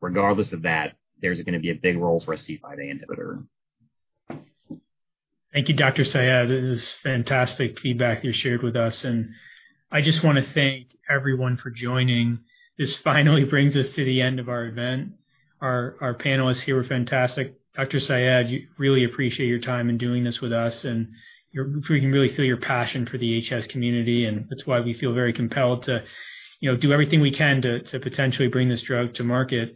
regardless of that, there's gonna be a big role for a C5a inhibitor. Thank you, Dr. Sayed. This is fantastic feedback you shared with us, and I just wanna thank everyone for joining. This finally brings us to the end of our event. Our panelists here were fantastic. Dr. Sayed, really appreciate your time in doing this with us, and we can really feel your passion for the HS community, and that's why we feel very compelled to, you know, do everything we can to potentially bring this drug to market.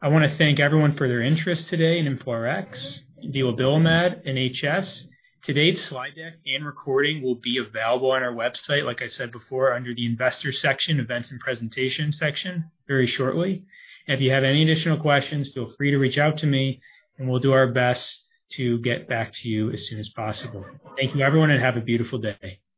I wanna thank everyone for their interest today in IFX, vilobelimab, and HS. Today's slide deck and recording will be available on our website, like I said before, under the Investor section, Events and Presentation section very shortly. If you have any additional questions, feel free to reach out to me, and we'll do our best to get back to you as soon as possible. Thank you, everyone, and have a beautiful day.